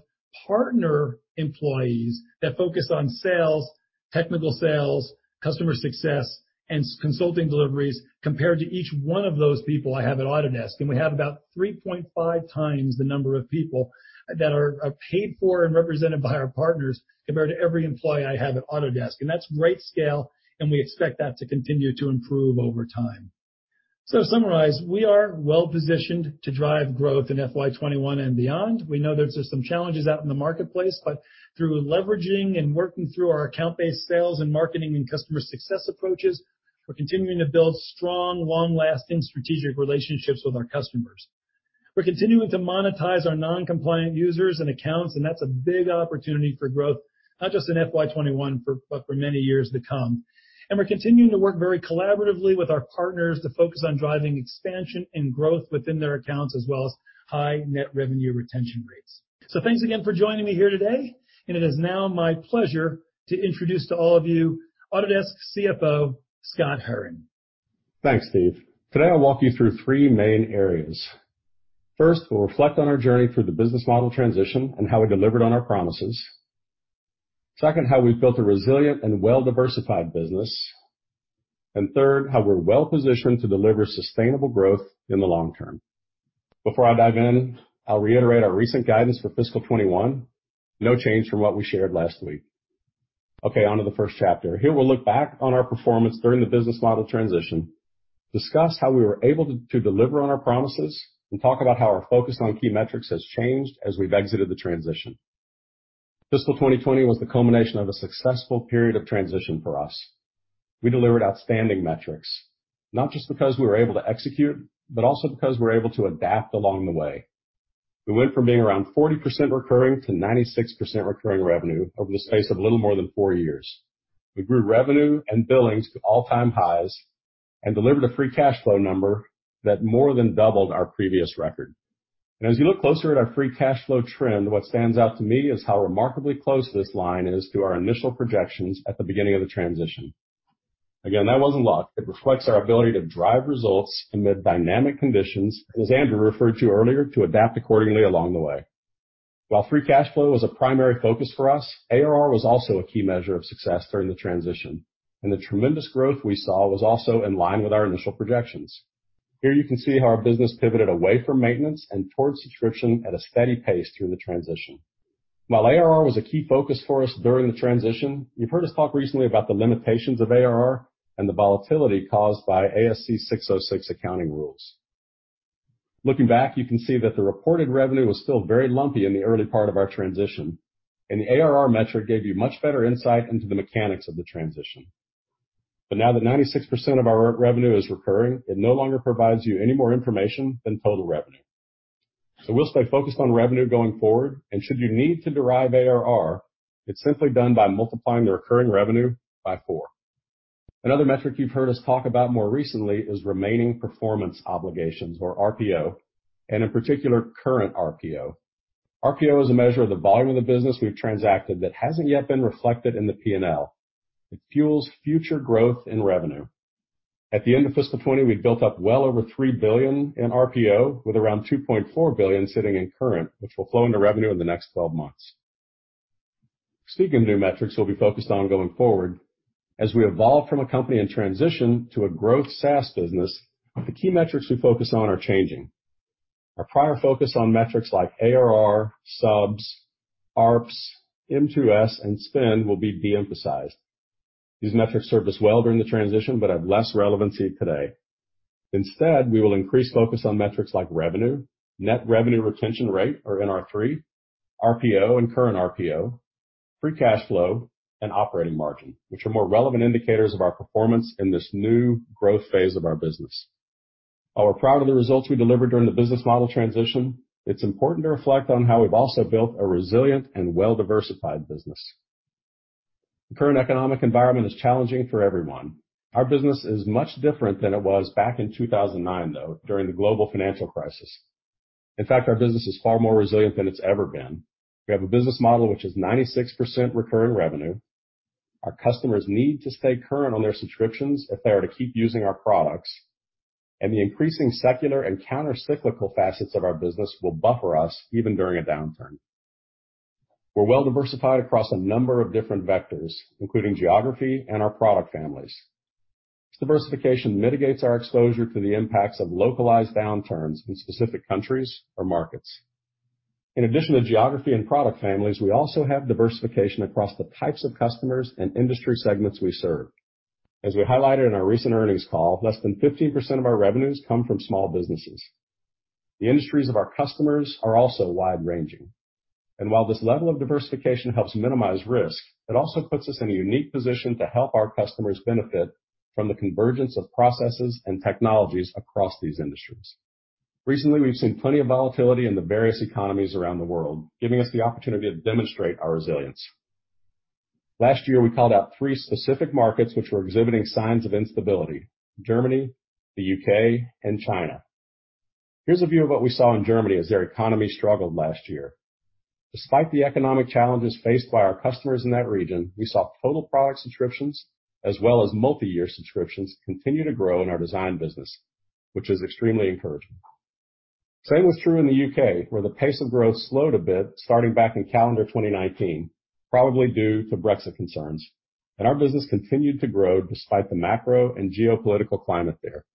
partner employees that focus on sales, technical sales, customer success, and consulting deliveries compared to each one of those people I have at Autodesk. We have about 3.5 times the number of people that are paid for and represented by our partners compared to every employee I have at Autodesk. That's great scale, and we expect that to continue to improve over time. To summarize, we are well-positioned to drive growth in FY 2021 and beyond. We know that there's some challenges out in the marketplace, through leveraging and working through our account-based sales and marketing and customer success approaches, we're continuing to build strong, long-lasting strategic relationships with our customers. We're continuing to monetize our noncompliant users and accounts, that's a big opportunity for growth, not just in FY 2021, but for many years to come. We're continuing to work very collaboratively with our partners to focus on driving expansion and growth within their accounts, as well as high net revenue retention rates. Thanks again for joining me here today, and it is now my pleasure to introduce to all of you Autodesk Chief Financial Officer, Scott Herren. Thanks, Steve. Today, I'll walk you through three main areas. First, we'll reflect on our journey through the business model transition and how we delivered on our promises. Second, how we've built a resilient and well-diversified business. third, how we're well-positioned to deliver sustainable growth in the long term. Before I dive in, I'll reiterate our recent guidance for fiscal 2021. No change from what we shared last week. Okay, onto the first chapter. Here, we'll look back on our performance during the business model transition, discuss how we were able to deliver on our promises, and talk about how our focus on key metrics has changed as we've exited the transition. Fiscal 2020 was the culmination of a successful period of transition for us. We delivered outstanding metrics, not just because we were able to execute, but also because we were able to adapt along the way. We went from being around 40% recurring to 96% recurring revenue over the space of a little more than four years. We grew revenue and billings to all-time highs and delivered a free cash flow number that more than doubled our previous record. As you look closer at our free cash flow trend, what stands out to me is how remarkably close this line is to our initial projections at the beginning of the transition. Again, that wasn't luck. It reflects our ability to drive results amid dynamic conditions, as Andrew referred to earlier, to adapt accordingly along the way. While free cash flow was a primary focus for us, ARR was also a key measure of success during the transition, and the tremendous growth we saw was also in line with our initial projections. Here you can see how our business pivoted away from maintenance and towards subscription at a steady pace through the transition. While ARR was a key focus for us during the transition, you've heard us talk recently about the limitations of ARR and the volatility caused by ASC 606 accounting rules. Looking back, you can see that the reported revenue was still very lumpy in the early part of our transition, and the ARR metric gave you much better insight into the mechanics of the transition. Now that 96% of our revenue is recurring, it no longer provides you any more information than total revenue. We'll stay focused on revenue going forward, and should you need to derive ARR, it's simply done by multiplying the recurring revenue by four. Another metric you've heard us talk about more recently is remaining performance obligations or RPO, and in particular, current RPO. RPO is a measure of the volume of the business we've transacted that hasn't yet been reflected in the P&L. It fuels future growth in revenue. At the end of fiscal 2020, we built up well over $3 billion in RPO with around $2.4 billion sitting in current, which will flow into revenue in the next 12 months. Speaking of new metrics we'll be focused on going forward, as we evolve from a company in transition to a growth SaaS business, the key metrics we focus on are changing. Our prior focus on metrics like ARR, subs, ARPS, M2S, and spend will be de-emphasized. These metrics served us well during the transition, have less relevancy today. Instead, we will increase focus on metrics like revenue, net revenue retention rate or NR3, RPO and current RPO, free cash flow, and operating margin, which are more relevant indicators of our performance in this new growth phase of our business. While we're proud of the results we delivered during the business model transition, it's important to reflect on how we've also built a resilient and well-diversified business. The current economic environment is challenging for everyone. Our business is much different than it was back in 2009, though, during the global financial crisis. In fact, our business is far more resilient than it's ever been. We have a business model which is 96% recurring revenue. Our customers need to stay current on their subscriptions if they are to keep using our products, and the increasing secular and counter-cyclical facets of our business will buffer us even during a downturn. We're well-diversified across a number of different vectors, including geography and our product families. This diversification mitigates our exposure to the impacts of localized downturns in specific countries or markets. In addition to geography and product families, we also have diversification across the types of customers and industry segments we serve. As we highlighted in our recent earnings call, less than 15% of our revenues come from small businesses. The industries of our customers are also wide-ranging. While this level of diversification helps minimize risk, it also puts us in a unique position to help our customers benefit from the convergence of processes and technologies across these industries. Recently, we've seen plenty of volatility in the various economies around the world, giving us the opportunity to demonstrate our resilience. Last year, we called out three specific markets which were exhibiting signs of instability, Germany, the U.K., and China. Here's a view of what we saw in Germany as their economy struggled last year. Despite the economic challenges faced by our customers in that region, we saw total product subscriptions as well as multi-year subscriptions continue to grow in our design business, which is extremely encouraging. Same was true in the U.K., where the pace of growth slowed a bit starting back in calendar 2019, probably due to Brexit concerns. Our business continued to grow despite the macro and geopolitical climate there.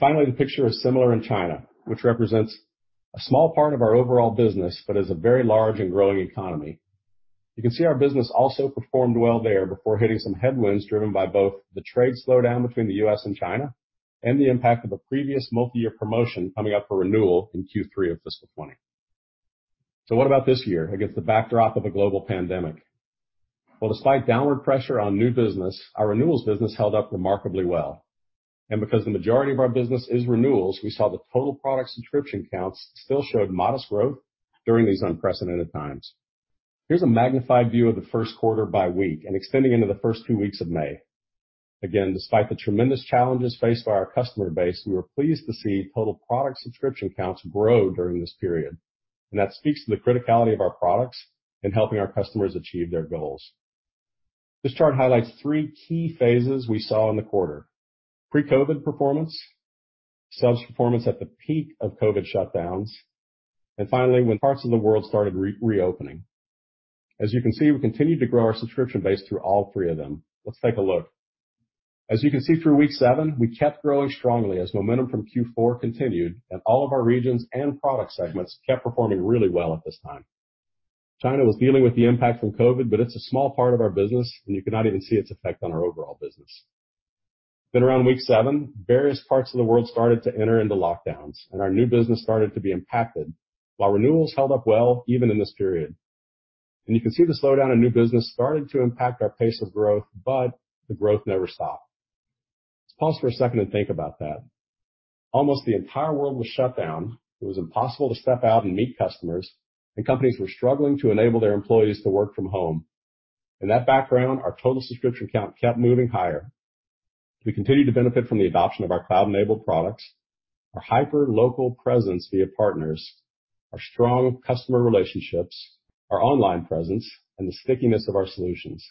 Finally, the picture is similar in China, which represents a small part of our overall business, but is a very large and growing economy. You can see our business also performed well there before hitting some headwinds driven by both the trade slowdown between the U.S. and China and the impact of a previous multi-year promotion coming up for renewal in Q3 of fiscal 2020. What about this year against the backdrop of a global pandemic? Despite downward pressure on new business, our renewals business held up remarkably well. Because the majority of our business is renewals, we saw that total product subscription counts still showed modest growth during these unprecedented times. Here's a magnified view of the first quarter by week and extending into the first two weeks of May. Despite the tremendous challenges faced by our customer base, we were pleased to see total product subscription counts grow during this period. That speaks to the criticality of our products in helping our customers achieve their goals. This chart highlights three key phases we saw in the quarter. Pre-COVID performance, sales performance at the peak of COVID shutdowns, and finally, when parts of the world started reopening. As you can see, we continued to grow our subscription base through all three of them. Let's take a look. As you can see through week seven, we kept growing strongly as momentum from Q4 continued, and all of our regions and product segments kept performing really well at this time. China was dealing with the impact from COVID, but it's a small part of our business, and you could not even see its effect on our overall business. Around week seven, various parts of the world started to enter into lockdowns, and our new business started to be impacted, while renewals held up well even in this period. You can see the slowdown in new business starting to impact our pace of growth, but the growth never stopped. Let's pause for a second and think about that. Almost the entire world was shut down. It was impossible to step out and meet customers, and companies were struggling to enable their employees to work from home. In that background, our total subscription count kept moving higher. We continued to benefit from the adoption of our cloud-enabled products, our hyper-local presence via partners, our strong customer relationships, our online presence, and the stickiness of our solutions.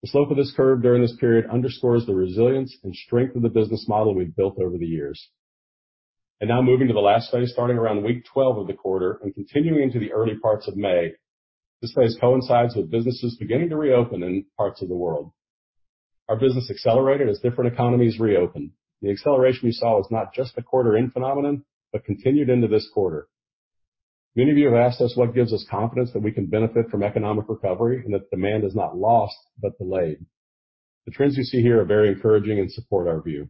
The slope of this curve during this period underscores the resilience and strength of the business model we've built over the years. Now moving to the last phase, starting around week 12 of the quarter and continuing into the early parts of May. This phase coincides with businesses beginning to reopen in parts of the world. Our business accelerated as different economies reopened. The acceleration we saw was not just a quarter-end phenomenon, but continued into this quarter. Many of you have asked us what gives us confidence that we can benefit from economic recovery and that demand is not lost but delayed. The trends you see here are very encouraging and support our view.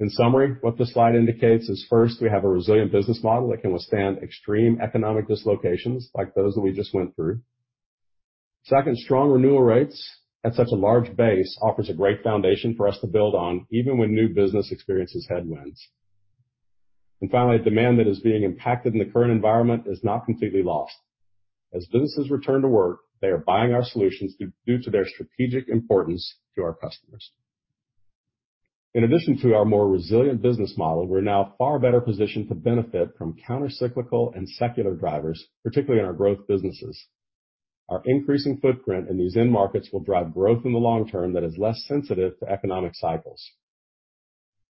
In summary, what this slide indicates is first, we have a resilient business model that can withstand extreme economic dislocations like those that we just went through. Second, strong renewal rates at such a large base offers a great foundation for us to build on, even when new business experiences headwinds. Finally, demand that is being impacted in the current environment is not completely lost. As businesses return to work, they are buying our solutions due to their strategic importance to our customers. In addition to our more resilient business model, we're now far better positioned to benefit from counter-cyclical and secular drivers, particularly in our growth businesses. Our increasing footprint in these end markets will drive growth in the long term that is less sensitive to economic cycles.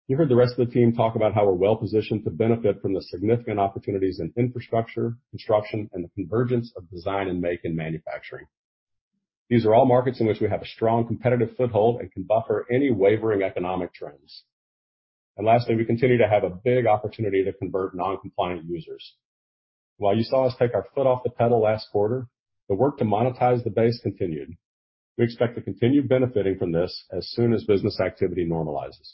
You heard the rest of the team talk about how we're well positioned to benefit from the significant opportunities in infrastructure, construction, and the convergence of design and make in manufacturing. These are all markets in which we have a strong competitive foothold and can buffer any wavering economic trends. Lastly, we continue to have a big opportunity to convert non-compliant users. While you saw us take our foot off the pedal last quarter, the work to monetize the base continued. We expect to continue benefiting from this as soon as business activity normalizes.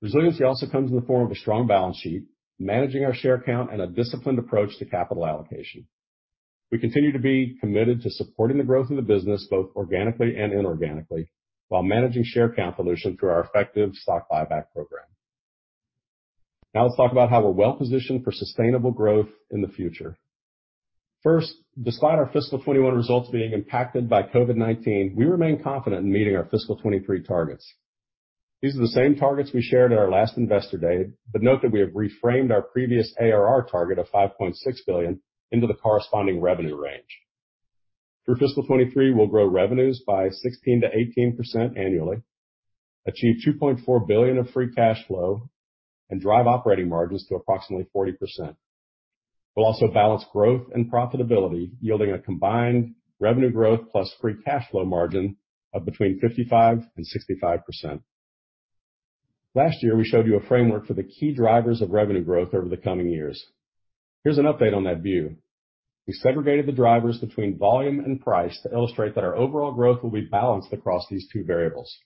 Resiliency also comes in the form of a strong balance sheet, managing our share count, and a disciplined approach to capital allocation. We continue to be committed to supporting the growth of the business, both organically and inorganically, while managing share count dilution through our effective stock buyback program. Let's talk about how we're well-positioned for sustainable growth in the future. First, despite our fiscal 2021 results being impacted by COVID-19, we remain confident in meeting our fiscal 2023 targets. These are the same targets we shared at our last Investor Day, note that we have reframed our previous ARR target of $5.6 billion into the corresponding revenue range. Through fiscal 2023, we'll grow revenues by 16%-18% annually, achieve $2.4 billion of free cash flow, and drive operating margins to approximately 40%. We'll also balance growth and profitability, yielding a combined revenue growth plus free cash flow margin of between 55% and 65%. Last year, we showed you a framework for the key drivers of revenue growth over the coming years. Here's an update on that view. We segregated the drivers between volume and price to illustrate that our overall growth will be balanced across these two variables.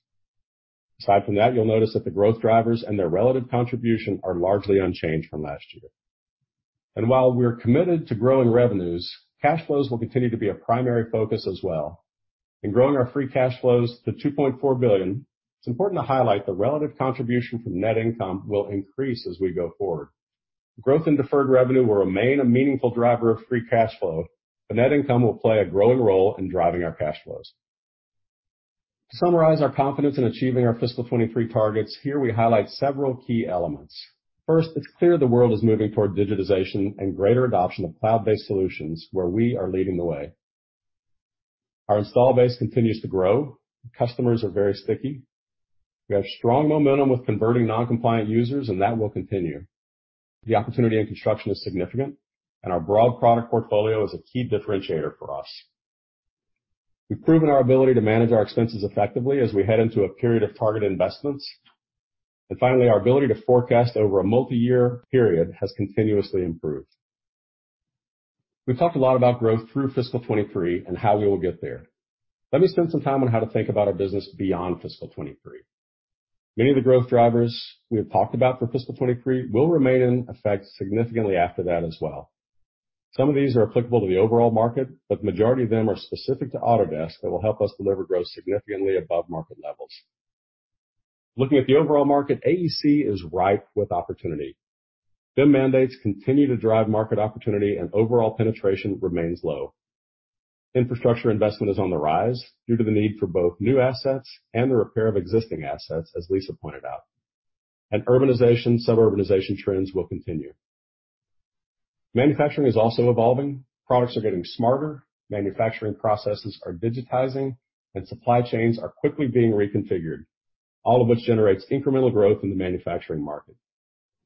Aside from that, you'll notice that the growth drivers and their relative contribution are largely unchanged from last year. While we are committed to growing revenues, cash flows will continue to be a primary focus as well. In growing our free cash flows to $2.4 billion, it's important to highlight the relative contribution from net income will increase as we go forward. Growth in deferred revenue will remain a meaningful driver of free cash flow, net income will play a growing role in driving our cash flows. To summarize our confidence in achieving our fiscal 2023 targets, here we highlight several key elements. First, it's clear the world is moving toward digitization and greater adoption of cloud-based solutions where we are leading the way. Our install base continues to grow. Customers are very sticky. We have strong momentum with converting non-compliant users, and that will continue. The opportunity in construction is significant, and our broad product portfolio is a key differentiator for us. We've proven our ability to manage our expenses effectively as we head into a period of targeted investments. Finally, our ability to forecast over a multi-year period has continuously improved. We've talked a lot about growth through fiscal 2023 and how we will get there. Let me spend some time on how to think about our business beyond fiscal 2023. Many of the growth drivers we have talked about for fiscal 2023 will remain in effect significantly after that as well. Some of these are applicable to the overall market, but the majority of them are specific to Autodesk that will help us deliver growth significantly above market levels. Looking at the overall market, AEC is ripe with opportunity. BIM mandates continue to drive market opportunity and overall penetration remains low. Infrastructure investment is on the rise due to the need for both new assets and the repair of existing assets, as Lisa pointed out. Urbanization, suburbanization trends will continue. Manufacturing is also evolving. Products are getting smarter, manufacturing processes are digitizing, and supply chains are quickly being reconfigured. All of which generates incremental growth in the manufacturing market.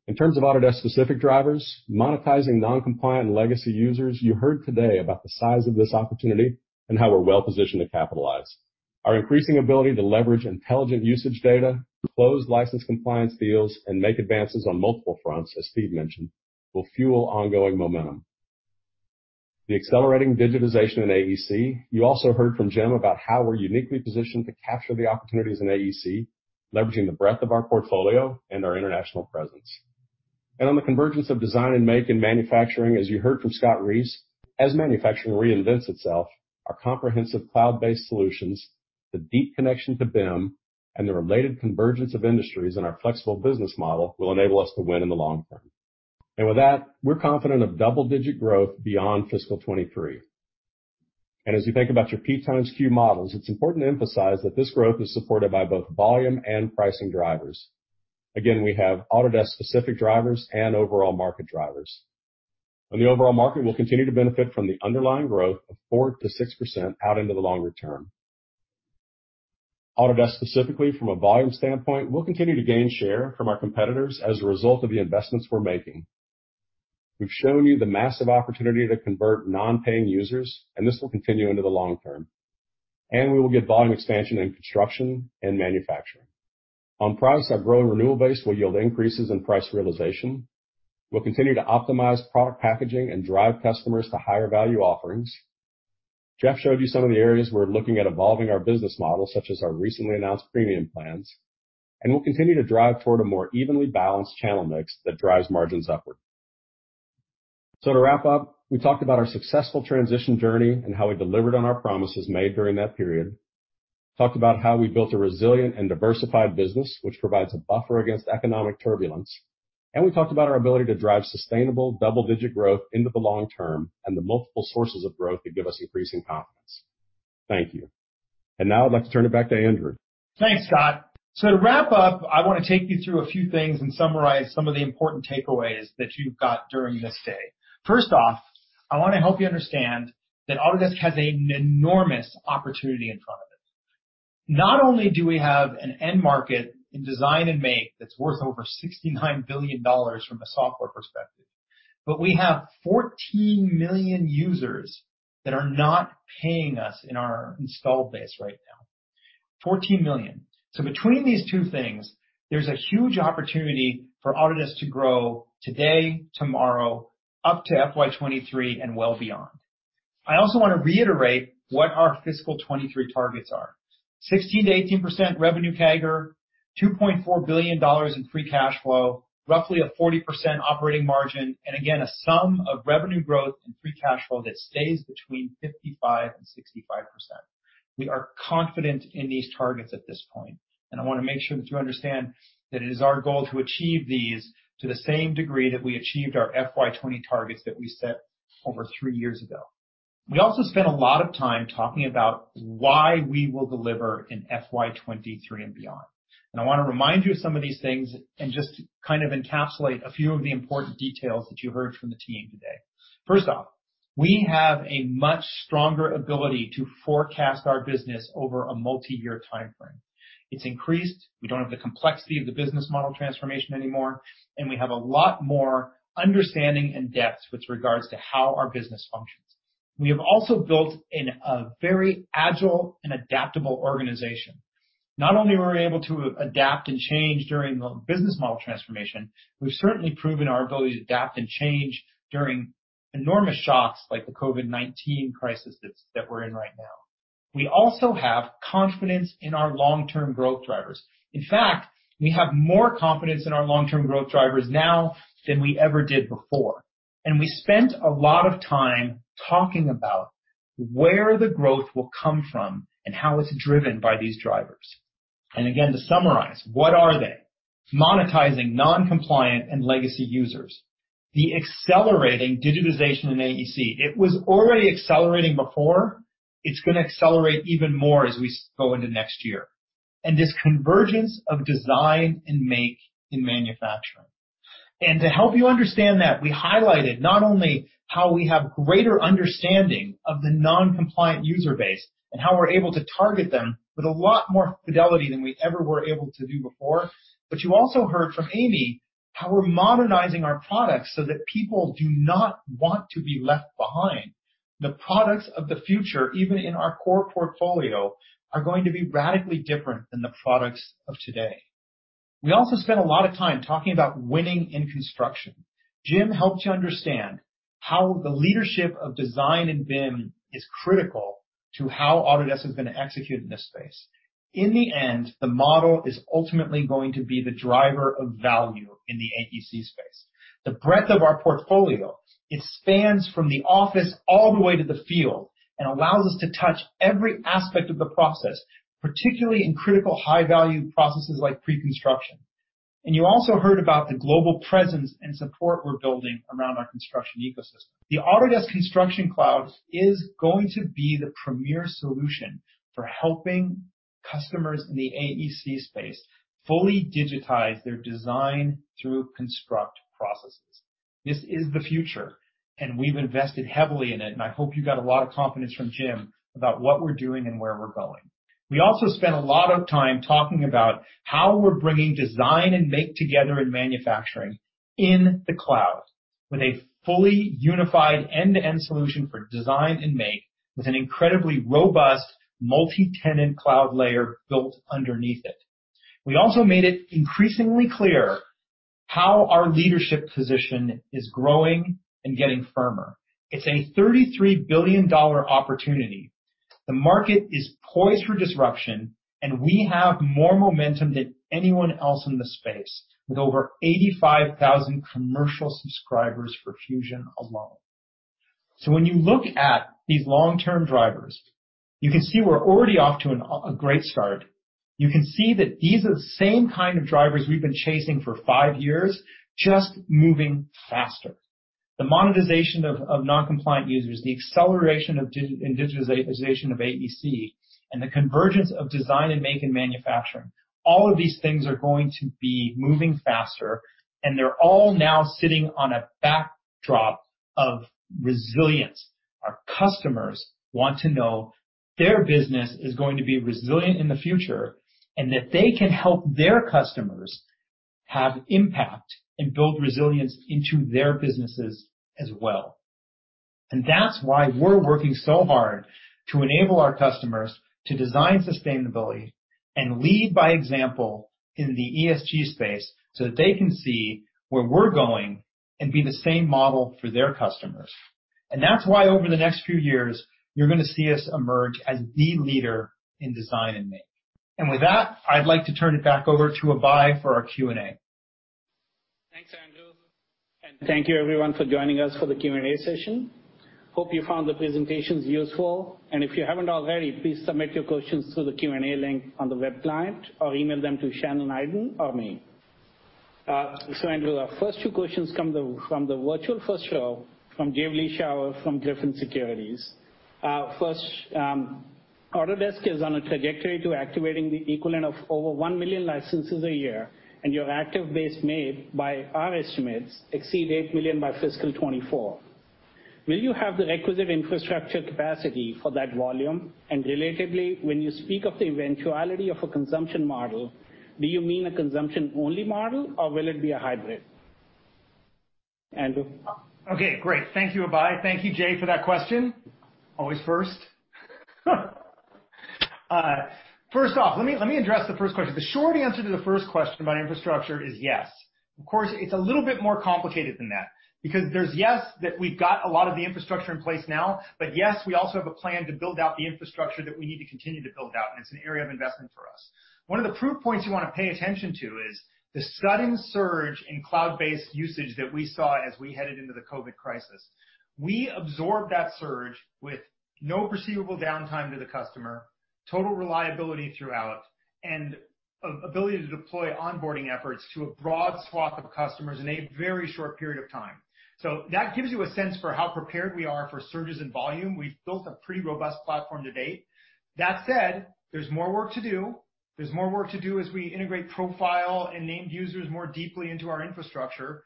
In terms of Autodesk-specific drivers, monetizing non-compliant legacy users, you heard today about the size of this opportunity and how we're well-positioned to capitalize. Our increasing ability to leverage intelligent usage data, close license compliance deals, and make advances on multiple fronts, as Steve mentioned, will fuel ongoing momentum. The accelerating digitization in AEC. You also heard from Jim about how we're uniquely positioned to capture the opportunities in AEC, leveraging the breadth of our portfolio and our international presence. On the convergence of design and make in manufacturing, as you heard from Scott Reese, as manufacturing reinvents itself, our comprehensive cloud-based solutions, the deep connection to BIM, and the related convergence of industries in our flexible business model will enable us to win in the long term. With that, we're confident of double-digit growth beyond fiscal 2023. As you think about your P times Q models, it's important to emphasize that this growth is supported by both volume and pricing drivers. Again, we have Autodesk-specific drivers and overall market drivers. On the overall market, we'll continue to benefit from the underlying growth of 4% to 6% out into the longer term. Autodesk, specifically from a volume standpoint, will continue to gain share from our competitors as a result of the investments we're making. We've shown you the massive opportunity to convert non-paying users. This will continue into the long term. We will get volume expansion in construction and manufacturing. On products, our growing renewal base will yield increases in price realization. We'll continue to optimize product packaging and drive customers to higher value offerings. Jeff showed you some of the areas we're looking at evolving our business model, such as our recently announced premium plans. We'll continue to drive toward a more evenly balanced channel mix that drives margins upward. To wrap up, we talked about our successful transition journey and how we delivered on our promises made during that period. We talked about how we built a resilient and diversified business, which provides a buffer against economic turbulence. We talked about our ability to drive sustainable double-digit growth into the long term and the multiple sources of growth that give us increasing confidence. Thank you. Now I'd like to turn it back to Andrew. Thanks, Scott. To wrap up, I want to take you through a few things and summarize some of the important takeaways that you've got during this day. First off, I want to help you understand that Autodesk has an enormous opportunity in front of it. Not only do we have an end market in design and make that's worth over $69 billion from a software perspective, but we have 14 million users that are not paying us in our installed base right now. 14 million. Between these two things, there's a huge opportunity for Autodesk to grow today, tomorrow, up to FY 2023 and well beyond. I also want to reiterate what our fiscal 2023 targets are 16%-18% revenue CAGR, $2.4 billion in free cash flow, roughly a 40% operating margin. Again, a sum of revenue growth and free cash flow that stays between 55% and 65%. We are confident in these targets at this point. I want to make sure that you understand that it is our goal to achieve these to the same degree that we achieved our FY 2020 targets that we set over three years ago. We also spent a lot of time talking about why we will deliver in FY 2023 and beyond. I want to remind you of some of these things and just kind of encapsulate a few of the important details that you heard from the team today. First off, we have a much stronger ability to forecast our business over a multi-year timeframe. It's increased. We don't have the complexity of the business model transformation anymore, and we have a lot more understanding and depth with regards to how our business functions. We have also built in a very agile and adaptable organization. Not only were we able to adapt and change during the business model transformation, we've certainly proven our ability to adapt and change during enormous shocks like the COVID-19 crisis that we're in right now. We also have confidence in our long-term growth drivers. In fact, we have more confidence in our long-term growth drivers now than we ever did before. We spent a lot of time talking about where the growth will come from and how it's driven by these drivers. Again, to summarize, what are they? Monetizing non-compliant and legacy users. The accelerating digitization in AEC. It was already accelerating before. It's going to accelerate even more as we go into next year. This convergence of design and make in manufacturing. To help you understand that, we highlighted not only how we have greater understanding of the non-compliant user base and how we're able to target them with a lot more fidelity than we ever were able to do before. You also heard from Amy how we're modernizing our products so that people do not want to be left behind. The products of the future, even in our core portfolio, are going to be radically different than the products of today. We also spent a lot of time talking about winning in construction. Jim helped you understand how the leadership of design and BIM is critical to how Autodesk is going to execute in this space. In the end, the model is ultimately going to be the driver of value in the AEC space. The breadth of our portfolio, it spans from the office all the way to the field and allows us to touch every aspect of the process, particularly in critical high-value processes like pre-construction. You also heard about the global presence and support we're building around our construction ecosystem. The Autodesk Construction Cloud is going to be the premier solution for helping customers in the AEC space fully digitize their design through construct processes. This is the future, and we've invested heavily in it, and I hope you got a lot of confidence from Jim about what we're doing and where we're going. We also spent a lot of time talking about how we're bringing design and make together in manufacturing in the cloud with a fully unified end-to-end solution for design and make with an incredibly robust multi-tenant cloud layer built underneath it. We also made it increasingly clear how our leadership position is growing and getting firmer. It's a $33 billion opportunity. The market is poised for disruption. We have more momentum than anyone else in the space, with over 85,000 commercial subscribers for Fusion alone. When you look at these long-term drivers, you can see we're already off to a great start. You can see that these are the same kind of drivers we've been chasing for five years, just moving faster. The monetization of non-compliant users, the acceleration in digitization of AEC, and the convergence of design and make in manufacturing. All of these things are going to be moving faster, they're all now sitting on a backdrop of resilience. Our customers want to know their business is going to be resilient in the future, and that they can help their customers have impact and build resilience into their businesses as well. That's why we're working so hard to enable our customers to design sustainability and lead by example in the ESG space so that they can see where we're going and be the same model for their customers. That's why, over the next few years, you're going to see us emerge as the leader in design and make. With that, I'd like to turn it back over to Abhey for our Q&A. Thanks, Andrew, and thank you everyone for joining us for the Q&A session. Hope you found the presentations useful. If you haven't already, please submit your questions through the Q&A link on the web client or email them to Shannon, Aiden, or me. Andrew, the first two questions come from the virtual first show from Jay from Griffin Securities. First, Autodesk is on a trajectory to activating the equivalent of over 1 million licenses a year, and your active base made by our estimates exceed 8 million by FY 2024. Will you have the requisite infrastructure capacity for that volume? Relatively, when you speak of the eventuality of a consumption model, do you mean a consumption-only model, or will it be a hybrid? Andrew? Okay, great. Thank you, Abhey. Thank you, Jay, for that question. Always first. First off, let me address the first question. The short answer to the first question about infrastructure is yes. Of course, it's a little bit more complicated than that because there's, yes, that we've got a lot of the infrastructure in place now, but yes, we also have a plan to build out the infrastructure that we need to continue to build out, and it's an area of investment for us. One of the proof points you want to pay attention to is the sudden surge in cloud-based usage that we saw as we headed into the COVID-19 crisis. We absorbed that surge with no perceivable downtime to the customer, total reliability throughout, and ability to deploy onboarding efforts to a broad swath of customers in a very short period of time. That gives you a sense for how prepared we are for surges in volume. We've built a pretty robust platform to date. That said, there's more work to do. There's more work to do as we integrate profile and named users more deeply into our infrastructure.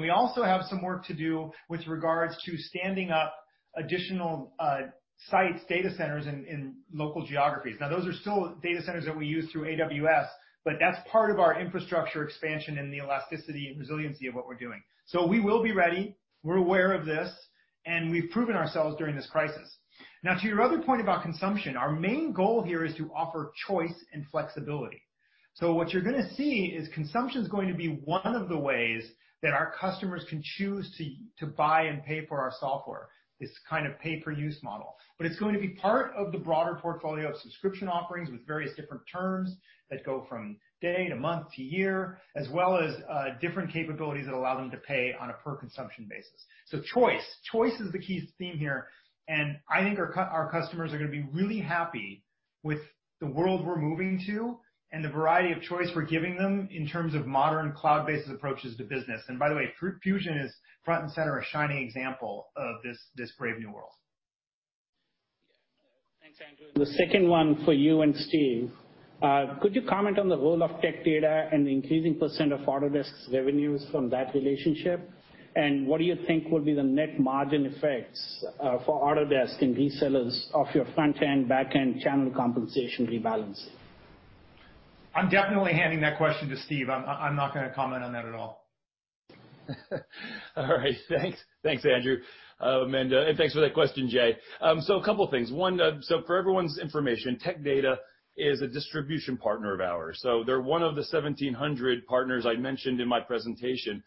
We also have some work to do with regards to standing up additional sites, data centers in local geographies. Those are still data centers that we use through AWS, but that's part of our infrastructure expansion and the elasticity and resiliency of what we're doing. We will be ready. We're aware of this, and we've proven ourselves during this crisis. To your other point about consumption, our main goal here is to offer choice and flexibility. What you're going to see is consumption's going to be one of the ways that our customers can choose to buy and pay for our software. This kind of pay-per-use model. It's going to be part of the broader portfolio of subscription offerings with various different terms that go from day to month to year, as well as different capabilities that allow them to pay on a per consumption basis. Choice is the key theme here, and I think our customers are going to be really happy with the world we're moving to and the variety of choice we're giving them in terms of modern cloud-based approaches to business. By the way, Fusion is front and center, a shining example of this brave new world. Thanks, Andrew. The second one for you and Steve. Could you comment on the role of Tech Data and the increasing % of Autodesk's revenues from that relationship? What do you think will be the net margin effects for Autodesk and resellers of your front-end, back-end channel compensation rebalance? I'm definitely handing that question to Steve. I'm not going to comment on that at all. All right. Thanks. Thanks, Andrew. Thanks for that question, Jay. A couple of things. One, for everyone's information, Tech Data is a distribution partner of ours, so they're one of the 1,700 partners I mentioned in my presentation.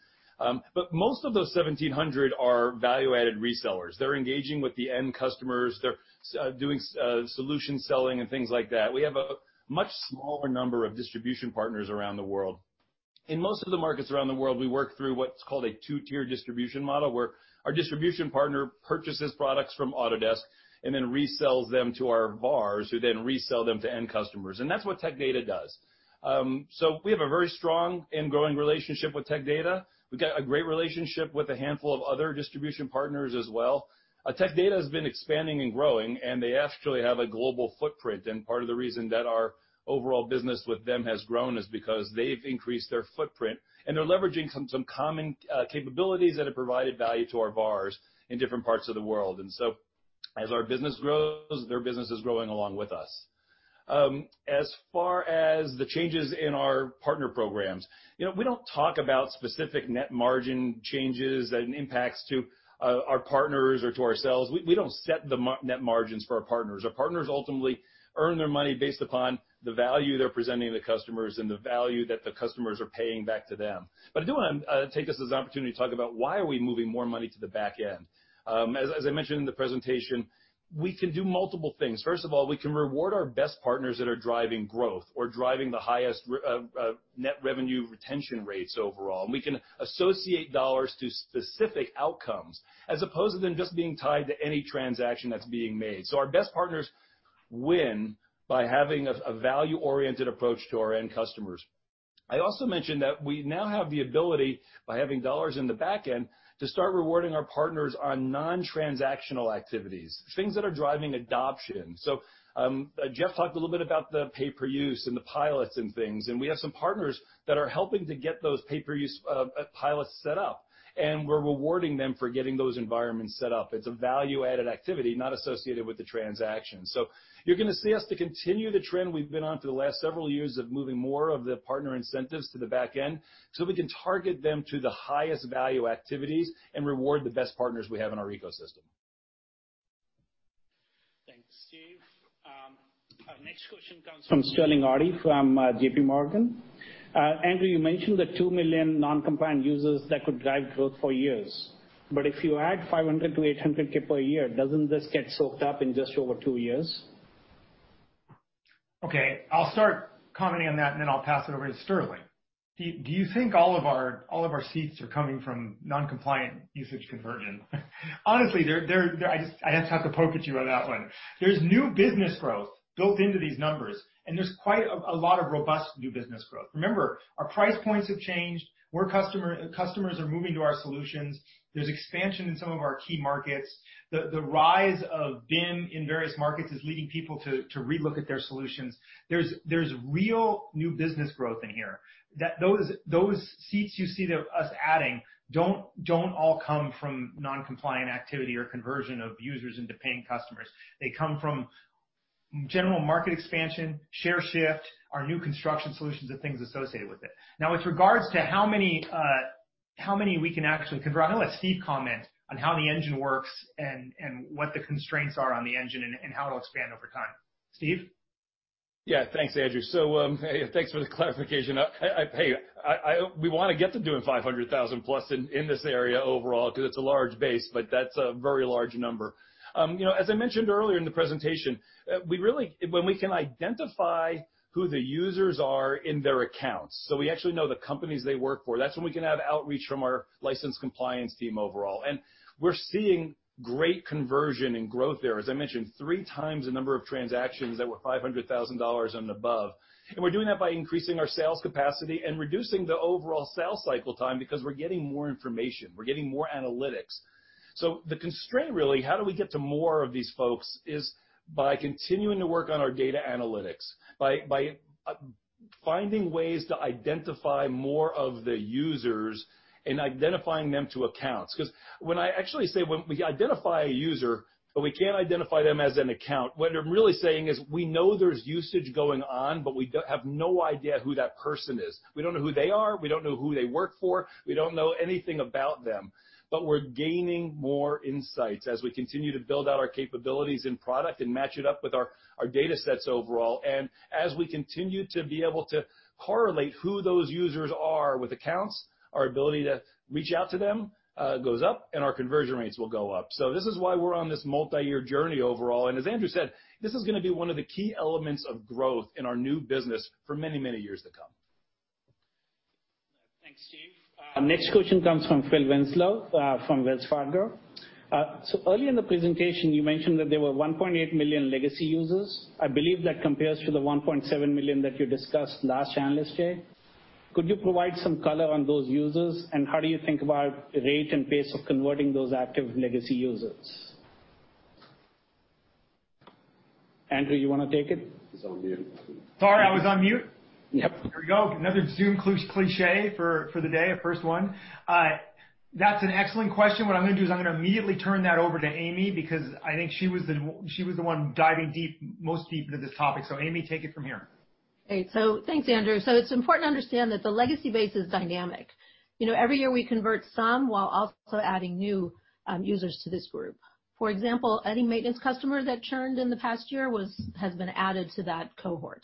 Most of those 1,700 are value-added resellers. They're engaging with the end customers. They're doing solution selling and things like that. We have a much smaller number of distribution partners around the world. In most of the markets around the world, we work through what's called a two-tier distribution model, where our distribution partner purchases products from Autodesk and then resells them to our VARs, who then resell them to end customers. That's what Tech Data does. We have a very strong and growing relationship with Tech Data. We've got a great relationship with a handful of other distribution partners as well. Tech Data has been expanding and growing. They actually have a global footprint. Part of the reason that our overall business with them has grown is because they've increased their footprint, and they're leveraging some common capabilities that have provided value to our VARs in different parts of the world. As our business grows, their business is growing along with us. As far as the changes in our partner programs, we don't talk about specific net margin changes and impacts to our partners or to ourselves. We don't set the net margins for our partners. Our partners ultimately earn their money based upon the value they're presenting to the customers and the value that the customers are paying back to them. I do want to take this as an opportunity to talk about why are we moving more money to the back end. As I mentioned in the presentation, we can do multiple things. First of all, we can reward our best partners that are driving growth or driving the highest net revenue retention rates overall, and we can associate dollars to specific outcomes as opposed to them just being tied to any transaction that's being made. Our best partners win by having a value-oriented approach to our end customers. I also mentioned that we now have the ability, by having dollars in the back end, to start rewarding our partners on non-transactional activities, things that are driving adoption. Jeff talked a little bit about the pay per use and the pilots and things, and we have some partners that are helping to get those pay per use pilots set up, and we're rewarding them for getting those environments set up. It's a value-added activity, not associated with the transaction. You're going to see us to continue the trend we've been on for the last several years of moving more of the partner incentives to the back end so we can target them to the highest value activities and reward the best partners we have in our ecosystem. Thanks, Steve. Our next question comes from Sterling Auty from JP Morgan. Andrew, you mentioned the 2 million noncompliant users that could drive growth for years, but if you add 500K-800K per year, doesn't this get soaked up in just over two years? Okay, I'll start commenting on that, and then I'll pass it over to Sterling. Do you think all of our seats are coming from noncompliant usage conversion? Honestly, I just have to poke at you on that one. There's new business growth built into these numbers, and there's quite a lot of robust new business growth. Remember, our price points have changed. More customers are moving to our solutions. There's expansion in some of our key markets. The rise of BIM in various markets is leading people to relook at their solutions. There's real new business growth in here. Those seats you see us adding don't all come from noncompliant activity or conversion of users into paying customers. They come from general market expansion, share shift, our new construction solutions and things associated with it. Now, with regards to how many we can actually convert, I'm going to let Steve comment on how the engine works and what the constraints are on the engine and how it'll expand over time. Steve? Thanks, Andrew. Thanks for the clarification. We want to get to doing 500,000 plus in this area overall because it's a large base, but that's a very large number. As I mentioned earlier in the presentation, when we can identify who the users are in their accounts, so we actually know the companies they work for, that's when we can have outreach from our license compliance team overall. We're seeing great conversion and growth there. As I mentioned, three times the number of transactions that were $500,000 and above. We're doing that by increasing our sales capacity and reducing the overall sales cycle time because we're getting more information, we're getting more analytics. The constraint, really, how do we get to more of these folks, is by continuing to work on our data analytics, by finding ways to identify more of the users and identifying them to accounts. When I actually say when we identify a user, but we can't identify them as an account, what I'm really saying is we know there's usage going on, but we have no idea who that person is. We don't know who they are. We don't know who they work for. We don't know anything about them. We're gaining more insights as we continue to build out our capabilities in product and match it up with our data sets overall. As we continue to be able to correlate who those users are with accounts, our ability to reach out to them goes up, and our conversion rates will go up. This is why we're on this multi-year journey overall. As Andrew said, this is going to be one of the key elements of growth in our new business for many, many years to come. Thanks, Steve. Next question comes from Phil Winslow from Wells Fargo. Earlier in the presentation, you mentioned that there were 1.8 million legacy users. I believe that compares to the 1.7 million that you discussed last Analyst Day. Could you provide some color on those users, and how do you think about rate and pace of converting those active legacy users? Andrew, you want to take it? Sorry, I was on mute. Yep. Here we go. Another Zoom cliché for the day. A first one. That's an excellent question. What I'm going to do is I'm going to immediately turn that over to Amy because I think she was the one diving most deep into this topic. Amy, take it from here. Thanks, Andrew. It's important to understand that the legacy base is dynamic. Every year we convert some while also adding new users to this group. For example, any maintenance customer that churned in the past year has been added to that cohort.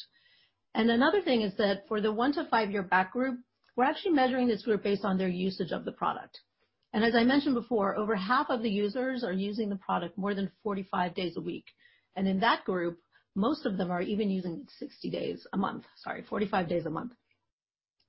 Another thing is that for the one to five-year back group, we're actually measuring this group based on their usage of the product. As I mentioned before, over half of the users are using the product more than 45 days a week, and in that group, most of them are even using 60 days a month. Sorry, 45 days a month.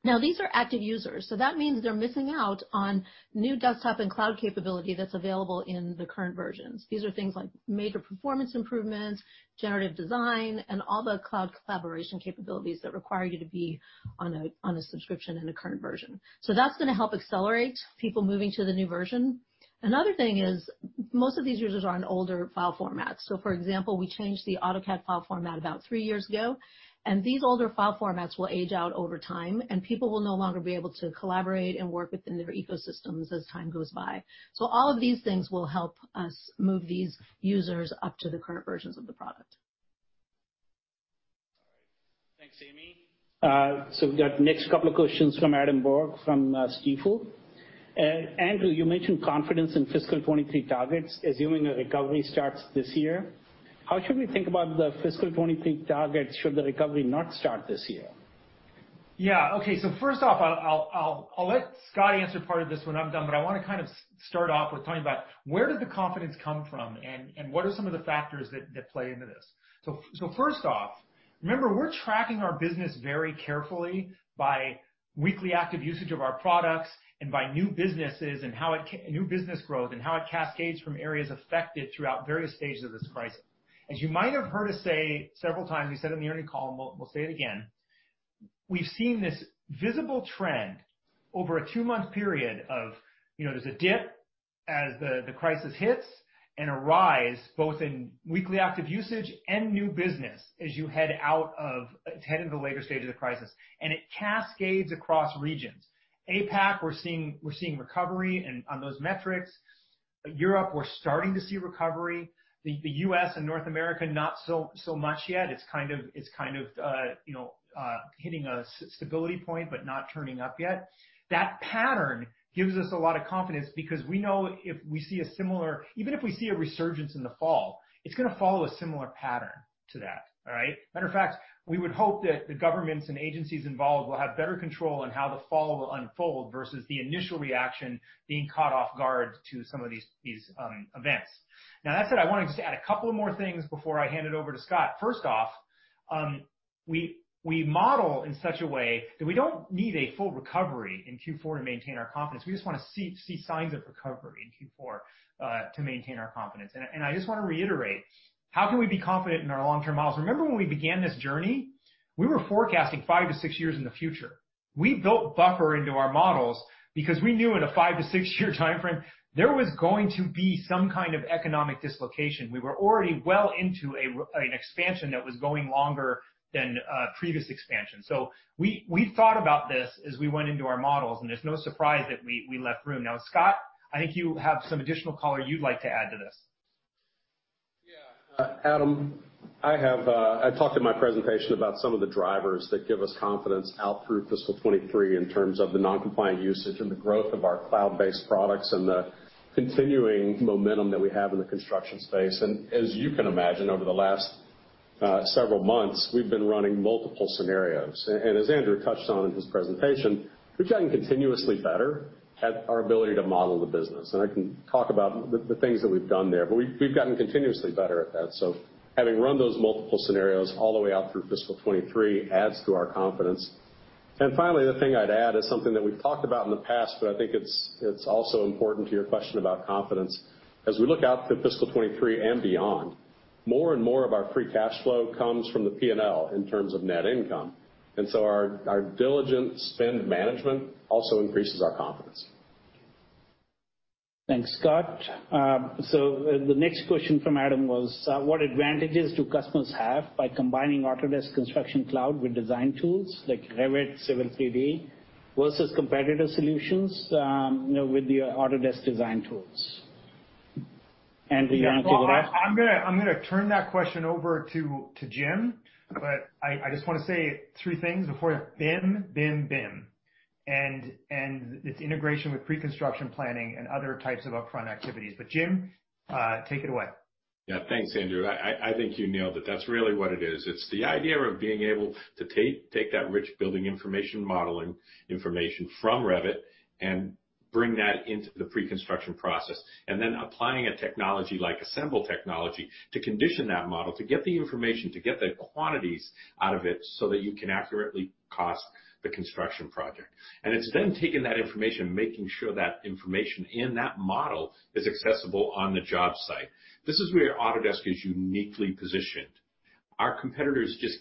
Now these are active users, so that means they're missing out on new desktop and cloud capability that's available in the current versions. These are things like major performance improvements, generative design, and all the cloud collaboration capabilities that require you to be on a subscription and a current version. That's going to help accelerate people moving to the new version. Another thing is, most of these users are on older file formats. For example, we changed the AutoCAD file format about three years ago, and these older file formats will age out over time, and people will no longer be able to collaborate and work within their ecosystems as time goes by. All of these things will help us move these users up to the current versions of the product. All right. Thanks, Amy. We've got next couple of questions from Adam Borg from Stifel. Andrew, you mentioned confidence in fiscal 2023 targets, assuming a recovery starts this year. How should we think about the fiscal 2023 targets, should the recovery not start this year? Okay, first off, I'll let Scott answer part of this when I'm done, but I want to start off with talking about where did the confidence come from, and what are some of the factors that play into this. First off, remember, we're tracking our business very carefully by weekly active usage of our products and by new business growth and how it cascades from areas affected throughout various stages of this crisis. As you might have heard us say several times, we said it in the earnings call, and we'll say it again, we've seen this visible trend over a two-month period of, there's a dip as the crisis hits, and a rise both in weekly active usage and new business as you head into the later stage of the crisis. It cascades across regions. APAC, we're seeing recovery and on those metrics. Europe, we're starting to see recovery. The U.S. and North America, not so much yet. It's kind of hitting a stability point, but not turning up yet. That pattern gives us a lot of confidence because we know if we see a similar Even if we see a resurgence in the fall, it's going to follow a similar pattern to that. All right? Matter of fact, we would hope that the governments and agencies involved will have better control on how the fall will unfold versus the initial reaction being caught off guard to some of these events. That said, I want to just add a couple of more things before I hand it over to Scott. First off, we model in such a way that we don't need a full recovery in Q4 to maintain our confidence. We just want to see signs of recovery in Q4, to maintain our confidence. I just want to reiterate, how can we be confident in our long-term models? Remember when we began this journey, we were forecasting five to six years in the future. We built buffer into our models because we knew in a five- to six-year timeframe, there was going to be some kind of economic dislocation. We were already well into an expansion that was going longer than a previous expansion. We thought about this as we went into our models, and it's no surprise that we left room. Now, Scott, I think you have some additional color you'd like to add to this. Yeah. Adam, I talked in my presentation about some of the drivers that give us confidence out through fiscal 2023 in terms of the non-compliant usage and the growth of our cloud-based products and the continuing momentum that we have in the construction space. As you can imagine, over the last several months, we've been running multiple scenarios. As Andrew touched on in his presentation, we've gotten continuously better at our ability to model the business, and I can talk about the things that we've done there, but we've gotten continuously better at that. Having run those multiple scenarios all the way out through fiscal 2023 adds to our confidence. Finally, the thing I'd add is something that we've talked about in the past, but I think it's also important to your question about confidence. As we look out to fiscal 2023 and beyond, more and more of our free cash flow comes from the P&L in terms of net income, our diligent spend management also increases our confidence. Thanks, Scott. The next question from Adam was, what advantages do customers have by combining Autodesk Construction Cloud with design tools like Revit, Civil 3D, versus competitor solutions with the Autodesk design tools? Andrew, you want to take a crack? I'm going to turn that question over to Jim, but I just want to say three things before. BIM, BIM. Its integration with pre-construction planning and other types of upfront activities. Jim, take it away. Yeah. Thanks, Andrew. I think you nailed it. That's really what it is. It's the idea of being able to take that rich building information modeling information from Revit and bring that into the pre-construction process, then applying a technology like Assemble technology to condition that model, to get the information, to get the quantities out of it, so that you can accurately cost the construction project. It's then taking that information, making sure that information in that model is accessible on the job site. This is where Autodesk is uniquely positioned. Our competitors just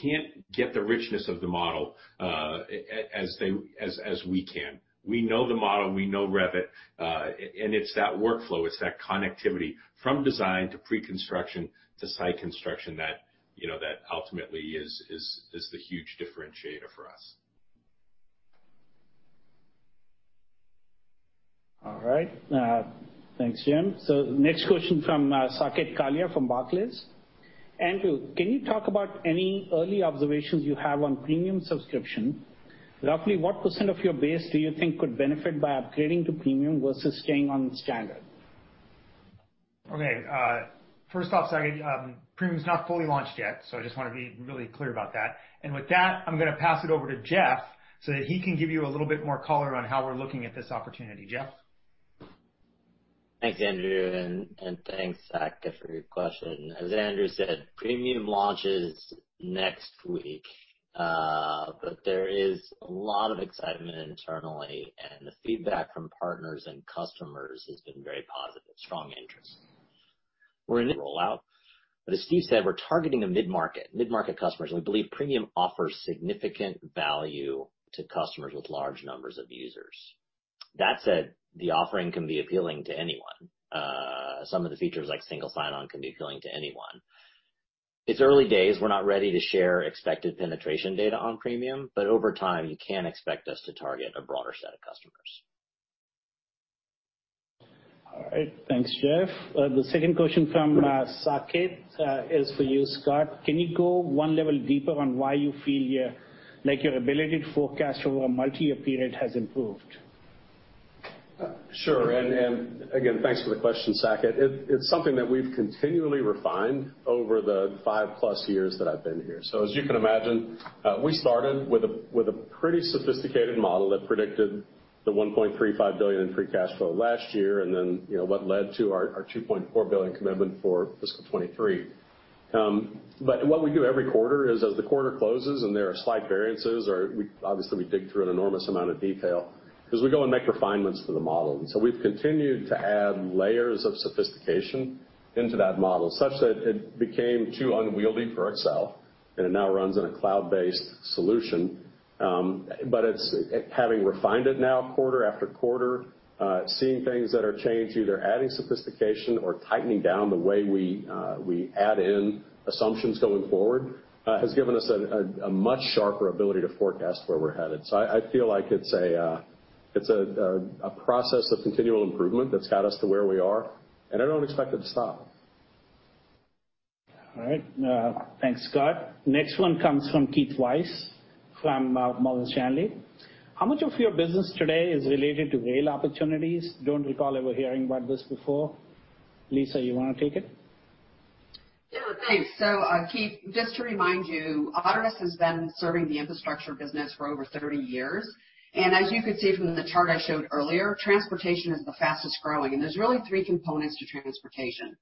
can't get the richness of the model, as we can. We know the model, we know Revit, and it's that workflow, it's that connectivity from design to pre-construction to site construction that ultimately is the huge differentiator for us. All right. Thanks, Jim. Next question from Saket Kalia from Barclays. Andrew, can you talk about any early observations you have on premium subscription? Roughly what percent of your base do you think could benefit by upgrading to premium versus staying on standard? Okay. First off, Saket, Premium's not fully launched yet. I just want to be really clear about that. With that, I'm going to pass it over to Jeff so that he can give you a little bit more color on how we're looking at this opportunity. Jeff? Thanks, Andrew, and thanks, Saket, for your question. There is a lot of excitement internally, and the feedback from partners and customers has been very positive. Strong interest. We're in a rollout, but as Steve said, we're targeting the mid-market customers, and we believe Premium offers significant value to customers with large numbers of users. That said, the offering can be appealing to anyone. Some of the features, like single sign-on, can be appealing to anyone. It's early days. We're not ready to share expected penetration data on Premium, but over time, you can expect us to target a broader set of customers. All right. Thanks, Jeff. The second question from Saket is for you, Scott. Can you go 1 level deeper on why you feel like your ability to forecast over a multi-year period has improved? Sure. Again, thanks for the question, Saket. It's something that we've continually refined over the five-plus years that I've been here. As you can imagine, we started with a pretty sophisticated model that predicted the $1.35 billion in free cash flow last year, and then what led to our $2.4 billion commitment for fiscal 2023. What we do every quarter is, as the quarter closes and there are slight variances, obviously, we dig through an enormous amount of detail because we go and make refinements to the model. We've continued to add layers of sophistication into that model, such that it became too unwieldy for Excel, and it now runs on a cloud-based solution. Having refined it now quarter after quarter, seeing things that are changed, either adding sophistication or tightening down the way we add in assumptions going forward, has given us a much sharper ability to forecast where we're headed. I feel like it's a process of continual improvement that's got us to where we are, and I don't expect it to stop. All right. Thanks, Scott. Next one comes from Keith Weiss from Morgan Stanley. How much of your business today is related to rail opportunities? Don't recall ever hearing about this before. Lisa, you want to take it? Yeah, thanks. Keith, just to remind you, Autodesk has been serving the infrastructure business for over 30 years. As you could see from the chart I showed earlier, transportation is the fastest-growing, and there's really three components to transportation.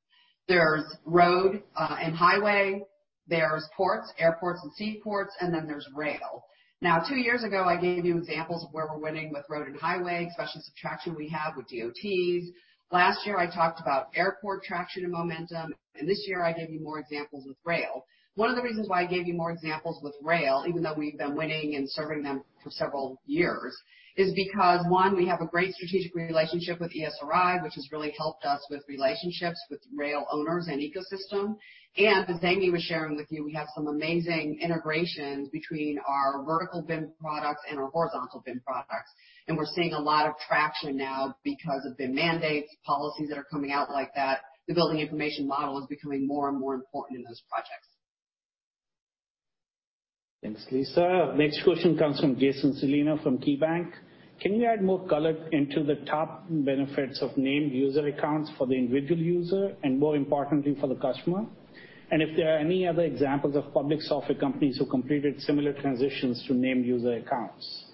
There's road and highway, there's ports, airports and seaports, and then there's rail. Now, two years ago, I gave you examples of where we're winning with road and highway, especially some traction we have with DOTs. Last year, I talked about airport traction and momentum, and this year, I gave you more examples with rail. One of the reasons why I gave you more examples with rail, even though we've been winning and serving them for several years, is because, one, we have a great strategic relationship with Esri, which has really helped us with relationships with rail owners and ecosystem. As Amy was sharing with you, we have some amazing integrations between our vertical BIM products and our horizontal BIM products. We're seeing a lot of traction now because of BIM mandates, policies that are coming out like that. The building information model is becoming more and more important in those projects. Thanks, Lisa. Next question comes from Jason Celino from Key Bank. Can you add more color into the top benefits of named user accounts for the individual user and more importantly, for the customer? If there are any other examples of public software companies who completed similar transitions to named user accounts?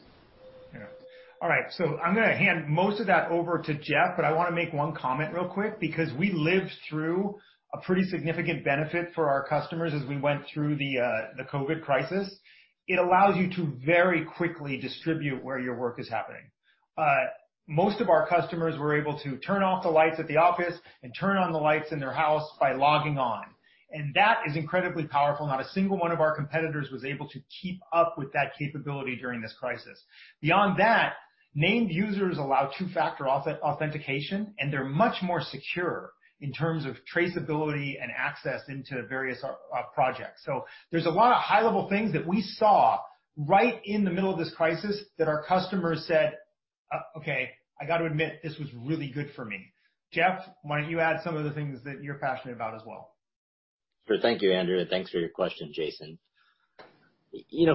All right. I'm going to hand most of that over to Jeff, but I want to make one comment real quick, because we lived through a pretty significant benefit for our customers as we went through the COVID crisis. It allows you to very quickly distribute where your work is happening. Most of our customers were able to turn off the lights at the office and turn on the lights in their house by logging on, and that is incredibly powerful. Not a single one of our competitors was able to keep up with that capability during this crisis. Beyond that, named users allow two-factor authentication, and they're much more secure in terms of traceability and access into various projects. There's a lot of high-level things that we saw right in the middle of this crisis that our customers said, "Okay, I got to admit, this was really good for me." Jeff, why don't you add some of the things that you're passionate about as well? Sure. Thank you, Andrew, thanks for your question, Jason.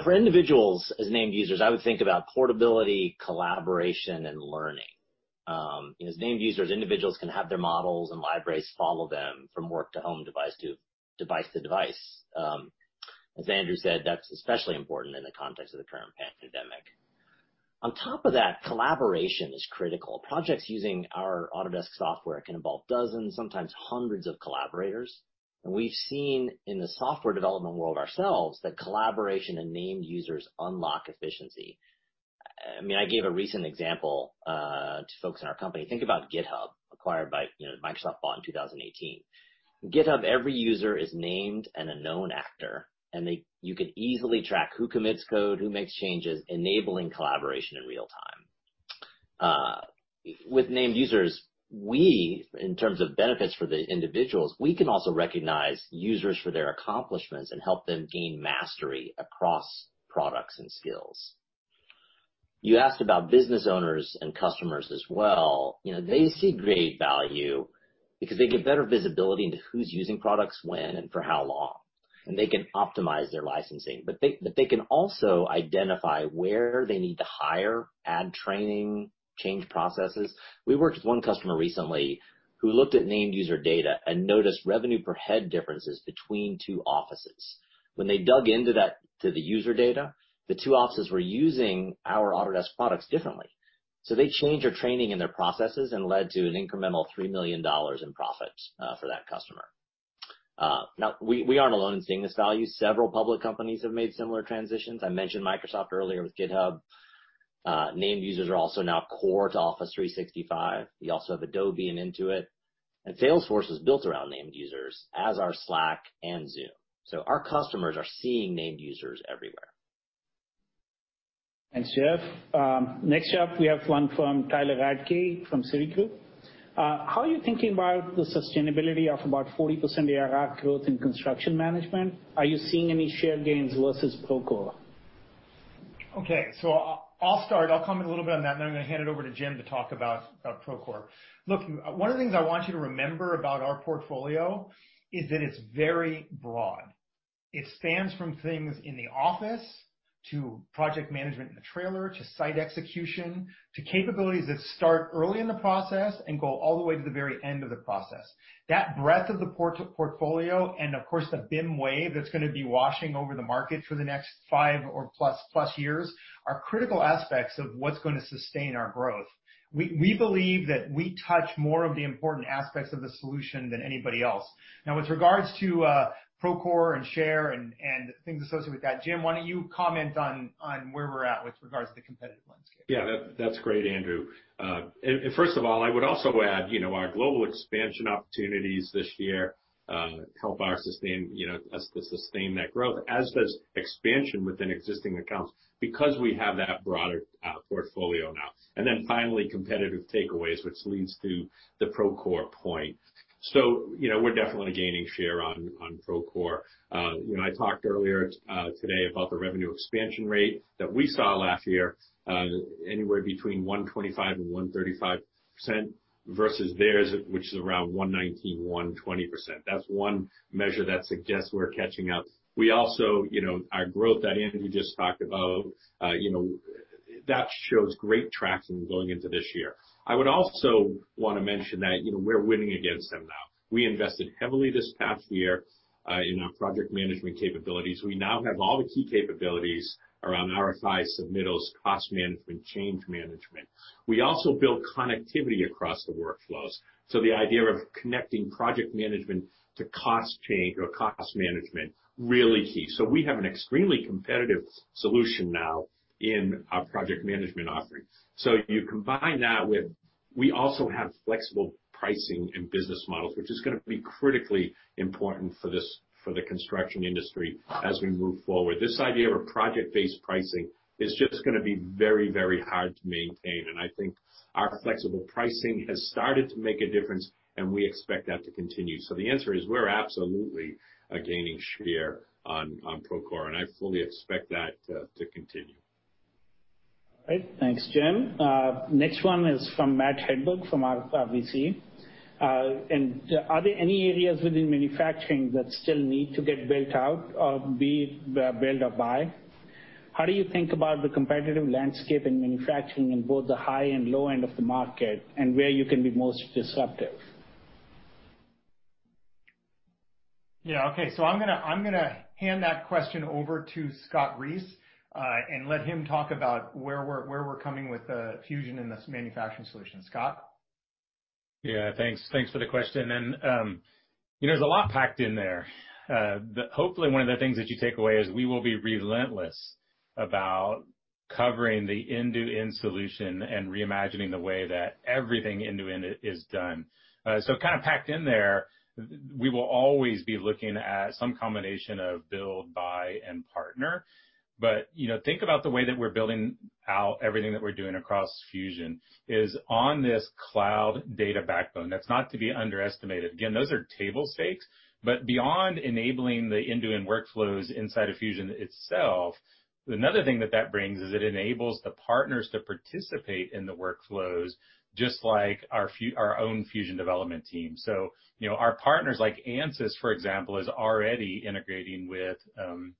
For individuals as named users, I would think about portability, collaboration, and learning. As named users, individuals can have their models and libraries follow them from work to home device to device to device. As Andrew said, that's especially important in the context of the current pandemic. Collaboration is critical. Projects using our Autodesk software can involve dozens, sometimes hundreds, of collaborators. We've seen in the software development world ourselves that collaboration and named users unlock efficiency. I gave a recent example to folks in our company. Think about GitHub, acquired by Microsoft in 2018. GitHub, every user is named and a known actor, you could easily track who commits code, who makes changes, enabling collaboration in real time. With named users, in terms of benefits for the individuals, we can also recognize users for their accomplishments and help them gain mastery across products and skills. You asked about business owners and customers as well. They see great value because they get better visibility into who's using products when and for how long, and they can optimize their licensing. They can also identify where they need to hire, add training, change processes. We worked with one customer recently who looked at named user data and noticed revenue per head differences between two offices. When they dug into the user data, the two offices were using our Autodesk products differently. They changed their training and their processes and led to an incremental $3 million in profits for that customer. We aren't alone in seeing this value. Several public companies have made similar transitions. I mentioned Microsoft earlier with GitHub. Named users are also now core to Office 365. You also have Adobe and Intuit. Salesforce is built around named users, as are Slack and Zoom. Our customers are seeing named users everywhere. Thanks, Jeff. Next up, we have one from Tyler Radke from Citigroup. How are you thinking about the sustainability of about 40% year-over-year growth in construction management? Are you seeing any share gains versus Procore? Okay, I'll start. I'll comment a little bit on that, and then I'm going to hand it over to Jim to talk about Procore. Look, one of the things I want you to remember about our portfolio is that it's very broad. It spans from things in the office to project management in the trailer, to site execution, to capabilities that start early in the process and go all the way to the very end of the process. That breadth of the portfolio and, of course, the BIM wave that's going to be washing over the market for the next five or plus years are critical aspects of what's going to sustain our growth. We believe that we touch more of the important aspects of the solution than anybody else. With regards to Procore and share and things associated with that, Jim, why don't you comment on where we're at with regards to competitive landscape? Yeah. That's great, Andrew. First of all, I would also add, our global expansion opportunities this year help us to sustain that growth, as does expansion within existing accounts, because we have that broader portfolio now. Finally, competitive takeaways, which leads to the Procore point. We're definitely gaining share on Procore. I talked earlier today about the revenue expansion rate that we saw last year, anywhere between 125% and 135% versus theirs, which is around 119%, 120%. That's one measure that suggests we're catching up. Our growth that Andrew just talked about, that shows great traction going into this year. I would also want to mention that we're winning against them now. We invested heavily this past year in our project management capabilities. We now have all the key capabilities around RFIs, submittals, cost management, change management. We also build connectivity across the workflows. The idea of connecting project management to cost management, really key. We have an extremely competitive solution now in our project management offering. We also have flexible pricing and business models, which is going to be critically important for the construction industry as we move forward. This idea of a project-based pricing is just going to be very hard to maintain, and I think our flexible pricing has started to make a difference, and we expect that to continue. The answer is, we're absolutely gaining share on Procore, and I fully expect that to continue. All right. Thanks, Jim. Next one is from Matt Hedberg from Alpha VC. Are there any areas within manufacturing that still need to get built out or be build or buy? How do you think about the competitive landscape in manufacturing in both the high and low end of the market, and where you can be most disruptive? Yeah. Okay. I'm going to hand that question over to Scott Reese, and let him talk about where we're coming with Fusion in this manufacturing solution. Scott? Yeah, thanks for the question. There's a lot packed in there. Hopefully, one of the things that you take away is we will be relentless about covering the end-to-end solution and reimagining the way that everything end-to-end is done. Kind of packed in there, we will always be looking at some combination of build, buy, and partner. Think about the way that we're building out everything that we're doing across Fusion is on this cloud data backbone. That's not to be underestimated. Again, those are table stakes. Beyond enabling the end-to-end workflows inside of Fusion itself, another thing that that brings is it enables the partners to participate in the workflows just like our own Fusion development team. Our partners like Ansys, for example, is already integrating with Forge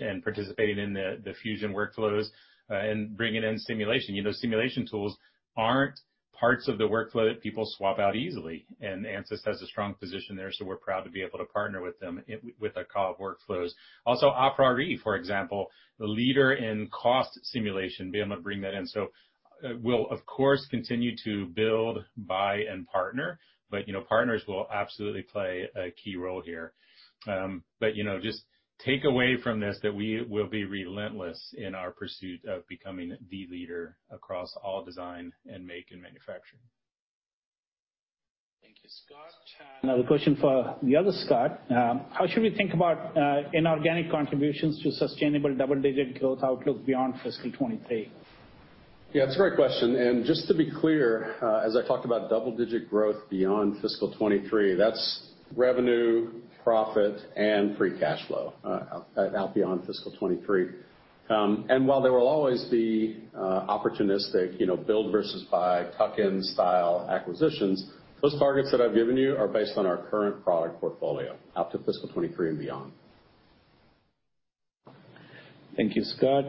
and participating in the Fusion workflows, and bringing in simulation. Simulation tools aren't parts of the workflow that people swap out easily. Ansys has a strong position there, so we're proud to be able to partner with them with a cloud workflows. Also, aPriori, for example, the leader in cost simulation, being able to bring that in. We'll, of course, continue to build, buy, and partner, but partners will absolutely play a key role here. Just take away from this that we will be relentless in our pursuit of becoming the leader across all design and make and manufacturing. Thank you, Scott. Another question for the other Scott. How should we think about inorganic contributions to sustainable double-digit growth outlook beyond fiscal 2023? Yeah, it's a great question. Just to be clear, as I talked about double-digit growth beyond fiscal 2023, that's revenue, profit, and free cash flow out beyond fiscal 2023. While there will always be opportunistic build versus buy tuck-in style acquisitions, those targets that I've given you are based on our current product portfolio out to fiscal 2023 and beyond. Thank you, Scott.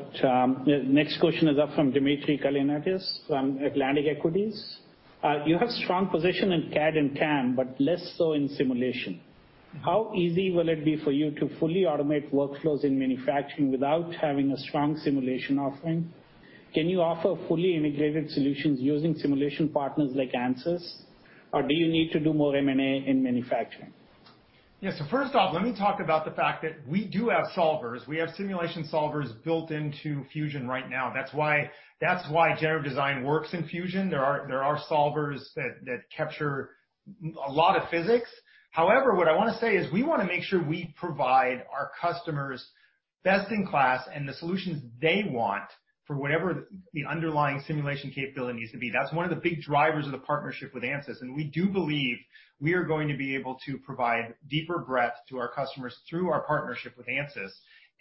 Next question is up from Dmitry Kalinin from Atlantic Equities. You have strong position in CAD and CAM, but less so in simulation. How easy will it be for you to fully automate workflows in manufacturing without having a strong simulation offering? Can you offer fully integrated solutions using simulation partners like Ansys, or do you need to do more M&A in manufacturing? Yes. First off, let me talk about the fact that we do have solvers. We have simulation solvers built into Fusion right now. That's why generative design works in Fusion. There are solvers that capture a lot of physics. However, what I want to say is we want to make sure we provide our customers best in class and the solutions they want for whatever the underlying simulation capability needs to be. That's one of the big drivers of the partnership with Ansys, we do believe we are going to be able to provide deeper breadth to our customers through our partnership with Ansys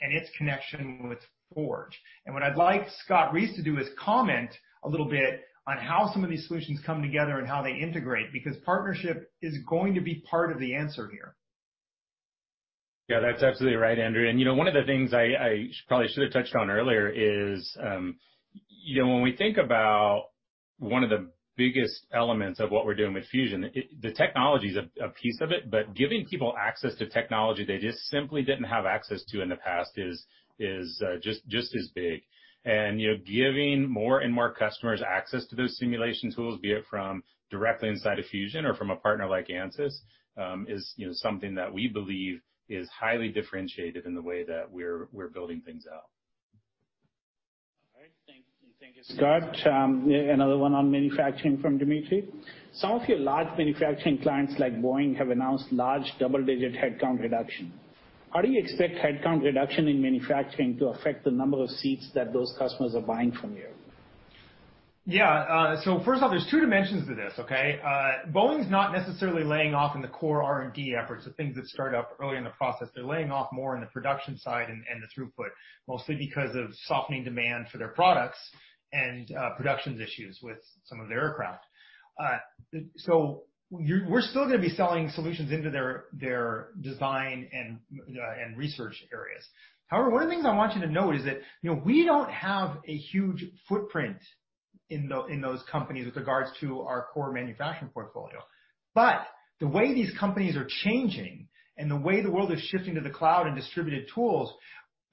and its connection with Forge. What I'd like Scott Reese to do is comment a little bit on how some of these solutions come together and how they integrate, because partnership is going to be part of the answer here. Yeah, that's absolutely right, Andrew. One of the things I probably should have touched on earlier is when we think about one of the biggest elements of what we're doing with Fusion, the technology is a piece of it, but giving people access to technology they just simply didn't have access to in the past is just as big. Giving more and more customers access to those simulation tools, be it from directly inside of Fusion or from a partner like Ansys, is something that we believe is highly differentiated in the way that we're building things out. All right. Thank you, Scott. Another one on manufacturing from Dimitri. Some of your large manufacturing clients, like Boeing, have announced large double-digit headcount reduction. How do you expect headcount reduction in manufacturing to affect the number of seats that those customers are buying from you? Yeah. First off, there's two dimensions to this, okay? Boeing's not necessarily laying off in the core R&D efforts, the things that start up early in the process. They're laying off more in the production side and the throughput, mostly because of softening demand for their products and production issues with some of their aircraft. We're still going to be selling solutions into their design and research areas. However, one of the things I want you to note is that we don't have a huge footprint in those companies with regards to our core manufacturing portfolio. The way these companies are changing and the way the world is shifting to the cloud and distributed tools,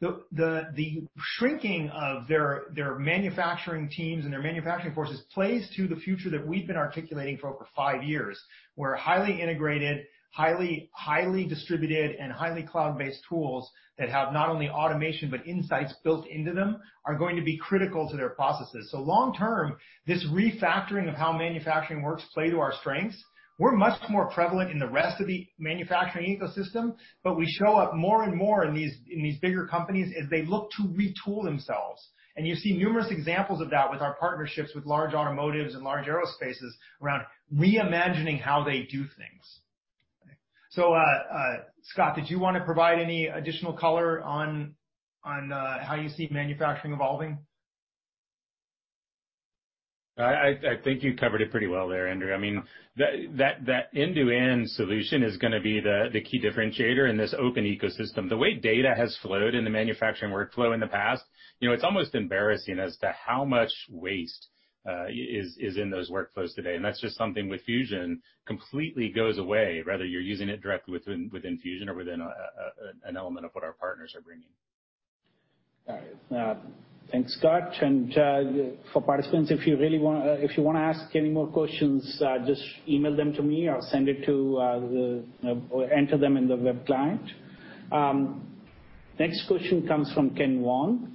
the shrinking of their manufacturing teams and their manufacturing forces plays to the future that we've been articulating for over five years, where highly integrated, highly distributed, and highly cloud-based tools that have not only automation but insights built into them are going to be critical to their processes. Long term, this refactoring of how manufacturing works play to our strengths. We're much more prevalent in the rest of the manufacturing ecosystem, but we show up more and more in these bigger companies as they look to retool themselves. You see numerous examples of that with our partnerships with large automotives and large aerospaces around reimagining how they do things. Scott, did you want to provide any additional color on how you see manufacturing evolving? I think you covered it pretty well there, Andrew. That end-to-end solution is going to be the key differentiator in this open ecosystem. The way data has flowed in the manufacturing workflow in the past, it's almost embarrassing as to how much waste is in those workflows today. That's just something with Fusion completely goes away. Rather, you're using it directly within Fusion or within an element of what our partners are bringing. All right. Thanks, Scott. For participants, if you want to ask any more questions, just email them to me or enter them in the web client. Next question comes from Ken Wong.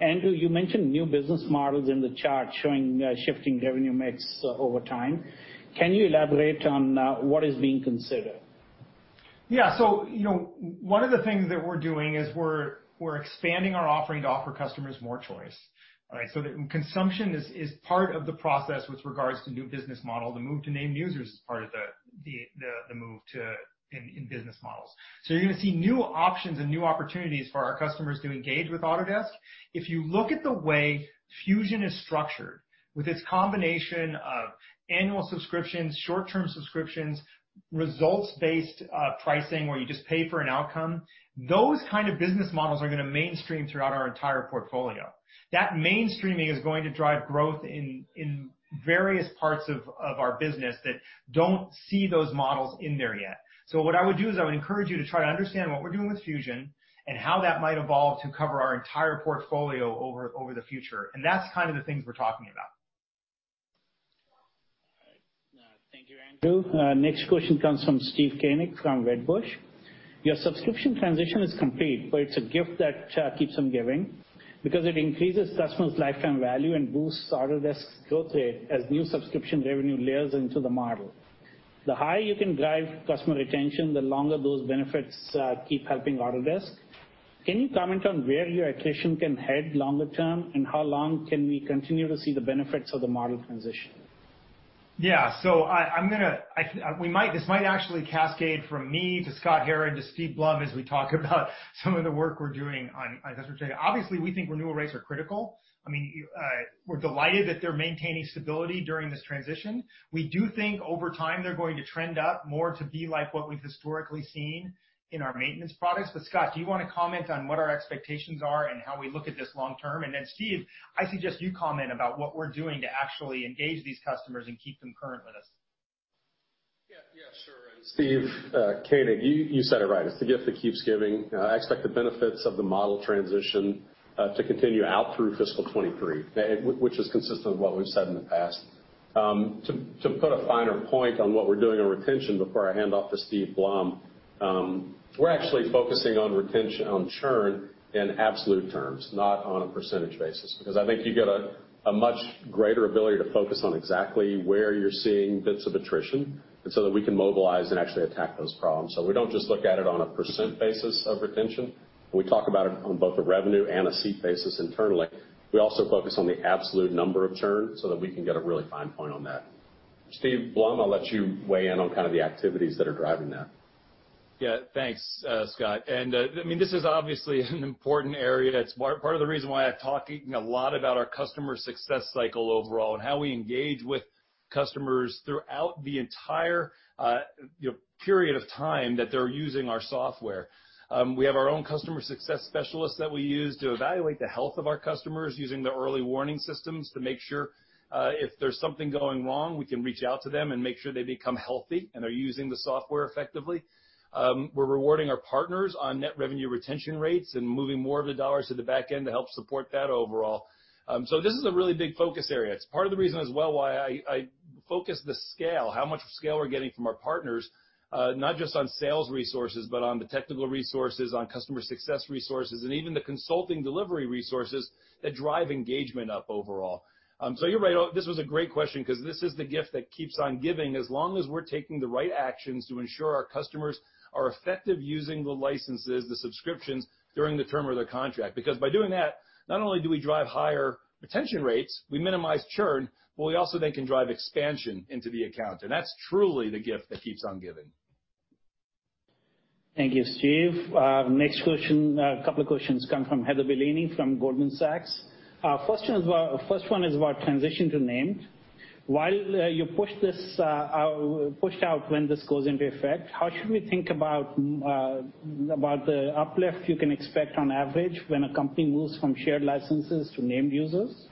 Andrew, you mentioned new business models in the chart showing shifting revenue mix over time. Can you elaborate on what is being considered? One of the things that we're doing is we're expanding our offering to offer customers more choice. All right? Consumption is part of the process with regards to new business model. The move to named users is part of the move in business models. You're going to see new options and new opportunities for our customers to engage with Autodesk. If you look at the way Fusion is structured with its combination of annual subscriptions, short-term subscriptions, results-based pricing, where you just pay for an outcome, those kind of business models are going to mainstream throughout our entire portfolio. That mainstreaming is going to drive growth in various parts of our business that don't see those models in there yet. What I would do is I would encourage you to try to understand what we're doing with Fusion and how that might evolve to cover our entire portfolio over the future. That's kind of the things we're talking about. All right. Thank you, Andrew. Next question comes from Steve Koenig from Wedbush. Your subscription transition is complete. It's a gift that keeps on giving because it increases customers' lifetime value and boosts Autodesk growth rate as new subscription revenue layers into the model. The higher you can drive customer retention, the longer those benefits keep helping Autodesk. Can you comment on where your attrition can head longer term, and how long can we continue to see the benefits of the model transition? Yeah. This might actually cascade from me to Scott Herren to Steve Blum as we talk about some of the work we're doing on customer retention. Obviously, we think renewal rates are critical. We're delighted that they're maintaining stability during this transition. We do think over time, they're going to trend up more to be like what we've historically seen in our maintenance products. Scott, do you want to comment on what our expectations are and how we look at this long term? Steve, I suggest you comment about what we're doing to actually engage these customers and keep them current with us. Steve Koenig, you said it right. It's the gift that keeps giving. I expect the benefits of the model transition to continue out through fiscal 2023, which is consistent with what we've said in the past. To put a finer point on what we're doing on retention before I hand off to Steve Blum, we're actually focusing on churn in absolute terms, not on a percentage basis, because I think you get a much greater ability to focus on exactly where you're seeing bits of attrition, and so that we can mobilize and actually attack those problems. We don't just look at it on a percent basis of retention. We talk about it on both a revenue and a seat basis internally. We also focus on the absolute number of churn so that we can get a really fine point on that. Steve Blum, I'll let you weigh in on the activities that are driving that. Yeah, thanks, Scott. This is obviously an important area. It's part of the reason why I'm talking a lot about our customer success cycle overall and how we engage with customers throughout the entire period of time that they're using our software. We have our own customer success specialists that we use to evaluate the health of our customers using the early warning systems to make sure if there's something going wrong, we can reach out to them and make sure they become healthy and are using the software effectively. We're rewarding our partners on net revenue retention rates and moving more of the dollars to the back end to help support that overall. This is a really big focus area. It's part of the reason as well why I focus the scale, how much scale we're getting from our partners, not just on sales resources, but on the technical resources, on customer success resources, and even the consulting delivery resources that drive engagement up overall. You're right. This was a great question because this is the gift that keeps on giving. As long as we're taking the right actions to ensure our customers are effective using the licenses, the subscriptions during the term of their contract. By doing that, not only do we drive higher retention rates, we minimize churn, but we also then can drive expansion into the account, and that's truly the gift that keeps on giving. Thank you, Steve. Next question, a couple of questions come from Heather Bellini from Goldman Sachs. First one is about transition to named. While you pushed out when this goes into effect, how should we think about the uplift you can expect on average when a company moves from shared licenses to named users?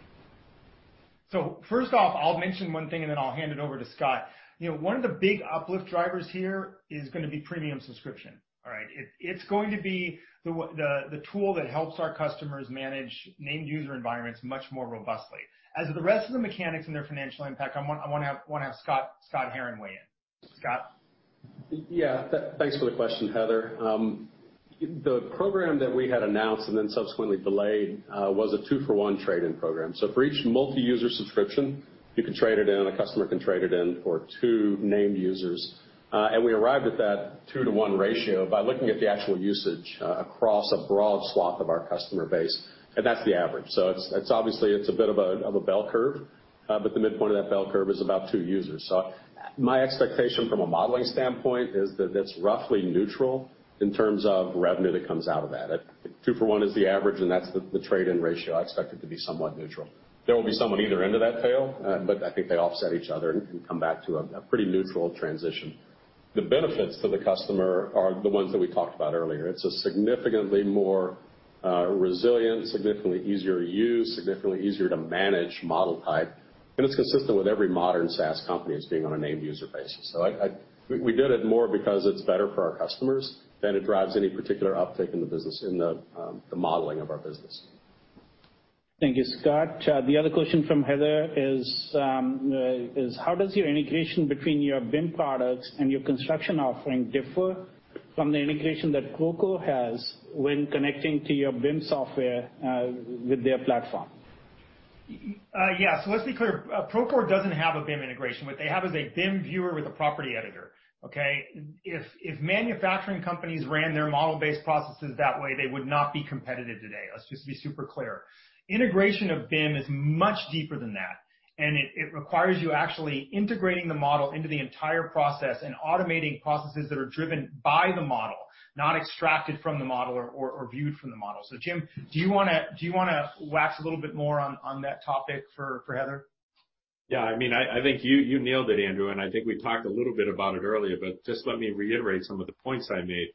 First off, I'll mention one thing and then I'll hand it over to Scott. One of the big uplift drivers here is going to be premium subscription. All right? It's going to be the tool that helps our customers manage named user environments much more robustly. As for the rest of the mechanics and their financial impact, I want to have Scott Herren weigh in. Scott? Yeah, thanks for the question, Heather. The program that we had announced and then subsequently delayed was a two-for-one trade-in program. For each multi-user subscription, you can trade it in, a customer can trade it in for two named users. We arrived at that two-to-one ratio by looking at the actual usage across a broad swath of our customer base, and that's the average. Obviously, it's a bit of a bell curve. The midpoint of that bell curve is about two users. My expectation from a modeling standpoint is that it's roughly neutral in terms of revenue that comes out of that. Two for one is the average, and that's the trade-in ratio. I expect it to be somewhat neutral. There will be some on either end of that tail, but I think they offset each other and come back to a pretty neutral transition. The benefits to the customer are the ones that we talked about earlier. It's a significantly more resilient, significantly easier to use, significantly easier to manage model type, and it's consistent with every modern SaaS company as being on a named user basis. We did it more because it's better for our customers than it drives any particular uptick in the modeling of our business. Thank you, Scott. The other question from Heather is how does your integration between your BIM products and your construction offering differ from the integration that Procore has when connecting to your BIM software with their platform? Yeah. Let's be clear. Procore doesn't have a BIM integration. What they have is a BIM viewer with a property editor, okay? If manufacturing companies ran their model-based processes that way, they would not be competitive today. Let's just be super clear. Integration of BIM is much deeper than that, and it requires you actually integrating the model into the entire process and automating processes that are driven by the model, not extracted from the model or viewed from the model. Jim, do you want to wax a little bit more on that topic for Heather? Yeah, I think you nailed it, Andrew, and I think we talked a little bit about it earlier, but just let me reiterate some of the points I made.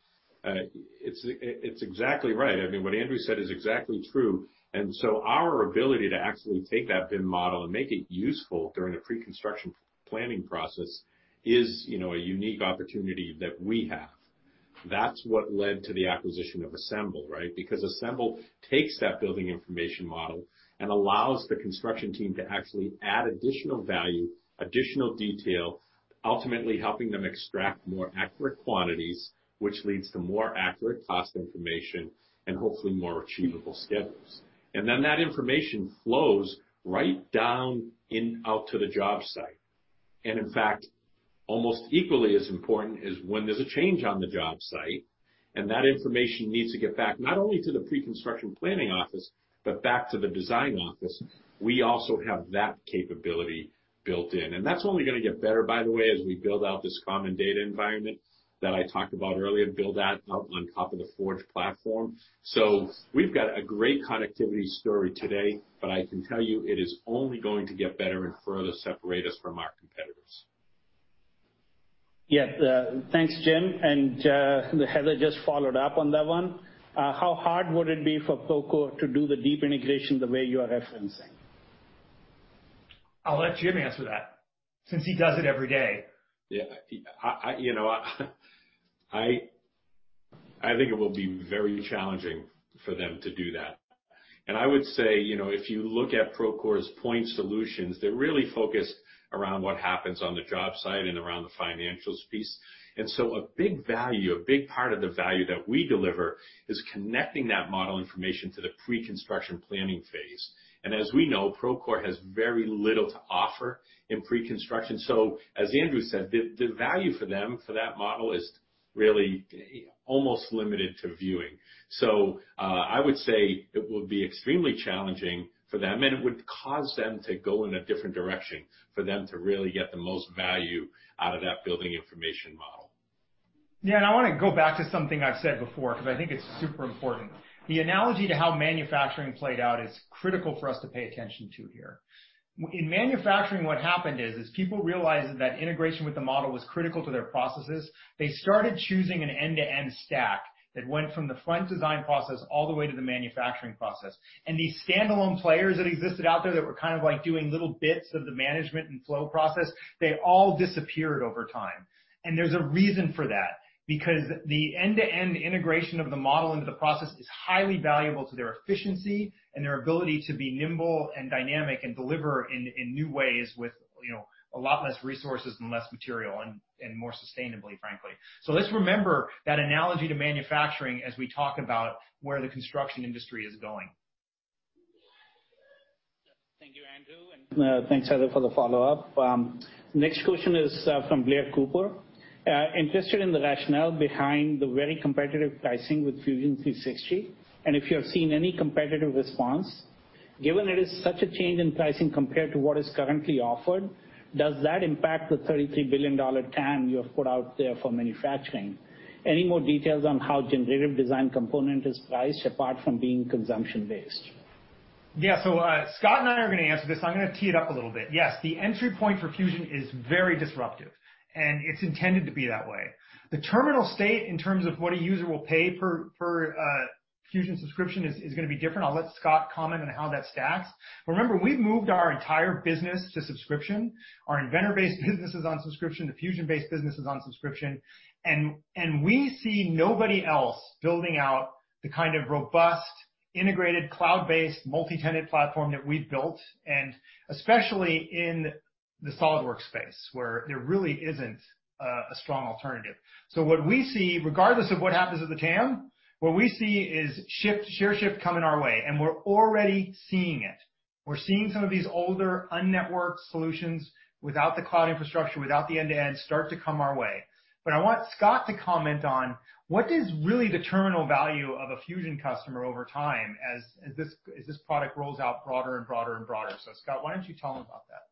It's exactly right. What Andrew said is exactly true, and so our ability to actually take that BIM model and make it useful during a pre-construction planning process is a unique opportunity that we have. That's what led to the acquisition of Assemble, right? Assemble takes that building information model and allows the construction team to actually add additional value, additional detail, ultimately helping them extract more accurate quantities, which leads to more accurate cost information and hopefully more achievable schedules. That information flows right down out to the job site. In fact, almost equally as important is when there's a change on the job site, and that information needs to get back not only to the pre-construction planning office, but back to the design office. We also have that capability built in. That's only going to get better, by the way, as we build out this Common Data Environment that I talked about earlier, build that out on top of the Forge platform. We've got a great connectivity story today, but I can tell you it is only going to get better and further separate us from our competitors. Yeah. Thanks, Jim, and Heather just followed up on that one. How hard would it be for Procore to do the deep integration the way you are referencing? I'll let Jim answer that since he does it every day. Yeah. I think it will be very challenging for them to do that. I would say, if you look at Procore's point solutions, they're really focused around what happens on the job site and around the financials piece. A big part of the value that we deliver is connecting that model information to the pre-construction planning phase. As we know, Procore has very little to offer in pre-construction. As Andrew said, the value for them for that model is really almost limited to viewing. I would say it would be extremely challenging for them, and it would cause them to go in a different direction for them to really get the most value out of that building information model. Yeah. I want to go back to something I've said before because I think it's super important. The analogy to how manufacturing played out is critical for us to pay attention to here. In manufacturing, what happened is, as people realized that integration with the model was critical to their processes, they started choosing an end-to-end stack that went from the front design process all the way to the manufacturing process. These standalone players that existed out there that were kind of doing little bits of the management and flow process, they all disappeared over time. There's a reason for that, because the end-to-end integration of the model into the process is highly valuable to their efficiency and their ability to be nimble and dynamic and deliver in new ways with a lot less resources and less material and more sustainably, frankly. Let's remember that analogy to manufacturing as we talk about where the construction industry is going. Thank you, Andrew. Thanks Heather for the follow-up. Next question is from Blair Cooper. Interested in the rationale behind the very competitive pricing with Fusion 360 and if you have seen any competitive response? Given that it is such a change in pricing compared to what is currently offered, does that impact the $33 billion TAM you have put out there for manufacturing? Any more details on how generative design component is priced apart from being consumption-based? Yeah. Scott and I are going to answer this. I'm going to tee it up a little bit. Yes, the entry point for Fusion is very disruptive, and it's intended to be that way. The terminal state in terms of what a user will pay for a Fusion subscription is going to be different. I'll let Scott comment on how that stacks. Remember, we've moved our entire business to subscription. Our Inventor-based business is on subscription. The Fusion-based business is on subscription. We see nobody else building out the kind of robust, integrated, cloud-based, multi-tenant platform that we've built, and especially in the SOLIDWORKS space, where there really isn't a strong alternative. What we see, regardless of what happens at the TAM, what we see is share shift coming our way, and we're already seeing it. We're seeing some of these older, un-networked solutions without the cloud infrastructure, without the end-to-end, start to come our way. I want Scott to comment on what is really the terminal value of a Fusion customer over time as this product rolls out broader and broader and broader. Scott, why don't you tell them about that?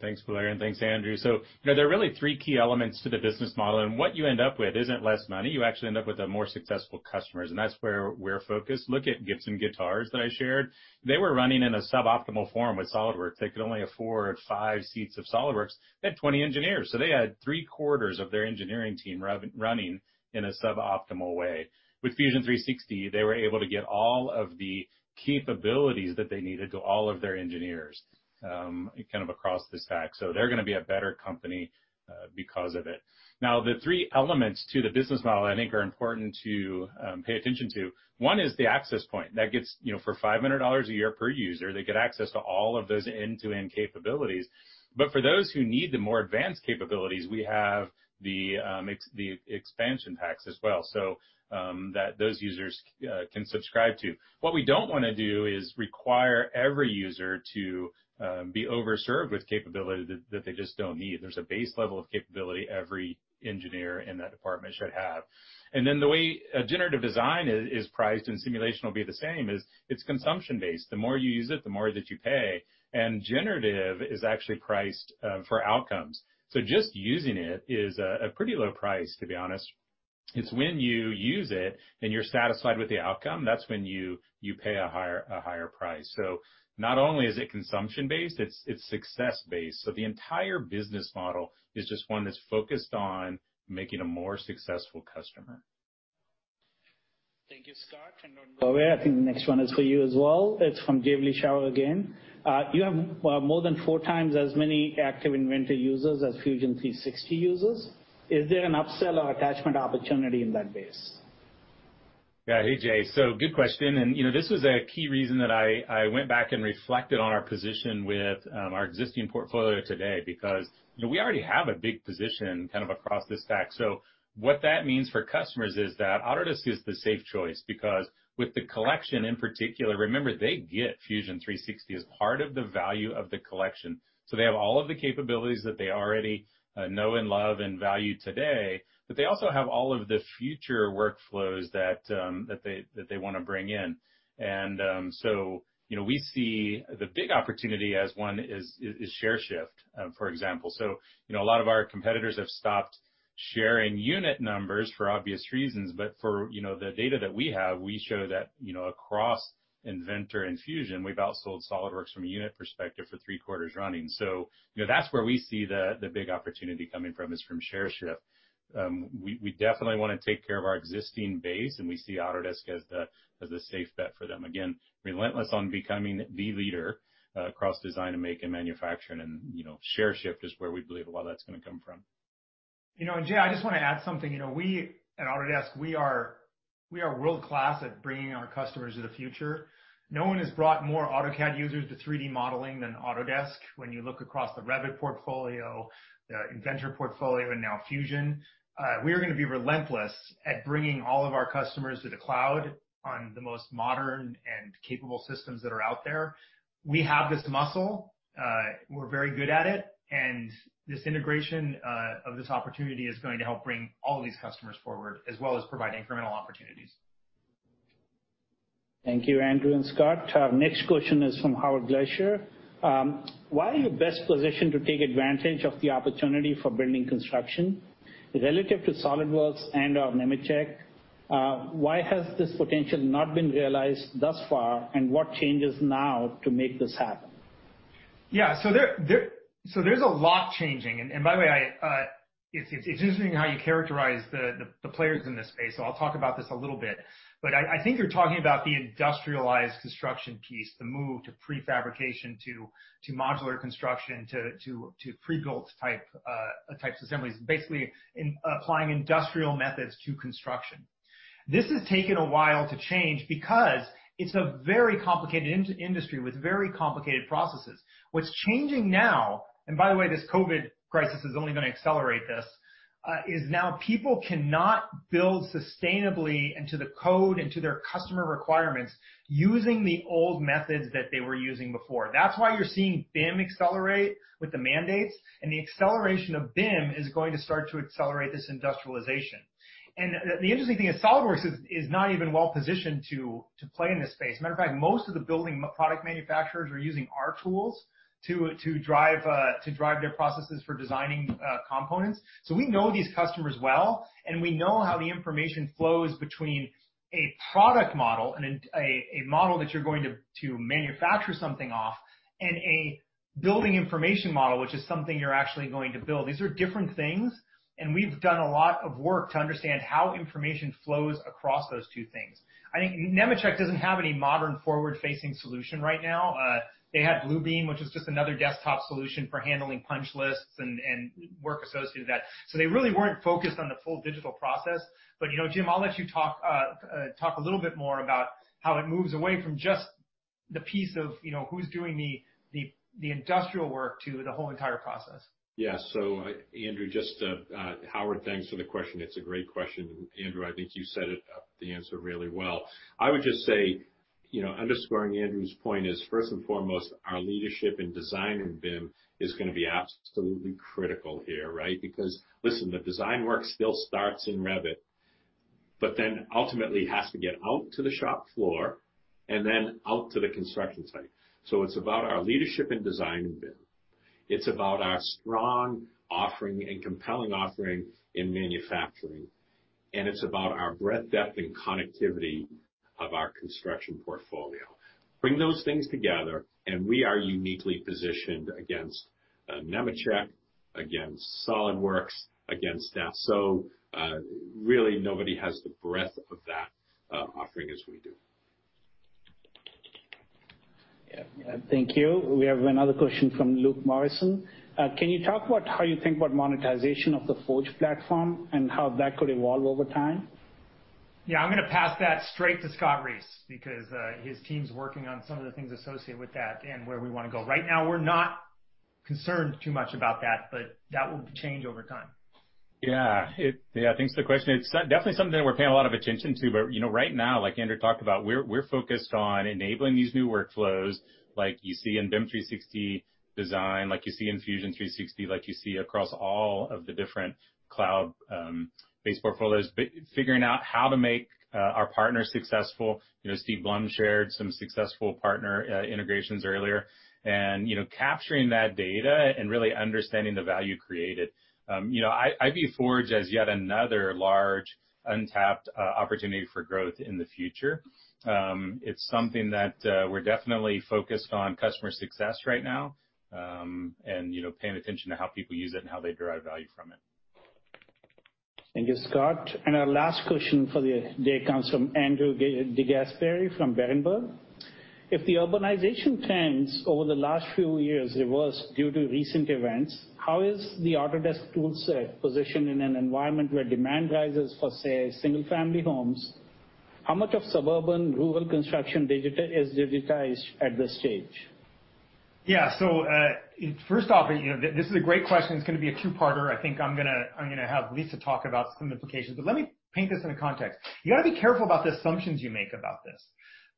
Thanks, Blair, and thanks, Andrew. There are really three key elements to the business model, and what you end up with isn't less money. You actually end up with more successful customers, and that's where we're focused. Look at Gibson Guitars that I shared. They were running in a suboptimal form with SOLIDWORKS. They could only afford five seats of SOLIDWORKS. They had 20 engineers. They had three-quarters of their engineering team running in a suboptimal way. With Fusion 360, they were able to get all of the capabilities that they needed to all of their engineers, kind of across the stack. They're going to be a better company because of it. The three elements to the business model I think are important to pay attention to. One is the access point. For $500 a year per user, they get access to all of those end-to-end capabilities. For those who need the more advanced capabilities, we have the expansion packs as well. Those users can subscribe too. What we don't want to do is require every user to be over-served with capability that they just don't need. There's a base level of capability every engineer in that department should have. The way a generative design is priced, and simulation will be the same, it's consumption-based. The more you use it, the more that you pay. Generative is actually priced for outcomes. Just using it is a pretty low price, to be honest. It's when you use it and you're satisfied with the outcome, that's when you pay a higher price. Not only is it consumption-based, it's success-based. The entire business model is just one that's focused on making a more successful customer. Thank you, Scott. Don't go away. I think the next one is for you as well. It's from Jay Vleeschhouwer again. You have more than four times as many active Inventor users as Fusion 360 users. Is there an upsell or attachment opportunity in that base? Yeah. Hey, Jay. Good question. This was a key reason that I went back and reflected on our position with our existing portfolio today because we already have a big position kind of across the stack. What that means for customers is that Autodesk is the safe choice because with the collection in particular, remember, they get Fusion 360 as part of the value of the collection. They have all of the capabilities that they already know and love and value today. They also have all of the future workflows that they want to bring in. We see the big opportunity as one is share shift, for example. A lot of our competitors have stopped sharing unit numbers for obvious reasons. For the data that we have, we show that across Inventor and Fusion, we've outsold SOLIDWORKS from a unit perspective for three quarters running. That's where we see the big opportunity coming from, is from ShareShift. We definitely want to take care of our existing base, and we see Autodesk as the safe bet for them. Again, relentless on becoming the leader across design and make and manufacturing, and ShareShift is where we believe a lot of that's going to come from. Jim, I just want to add something. We at Autodesk, we are world-class at bringing our customers to the future. No one has brought more AutoCAD users to 3D modeling than Autodesk. When you look across the Revit portfolio, the Inventor portfolio, now Fusion, we are going to be relentless at bringing all of our customers to the cloud on the most modern and capable systems that are out there. We have this muscle. We're very good at it. This integration of this opportunity is going to help bring all these customers forward, as well as providing incremental opportunities. Thank you, Andrew and Scott. Our next question is from Howard Glacier. Why are you best positioned to take advantage of the opportunity for building construction? Relative to SOLIDWORKS and/or Nemetschek, why has this potential not been realized thus far, and what changes now to make this happen? Yeah. There's a lot changing. By the way, it's interesting how you characterize the players in this space. I'll talk about this a little bit. I think you're talking about the industrialized construction piece, the move to pre-fabrication, to modular construction, to pre-built types assemblies. Basically, applying industrial methods to construction. This has taken a while to change because it's a very complicated industry with very complicated processes. What's changing now, and by the way, this COVID-19 crisis is only going to accelerate this, is now people cannot build sustainably and to the code and to their customer requirements using the old methods that they were using before. That's why you're seeing BIM accelerate with the mandates, and the acceleration of BIM is going to start to accelerate this industrialization. The interesting thing is, SOLIDWORKS is not even well-positioned to play in this space. Matter of fact, most of the building product manufacturers are using our tools to drive their processes for designing components. We know these customers well, and we know how the information flows between a product model and a model that you're going to manufacture something off, and a building information model, which is something you're actually going to build. These are different things, and we've done a lot of work to understand how information flows across those two things. I think Nemetschek doesn't have any modern forward-facing solution right now. They had Bluebeam, which was just another desktop solution for handling punch lists and work associated with that. They really weren't focused on the full digital process. Jim, I'll let you talk a little bit more about how it moves away from just the piece of who's doing the industrial work to the whole entire process. Yeah. Andrew, Howard, thanks for the question. It's a great question. Andrew, I think you set up the answer really well. I would just say, underscoring Andrew's point is, first and foremost, our leadership in design and BIM is going to be absolutely critical here, right? Listen, the design work still starts in Revit, but then ultimately it has to get out to the shop floor and then out to the construction site. It's about our leadership in design in BIM. It's about our strong offering and compelling offering in manufacturing. It's about our breadth, depth, and connectivity of our construction portfolio. Bring those things together, and we are uniquely positioned against Nemetschek, against SOLIDWORKS, against Dassault. Really, nobody has the breadth of that offering as we do. Yeah. Thank you. We have another question from Luke Morrison. Can you talk about how you think about monetization of the Forge platform and how that could evolve over time? Yeah, I'm going to pass that straight to Scott Reese, because his team's working on some of the things associated with that and where we want to go. Right now, we're not concerned too much about that, but that will change over time. Yeah. Thanks for the question. It's definitely something that we're paying a lot of attention to. Right now, like Andrew talked about, we're focused on enabling these new workflows like you see in BIM 360 Design, like you see in Fusion 360, like you see across all of the different cloud-based portfolios. Figuring out how to make our partners successful. Steve Blum shared some successful partner integrations earlier. Capturing that data and really understanding the value created. I view Forge as yet another large untapped opportunity for growth in the future. It's something that we're definitely focused on customer success right now, and paying attention to how people use it and how they derive value from it. Thank you, Scott. Our last question for the day comes from Andrew DeGasperi from Berenberg. If the urbanization trends over the last few years reverse due to recent events, how is the Autodesk tool set positioned in an environment where demand rises for, say, single-family homes? How much of suburban rural construction is digitized at this stage? Yeah. First off, this is a great question. It's going to be a two-parter. I think I'm going to have Lisa talk about some implications, but let me paint this in a context. You got to be careful about the assumptions you make about this.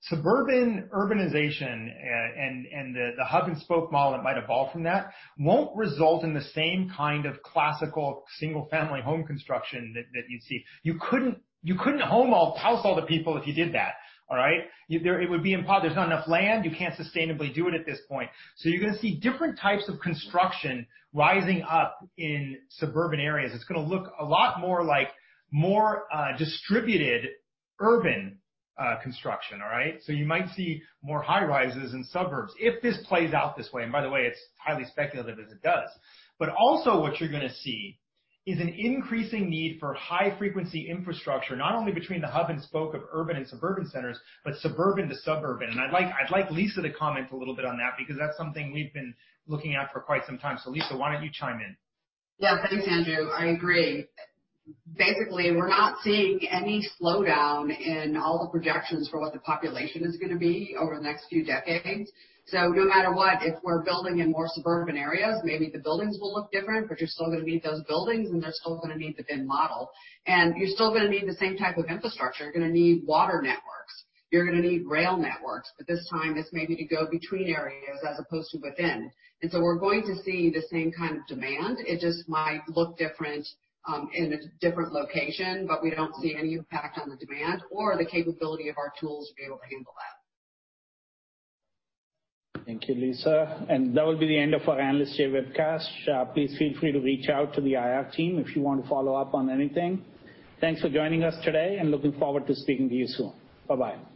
Suburban urbanization and the hub and spoke model that might evolve from that won't result in the same kind of classical single-family home construction that you'd see. You couldn't house all the people if you did that. All right? There's not enough land. You can't sustainably do it at this point. You're going to see different types of construction rising up in suburban areas. It's going to look a lot more like more distributed urban construction. All right? You might see more high-rises in suburbs if this plays out this way, and by the way, it's highly speculative if it does. Also what you're going to see is an increasing need for high-frequency infrastructure, not only between the hub and spoke of urban and suburban centers, but suburban to suburban. I'd like Lisa to comment a little bit on that, because that's something we've been looking at for quite some time. Lisa, why don't you chime in? Yeah. Thanks, Andrew. I agree. Basically, we're not seeing any slowdown in all the projections for what the population is going to be over the next few decades. No matter what, if we're building in more suburban areas, maybe the buildings will look different, but you're still going to need those buildings, and they're still going to need the BIM model. You're still going to need the same type of infrastructure. You're going to need water networks. You're going to need rail networks. This time, this may be to go between areas as opposed to within. We're going to see the same kind of demand. It just might look different in a different location, but we don't see any impact on the demand or the capability of our tools to be able to handle that. Thank you, Lisa. That will be the end of our Analyst Day webcast. Please feel free to reach out to the IR team if you want to follow up on anything. Thanks for joining us today, and looking forward to speaking to you soon. Bye-bye.